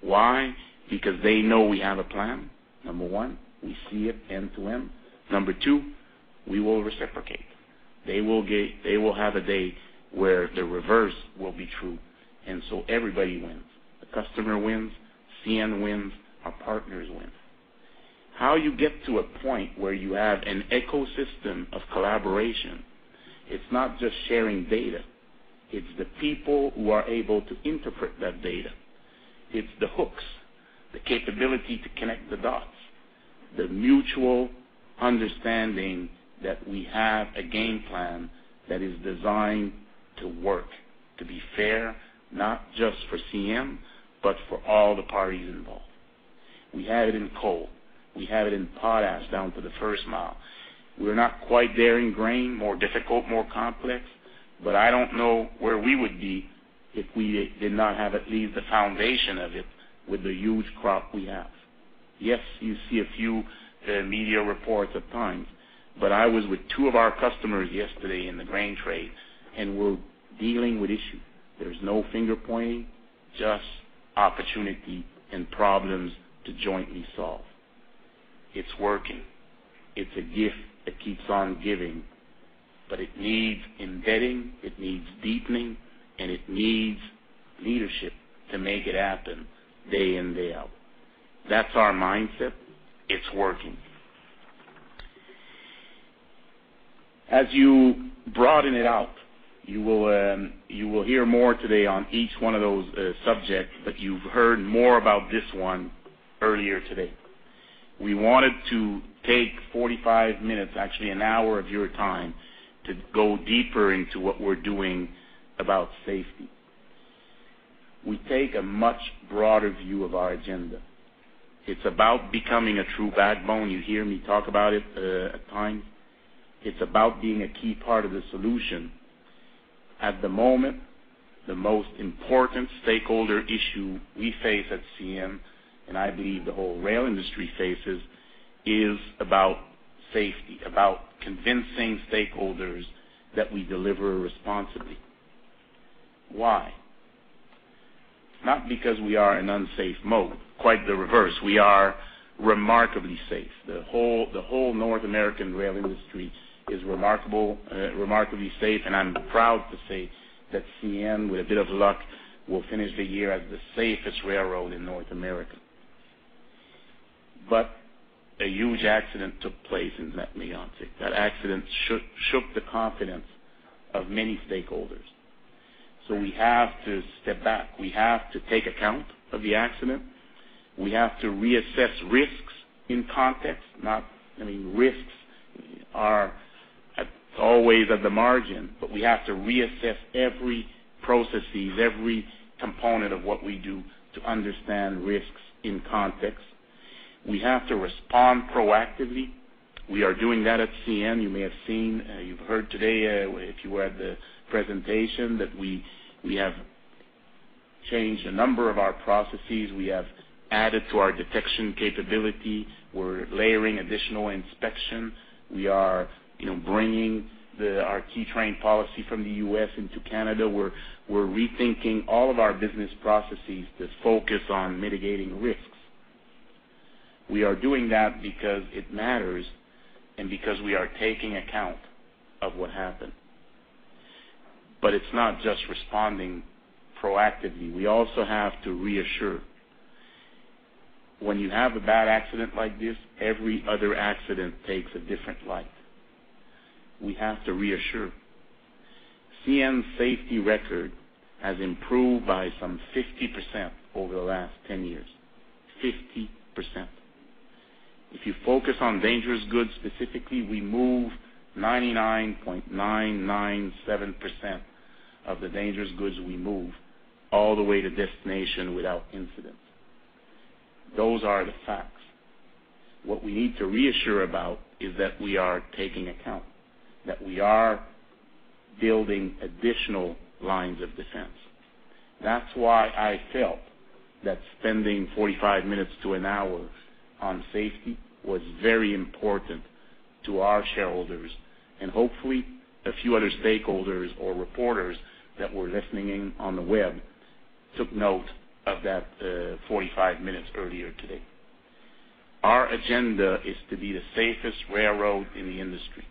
Why? Because they know we have a plan, number one, we see it end-to-end. Number two, we will reciprocate. They will get. They will have a day where the reverse will be true, and so everybody wins. The customer wins, CN wins, our partners win. How you get to a point where you have an ecosystem of collaboration, it's not just sharing data, it's the people who are able to interpret that data. It's the hooks, the capability to connect the dots... the mutual understanding that we have a game plan that is designed to work, to be fair, not just for CN, but for all the parties involved. We had it in coal, we had it in potash down to the first mile. We're not quite there in grain, more difficult, more complex, but I don't know where we would be if we did not have at least the foundation of it with the huge crop we have. Yes, you see a few media reports at times, but I was with two of our customers yesterday in the grain trades, and we're dealing with issues. There's no finger pointing, just opportunity and problems to jointly solve. It's working. It's a gift that keeps on giving, but it needs embedding, it needs deepening, and it needs leadership to make it happen day in, day out. That's our mindset. It's working. As you broaden it out, you will, you will hear more today on each one of those subjects, but you've heard more about this one earlier today. We wanted to take 45 minutes, actually an hour of your time, to go deeper into what we're doing about safety. We take a much broader view of our agenda. It's about becoming a true backbone. You hear me talk about it at times. It's about being a key part of the solution. At the moment, the most important stakeholder issue we face at CN, and I believe the whole rail industry faces, is about safety, about convincing stakeholders that we deliver responsibly. Why? Not because we are an unsafe mode, quite the reverse. We are remarkably safe. The whole, the whole North American rail industry is remarkable, remarkably safe, and I'm proud to say that CN, with a bit of luck, will finish the year as the safest railroad in North America. But a huge accident took place in Lac-Mégantic. That accident shook, shook the confidence of many stakeholders. So we have to step back. We have to take account of the accident. We have to reassess risks in context, not, I mean, risks are at, always at the margin, but we have to reassess every processes, every component of what we do to understand risks in context. We have to respond proactively. We are doing that at CN. You may have seen, you've heard today, if you were at the presentation, that we, we have changed a number of our processes. We have added to our detection capability. We're layering additional inspection. We are, you know, bringing the, our key train policy from the US into Canada. We're, we're rethinking all of our business processes that focus on mitigating risks. We are doing that because it matters and because we are taking account of what happened. But it's not just responding proactively. We also have to reassure. When you have a bad accident like this, every other accident takes a different light. We have to reassure. CN's safety record has improved by some 50% over the last 10 years. 50%. If you focus on dangerous goods, specifically, we move 99.997% of the dangerous goods we move all the way to destination without incident. Those are the facts. What we need to reassure about is that we are taking account, that we are building additional lines of defense. That's why I felt that spending 45 minutes to an hour on safety was very important to our shareholders, and hopefully, a few other stakeholders or reporters that were listening in on the web took note of that, 45 minutes earlier today. Our agenda is to be the safest railroad in the industry.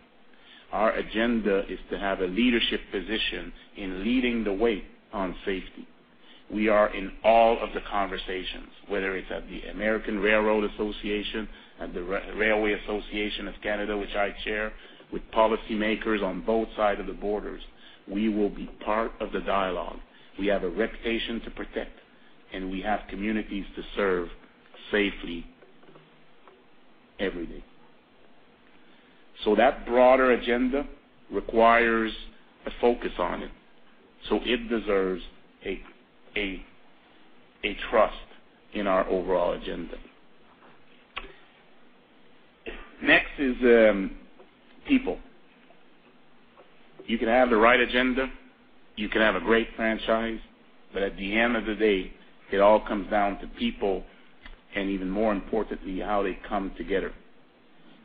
Our agenda is to have a leadership position in leading the way on safety. We are in all of the conversations, whether it's at the Association of American Railroads, at the Railway Association of Canada, which I chair, with policymakers on both sides of the borders, we will be part of the dialogue. We have a reputation to protect, and we have communities to serve safely every day. So that broader agenda requires a focus on it, so it deserves a trust in our overall agenda. Next is people. You can have the right agenda, you can have a great franchise, but at the end of the day, it all comes down to people and even more importantly, how they come together.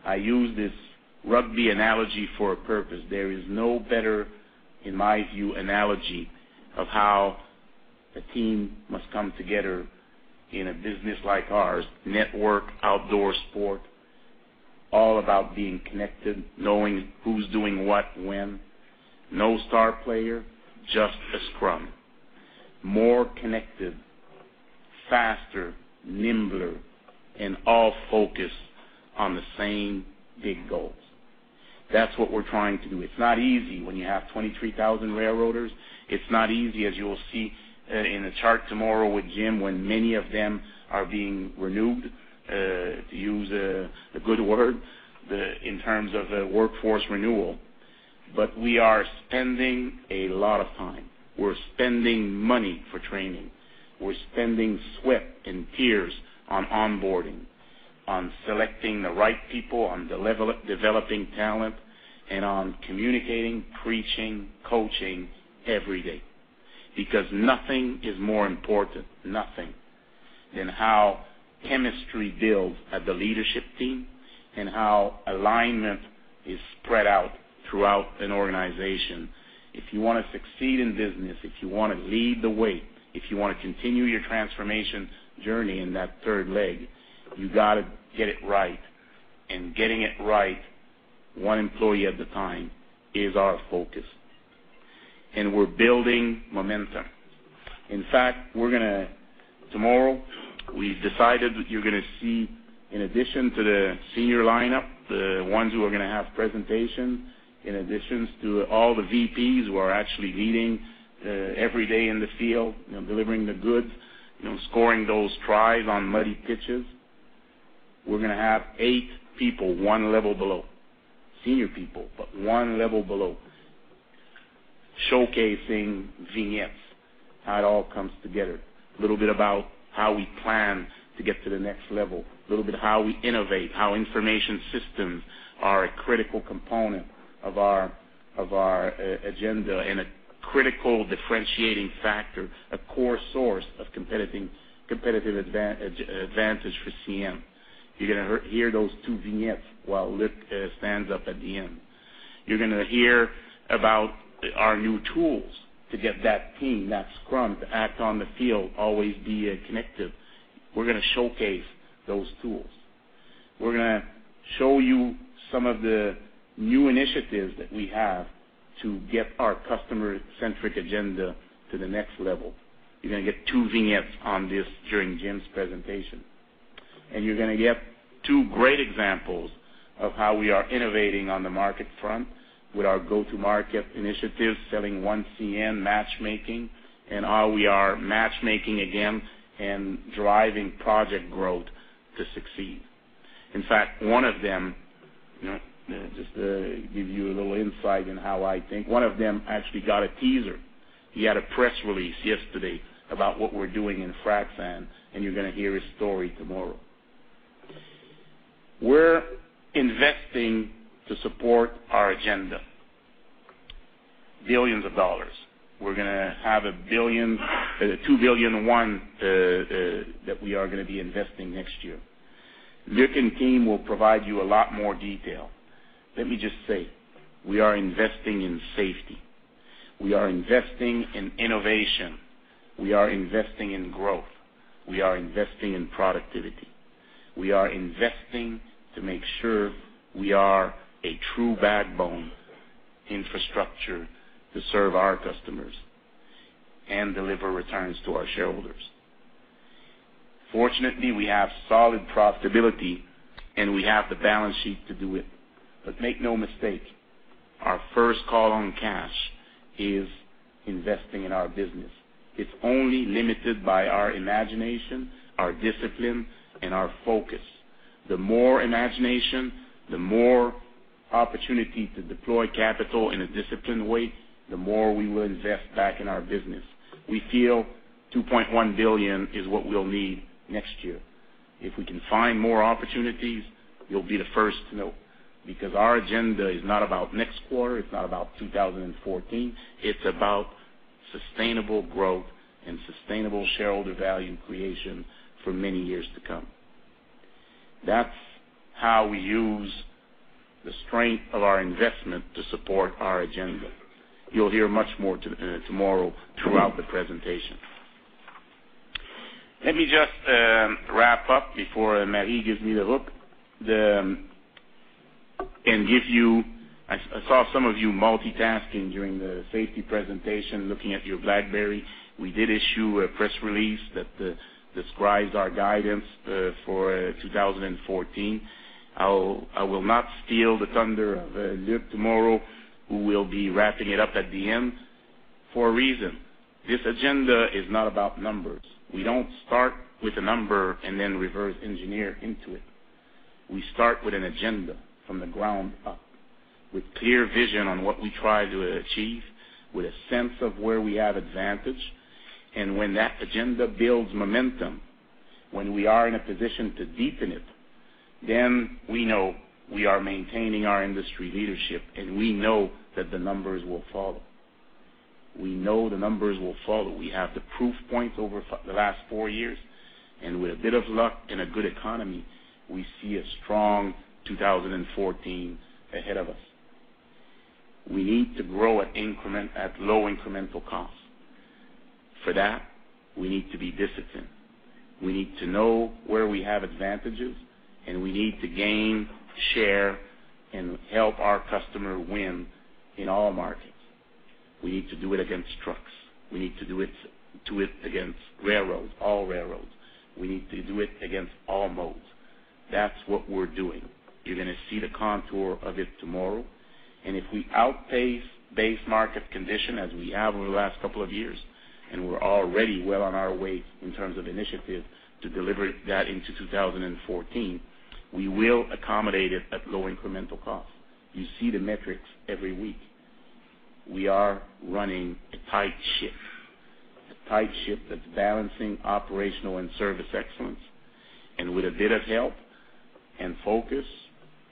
I use this rugby analogy for a purpose. There is no better, in my view, analogy of how a team must come together in a business like ours, network, outdoor sport, all about being connected, knowing who's doing what, when. No star player, just a scrum. More connected, faster, nimbler, and all focused on the same big goals... That's what we're trying to do. It's not easy when you have 23,000 railroaders. It's not easy, as you will see, in the chart tomorrow with Jim, when many of them are being renewed, to use a good word, in terms of a workforce renewal. But we are spending a lot of time. We're spending money for training. We're spending sweat and tears on onboarding, on selecting the right people, on developing talent, and on communicating, preaching, coaching every day. Because nothing is more important, nothing, than how chemistry builds at the leadership team and how alignment is spread out throughout an organization. If you wanna succeed in business, if you wanna lead the way, if you wanna continue your transformation journey in that third leg, you gotta get it right. And getting it right, one employee at a time, is our focus, and we're building momentum. In fact, we're gonna, tomorrow, we've decided you're gonna see, in addition to the senior lineup, the ones who are gonna have presentations, in addition to all the VPs who are actually leading every day in the field, you know, delivering the goods, you know, scoring those tries on muddy pitches. We're gonna have eight people, one level below. Senior people, but one level below, showcasing vignettes, how it all comes together. A little bit about how we plan to get to the next level, a little bit how we innovate, how information systems are a critical component of our, of our, agenda, and a critical differentiating factor, a core source of competitive advantage for CN. You're gonna hear those two vignettes while Luc stands up at the end. You're gonna hear about our new tools to get that team, that scrum, to act on the field, always be connected. We're gonna showcase those tools. We're gonna show you some of the new initiatives that we have to get our customer-centric agenda to the next level. You're gonna get two vignettes on this during Jim's presentation. You're gonna get two great examples of how we are innovating on the market front with our go-to-market initiative, selling one CN matchmaking, and how we are matchmaking again and driving project growth to succeed. In fact, one of them, you know, just to give you a little insight in how I think, one of them actually got a teaser. He had a press release yesterday about what we're doing in frac sand, and you're gonna hear his story tomorrow. We're investing to support our agenda. billions dollars. We're gonna have 1 billion, CAD 2.1 billion that we are gonna be investing next year. Luc and team will provide you a lot more detail. Let me just say, we are investing in safety, we are investing in innovation, we are investing in growth, we are investing in productivity, we are investing to make sure we are a true backbone infrastructure to serve our customers and deliver returns to our shareholders. Fortunately, we have solid profitability, and we have the balance sheet to do it. But make no mistake, our first call on cash is investing in our business. It's only limited by our imagination, our discipline, and our focus. The more imagination, the more opportunity to deploy capital in a disciplined way, the more we will invest back in our business. We feel 2.1 billion is what we'll need next year. If we can find more opportunities, you'll be the first to know, because our agenda is not about next quarter, it's not about 2014, it's about sustainable growth and sustainable shareholder value creation for many years to come. That's how we use the strength of our investment to support our agenda. You'll hear much more tomorrow throughout the presentation. Let me just wrap up before Marie gives me the hook. And give you, I saw some of you multitasking during the safety presentation, looking at your BlackBerry. We did issue a press release that describes our guidance for 2014. I will not steal the thunder of Luc tomorrow, who will be wrapping it up at the end, for a reason. This agenda is not about numbers. We don't start with a number and then reverse engineer into it. We start with an agenda from the ground up, with clear vision on what we try to achieve, with a sense of where we have advantage. And when that agenda builds momentum, when we are in a position to deepen it, then we know we are maintaining our industry leadership, and we know that the numbers will follow. We know the numbers will follow. We have the proof points over the last four years, and with a bit of luck and a good economy, we see a strong 2014 ahead of us. We need to grow at increment, at low incremental costs. For that, we need to be disciplined. We need to know where we have advantages, and we need to gain, share, and help our customer win in all markets. We need to do it against trucks. We need to do it, do it against railroads, all railroads. We need to do it against all modes. That's what we're doing. You're gonna see the contour of it tomorrow, and if we outpace base market condition, as we have over the last couple of years, and we're already well on our way in terms of initiative to deliver that into 2014, we will accommodate it at low incremental cost. You see the metrics every week. We are running a tight ship, a tight ship that's balancing operational and service excellence. With a bit of help and focus,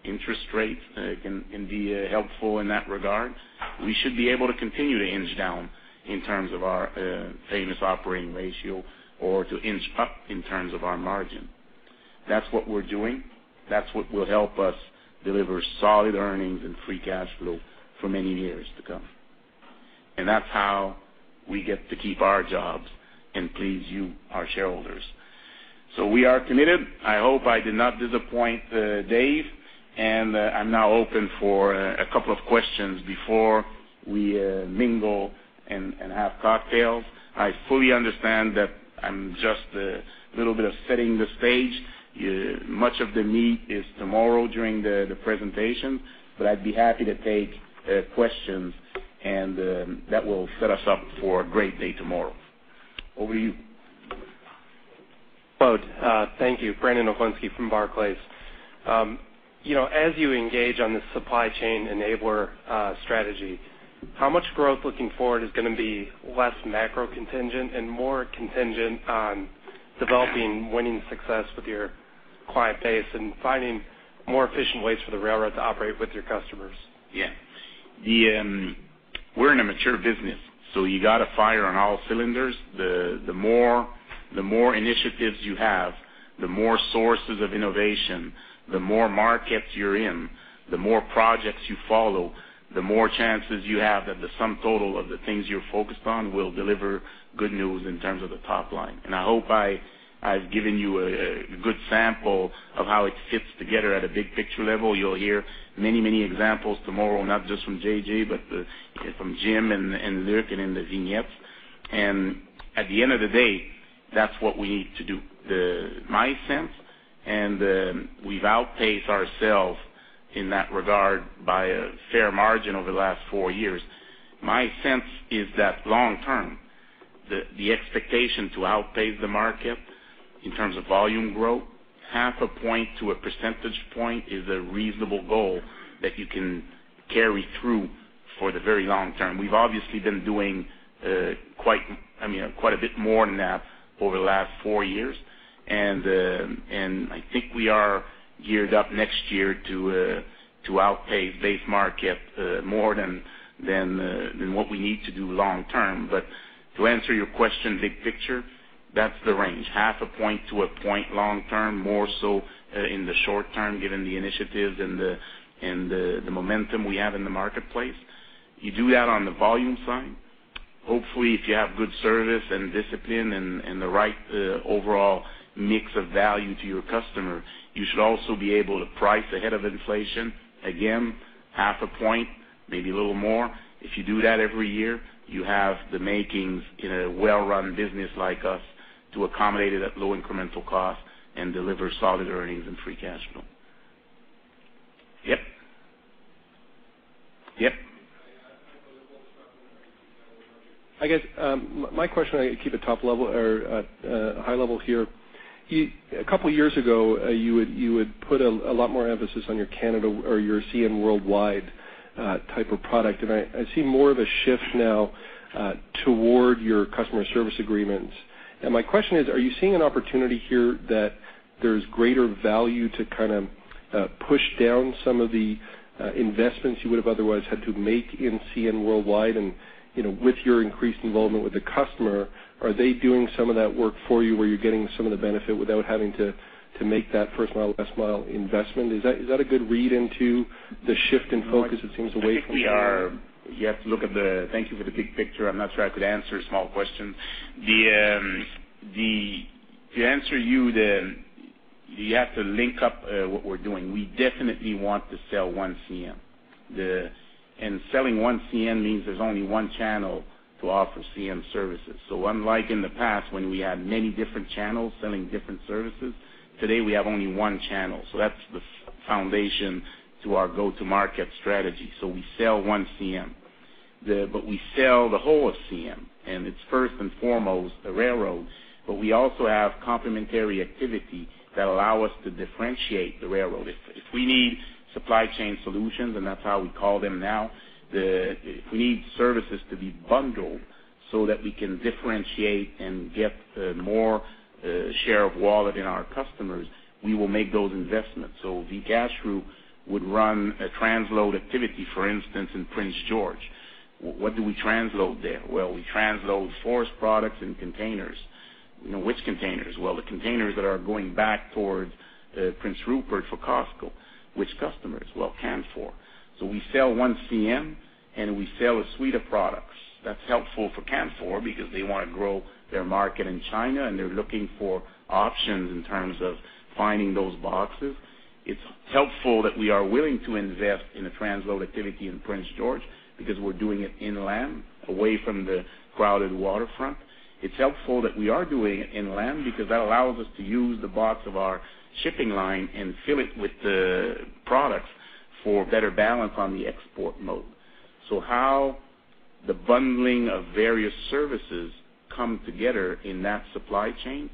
interest rates can be helpful in that regard. We should be able to continue to inch down in terms of our famous operating ratio or to inch up in terms of our margin. That's what we're doing. That's what will help us deliver solid earnings and free cash flow for many years to come. And that's how we get to keep our jobs and please you, our shareholders. So we are committed. I hope I did not disappoint, Dave, and I'm now open for a couple of questions before we mingle and have cocktails. I fully understand that I'm just a little bit of setting the stage. Much of the meat is tomorrow during the presentation, but I'd be happy to take questions, and that will set us up for a great day tomorrow. Over to you. Well, thank you. Brandon Oglenski from Barclays. You know, as you engage on this supply chain enabler strategy, how much growth looking forward is gonna be less macro contingent and more contingent on developing, winning success with your client base and finding more efficient ways for the railroad to operate with your customers? Yeah. The, we're in a mature business, so you gotta fire on all cylinders. The, the more, the more initiatives you have, the more sources of innovation, the more markets you're in, the more projects you follow, the more chances you have that the sum total of the things you're focused on will deliver good news in terms of the top line. And I hope I, I've given you a, a good sample of how it fits together at a big picture level. You'll hear many, many examples tomorrow, not just from JJ, but from Jim and, and Luc and in the vignettes. And at the end of the day, that's what we need to do. My sense, and, we've outpaced ourselves in that regard by a fair margin over the last four years. My sense is that long term, the expectation to outpace the market in terms of volume growth, 0.5 to 1 percentage point is a reasonable goal that you can carry through for the very long term. We've obviously been doing, I mean, quite a bit more than that over the last four years. And I think we are geared up next year to outpace base market more than what we need to do long term. But to answer your question, big picture, that's the range. 0.5 to 1 point long term, more so in the short term, given the initiatives and the momentum we have in the marketplace. You do that on the volume side. Hopefully, if you have good service and discipline and the right, overall mix of value to your customer, you should also be able to price ahead of inflation. Again, half a point, maybe a little more. If you do that every year, you have the makings in a well-run business like us to accommodate it at low incremental cost and deliver solid earnings and free cash flow. Yep. Yep. I guess, my question, I keep it top level or at, high level here. You a couple of years ago, you would put a lot more emphasis on your Canada or your CN Worldwide type of product, and I see more of a shift now toward your customer service agreements. And my question is, are you seeing an opportunity here that there's greater value to kind of push down some of the investments you would have otherwise had to make in CN Worldwide? And, you know, with your increased involvement with the customer, are they doing some of that work for you, where you're getting some of the benefit without having to make that first mile, last mile investment? Is that a good read into the shift in focus, it seems, away from- You have to look at the big picture. Thank you for the big picture. I'm not sure I could answer a small question. To answer you, you have to link up what we're doing. We definitely want to sell one CN. And selling one CN means there's only one channel to offer CN services. So unlike in the past, when we had many different channels selling different services, today, we have only one channel. So that's the foundation to our go-to-market strategy. So we sell one CN. But we sell the whole of CN, and it's first and foremost the railroads, but we also have complementary activity that allow us to differentiate the railroad. If we need supply chain solutions, and that's how we call them now, if we need services to be bundled so that we can differentiate and get more share of wallet in our customers, we will make those investments. So the Gas Group would run a transload activity, for instance, in Prince George. What do we transload there? Well, we transload forest products and containers. You know, which containers? Well, the containers that are going back towards Prince Rupert for Costco. Which customers? Well, Canfor. So we sell one CN, and we sell a suite of products. That's helpful for Canfor because they wanna grow their market in China, and they're looking for options in terms of finding those boxes. It's helpful that we are willing to invest in a transload activity in Prince George because we're doing it inland, away from the crowded waterfront. It's helpful that we are doing it inland because that allows us to use the box of our shipping line and fill it with the products for better balance on the export mode. So how the bundling of various services come together in that supply chain,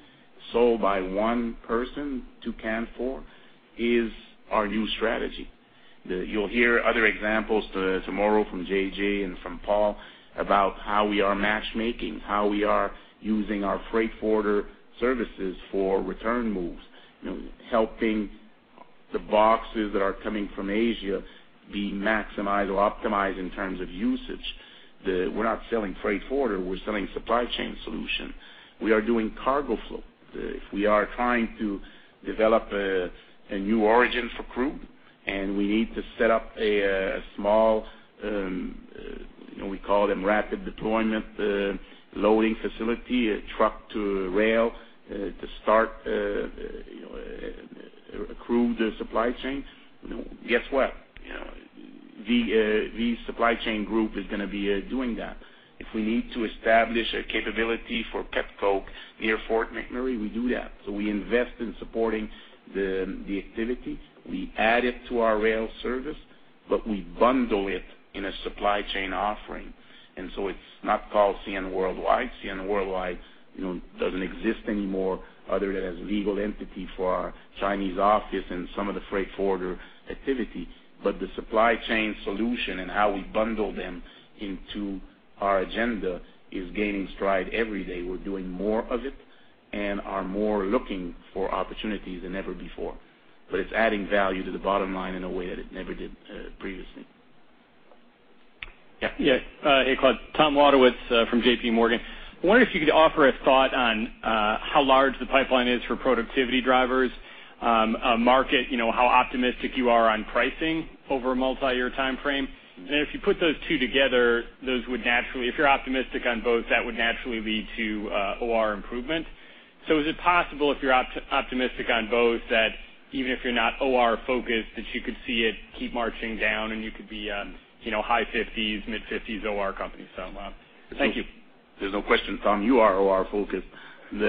sold by one person to Canfor, is our new strategy. You'll hear other examples tomorrow from JJ and from Paul about how we are matchmaking, how we are using our freight forwarder services for return moves, you know, helping the boxes that are coming from Asia be maximized or optimized in terms of usage. We're not selling freight forwarder, we're selling supply chain solution. We are doing cargo flow. If we are trying to develop a new origin for crude, and we need to set up a small, we call them rapid deployment loading facility, a truck to rail to start, you know, a crude supply chain, you know, guess what? You know, the supply chain group is gonna be doing that. If we need to establish a capability for petcoke near Fort McMurray, we do that. So we invest in supporting the activity. We add it to our rail service, but we bundle it in a supply chain offering. And so it's not called CN Worldwide. CN Worldwide, you know, doesn't exist anymore other than as a legal entity for our Chinese office and some of the freight forwarder activity. But the supply chain solution and how we bundle them into our agenda is gaining stride every day. We're doing more of it and are more looking for opportunities than ever before. But it's adding value to the bottom line in a way that it never did, previously. Yeah. Yes. Hey, Claude, Tom Wadewitz from J.P. Morgan. I wonder if you could offer a thought on how large the pipeline is for productivity drivers, a market, you know, how optimistic you are on pricing over a multiyear timeframe? And if you put those two together, those would naturally—if you're optimistic on both, that would naturally lead to OR improvement. So is it possible, if you're optimistic on both, that even if you're not OR focused, that you could see it keep marching down and you could be, you know, high fifties, mid-fifties OR company? So, thank you. There's no question, Tom, you are OR focused. You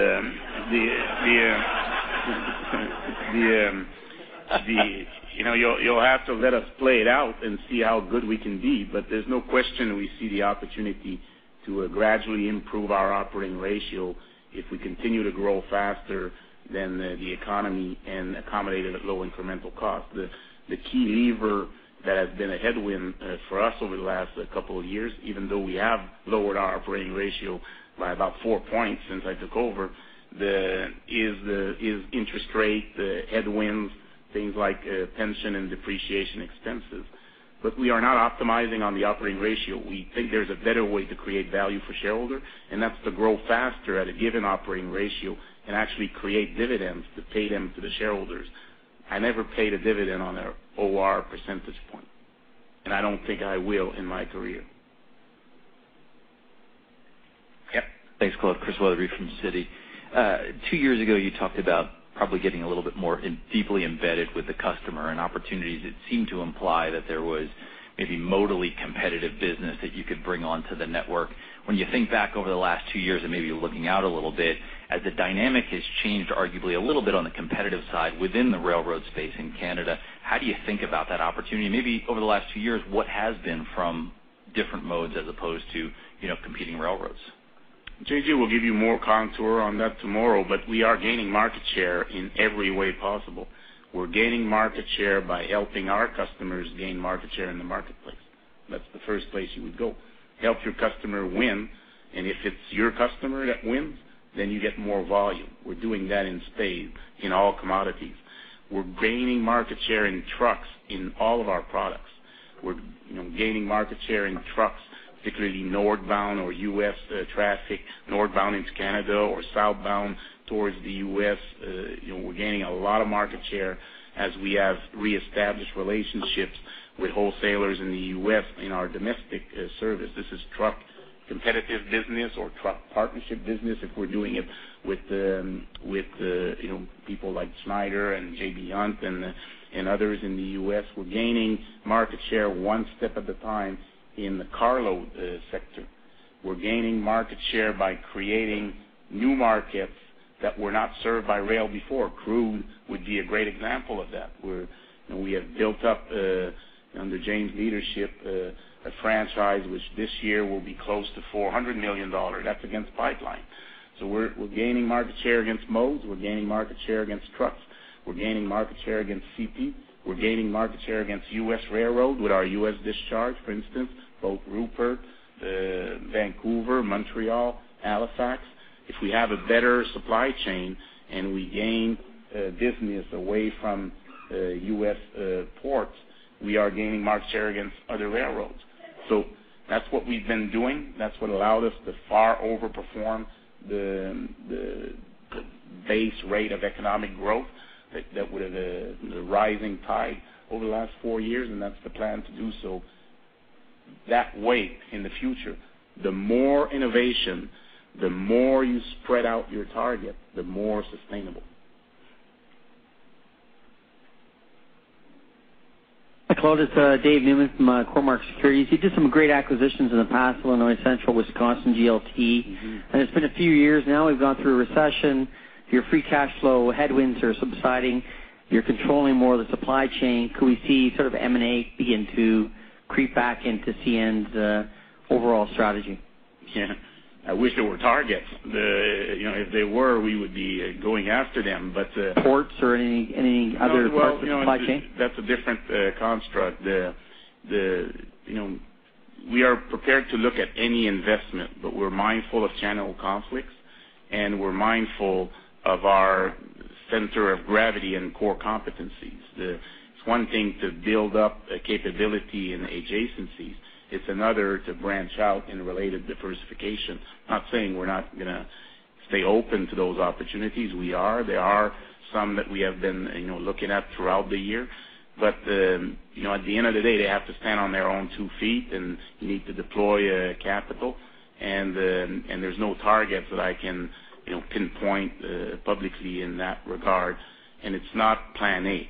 know, you'll have to let us play it out and see how good we can be. But there's no question we see the opportunity to gradually improve our operating ratio if we continue to grow faster than the economy and accommodate it at low incremental cost. The key lever that has been a headwind for us over the last couple of years, even though we have lowered our operating ratio by about four points since I took over, is the interest rate headwinds, things like pension and depreciation expenses. But we are not optimizing on the operating ratio. We think there's a better way to create value for shareholder, and that's to grow faster at a given operating ratio and actually create dividends to pay them to the shareholders. I never paid a dividend on a OR percentage point, and I don't think I will in my career. Yeah. Thanks, Claude. Chris Weatherbee from Citi. Two years ago, you talked about probably getting a little bit more in-depthly embedded with the customer and opportunities. It seemed to imply that there was maybe modally competitive business that you could bring onto the network. When you think back over the last two years and maybe looking out a little bit, as the dynamic has changed, arguably a little bit on the competitive side within the railroad space in Canada, how do you think about that opportunity? Maybe over the last two years, what has been from different modes as opposed to, you know, competing railroads? JJ will give you more contour on that tomorrow, but we are gaining market share in every way possible. We're gaining market share by helping our customers gain market share in the marketplace. That's the first place you would go. Help your customer win, and if it's your customer that wins, then you get more volume. We're doing that in spades, in all commodities. We're gaining market share in trucks, in all of our products. We're, you know, gaining market share in trucks, particularly northbound or US traffic, northbound into Canada or southbound towards the US. You know, we're gaining a lot of market share as we have reestablished relationships with wholesalers in the US in our domestic service. This is truck competitive business or truck partnership business, if we're doing it with the, with the, you know, people like Schneider and J.B. Hunt and, and others in the US. We're gaining market share one step at a time in the cargo sector. We're gaining market share by creating new markets that were not served by rail before. Crude would be a great example of that, where, you know, we have built up under James' leadership a franchise, which this year will be close to 400 million dollars. That's against pipeline. So we're gaining market share against modes. We're gaining market share against trucks. We're gaining market share against CP. We're gaining market share against US railroad with our US discharge, for instance, Prince Rupert, Vancouver, Montreal, Halifax. If we have a better supply chain and we gain business away from US ports, we are gaining market share against other railroads. So that's what we've been doing. That's what allowed us to far overperform the base rate of economic growth, that with the rising tide over the last four years, and that's the plan to do so. That way, in the future, the more innovation, the more you spread out your target, the more sustainable. Hi, Claude, it's Dave Newman from Cormark Securities. You did some great acquisitions in the past, Illinois Central, Wisconsin, GLT. Mm-hmm. It's been a few years now. We've gone through a recession. Your free cash flow headwinds are subsiding.... You're controlling more of the supply chain. Could we see sort of M&A begin to creep back into CN's overall strategy? Yeah, I wish there were targets. You know, if there were, we would be going after them, but. Ports or any other parts of the supply chain? Well, you know, that's a different construct. You know, we are prepared to look at any investment, but we're mindful of channel conflicts, and we're mindful of our center of gravity and core competencies. It's one thing to build up a capability and adjacency. It's another to branch out in related diversification. Not saying we're not gonna stay open to those opportunities. We are. There are some that we have been, you know, looking at throughout the year, but, you know, at the end of the day, they have to stand on their own two feet and need to deploy capital. And there's no target that I can, you know, pinpoint publicly in that regard, and it's not plan A.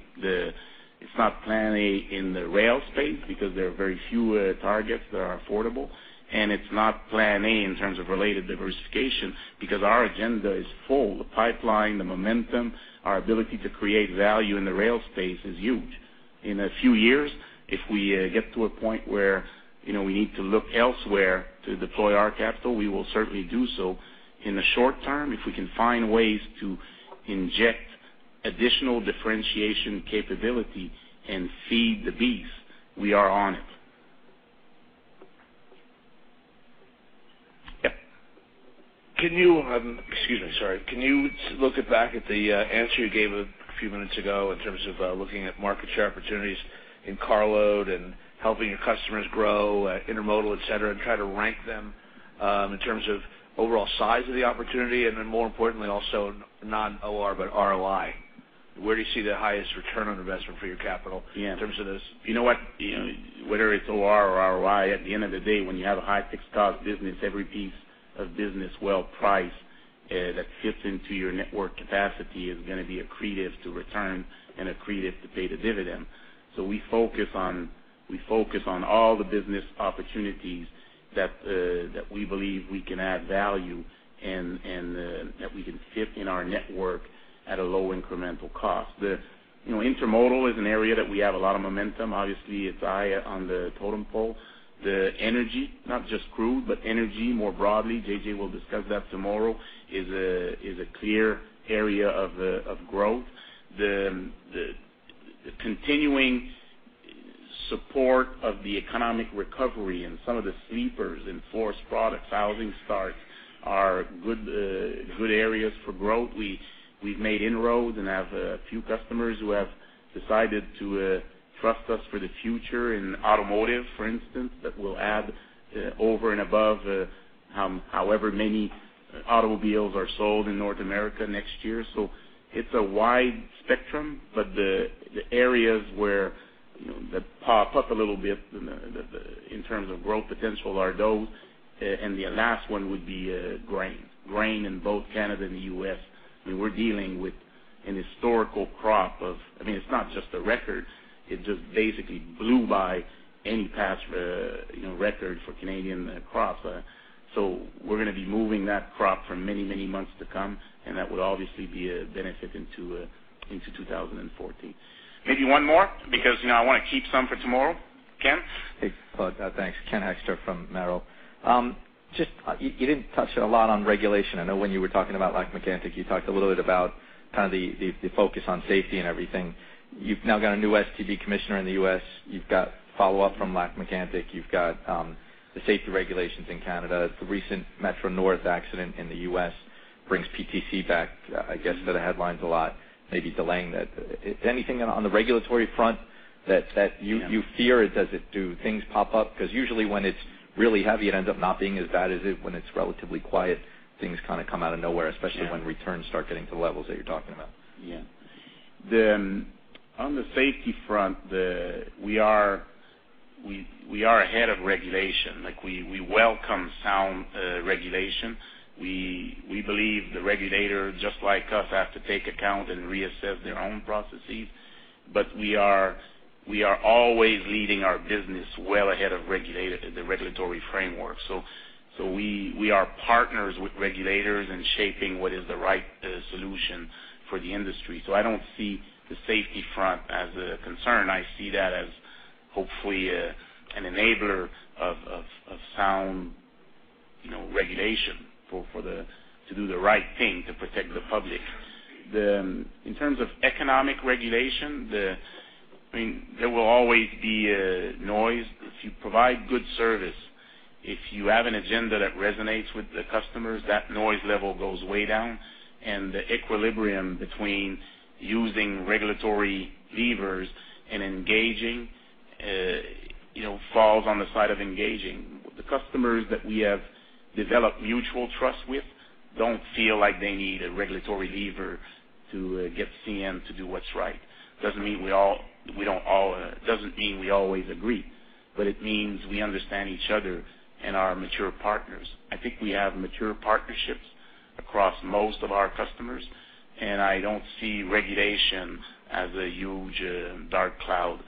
It's not plan A in the rail space because there are very few targets that are affordable, and it's not plan A in terms of related diversification because our agenda is full. The pipeline, the momentum, our ability to create value in the rail space is huge. In a few years, if we get to a point where, you know, we need to look elsewhere to deploy our capital, we will certainly do so. In the short term, if we can find ways to inject additional differentiation capability and feed the beast, we are on it. Yeah. Can you... Excuse me. Sorry. Can you look back at the answer you gave a few minutes ago in terms of looking at market share opportunities in carload and helping your customers grow intermodal, et cetera, et cetera, and try to rank them in terms of overall size of the opportunity, and then, more importantly, also not OR, but ROI? Where do you see the highest return on investment for your capital- Yeah. In terms of this? You know what? Whether it's OR or ROI, at the end of the day, when you have a high fixed cost business, every piece of business well priced, that fits into your network capacity is gonna be accretive to return and accretive to pay the dividend. So we focus on all the business opportunities that we believe we can add value and that we can fit in our network at a low incremental cost. You know, intermodal is an area that we have a lot of momentum. Obviously, it's high on the totem pole. The energy, not just crew, but energy more broadly, JJ will discuss that tomorrow, is a clear area of growth. The continuing support of the economic recovery and some of the sleepers in forest products, housing starts, are good areas for growth. We've made inroads and have a few customers who have decided to trust us for the future in automotive, for instance, that will add over and above however many automobiles are sold in North America next year. So it's a wide spectrum, but the areas where, you know, that pop up a little bit in the in terms of growth potential are those and the last one would be grain. Grain in both Canada and the US, I mean, we're dealing with an historical crop of... I mean, it's not just a record. It just basically blew by any past record for Canadian crop. So we're gonna be moving that crop for many, many months to come, and that will obviously be a benefit into 2014. Maybe one more, because, you know, I want to keep some for tomorrow. Ken? Hey, Claude. Thanks. Ken Hoexter from Merrill. Just, you didn't touch a lot on regulation. I know when you were talking about Lac-Mégantic, you talked a little bit about kind of the focus on safety and everything. You've now got a new STB commissioner in the US. You've got follow-up from Lac-Mégantic. You've got the safety regulations in Canada. The recent Metro North accident in the US brings PTC back, I guess, to the headlines a lot, maybe delaying that. Anything on the regulatory front that you fear? Does it - Do things pop up? Because usually when it's really heavy, it ends up not being as bad as it. When it's relatively quiet, things kind of come out of nowhere, especially- Yeah. when returns start getting to the levels that you're talking about. Yeah. On the safety front, we are ahead of regulation. Like, we welcome sound regulation. We believe the regulator, just like us, have to take account and reassess their own processes. But we are always leading our business well ahead of the regulatory framework. We are partners with regulators in shaping what is the right solution for the industry. So I don't see the safety front as a concern. I see that as, hopefully, an enabler of sound, you know, regulation for the to do the right thing, to protect the public. In terms of economic regulation, I mean, there will always be noise. If you provide good service, if you have an agenda that resonates with the customers, that noise level goes way down, and the equilibrium between using regulatory levers and engaging, you know, falls on the side of engaging. The customers that we have developed mutual trust with don't feel like they need a regulatory lever to get CN to do what's right. Doesn't mean we always agree, but it means we understand each other and are mature partners. I think we have mature partnerships across most of our customers, and I don't see regulation as a huge dark cloud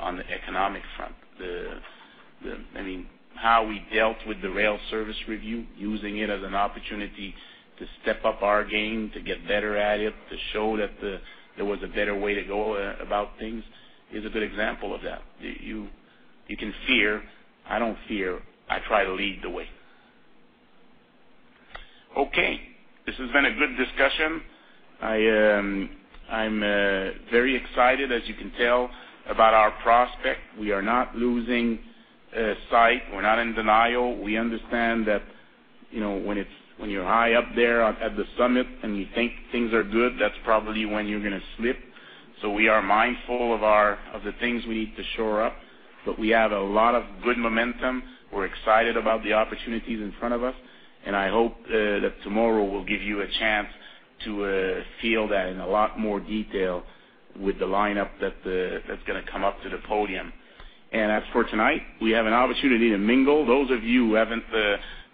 on the economic front. The, I mean, how we dealt with the Rail Service Review, using it as an opportunity to step up our game, to get better at it, to show that there was a better way to go about things, is a good example of that. You can fear. I don't fear. I try to lead the way. Okay, this has been a good discussion. I'm very excited, as you can tell, about our prospect. We are not losing sight. We're not in denial. We understand that, you know, when you're high up there at the summit and you think things are good, that's probably when you're gonna slip. So we are mindful of the things we need to shore up, but we have a lot of good momentum. We're excited about the opportunities in front of us, and I hope that tomorrow will give you a chance to feel that in a lot more detail with the lineup that's gonna come up to the podium. And as for tonight, we have an opportunity to mingle. Those of you who haven't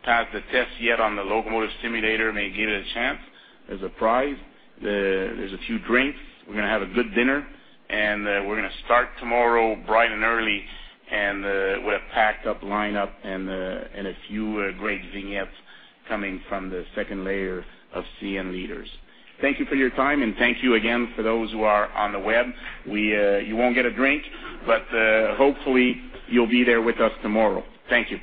passed the test yet on the locomotive simulator may give it a chance. There's a prize. There's a few drinks. We're gonna have a good dinner, and we're gonna start tomorrow bright and early, and with a packed up lineup and a few great vignettes coming from the second layer of CN leaders. Thank you for your time, and thank you again for those who are on the web. You won't get a drink, but hopefully, you'll be there with us tomorrow. Thank you.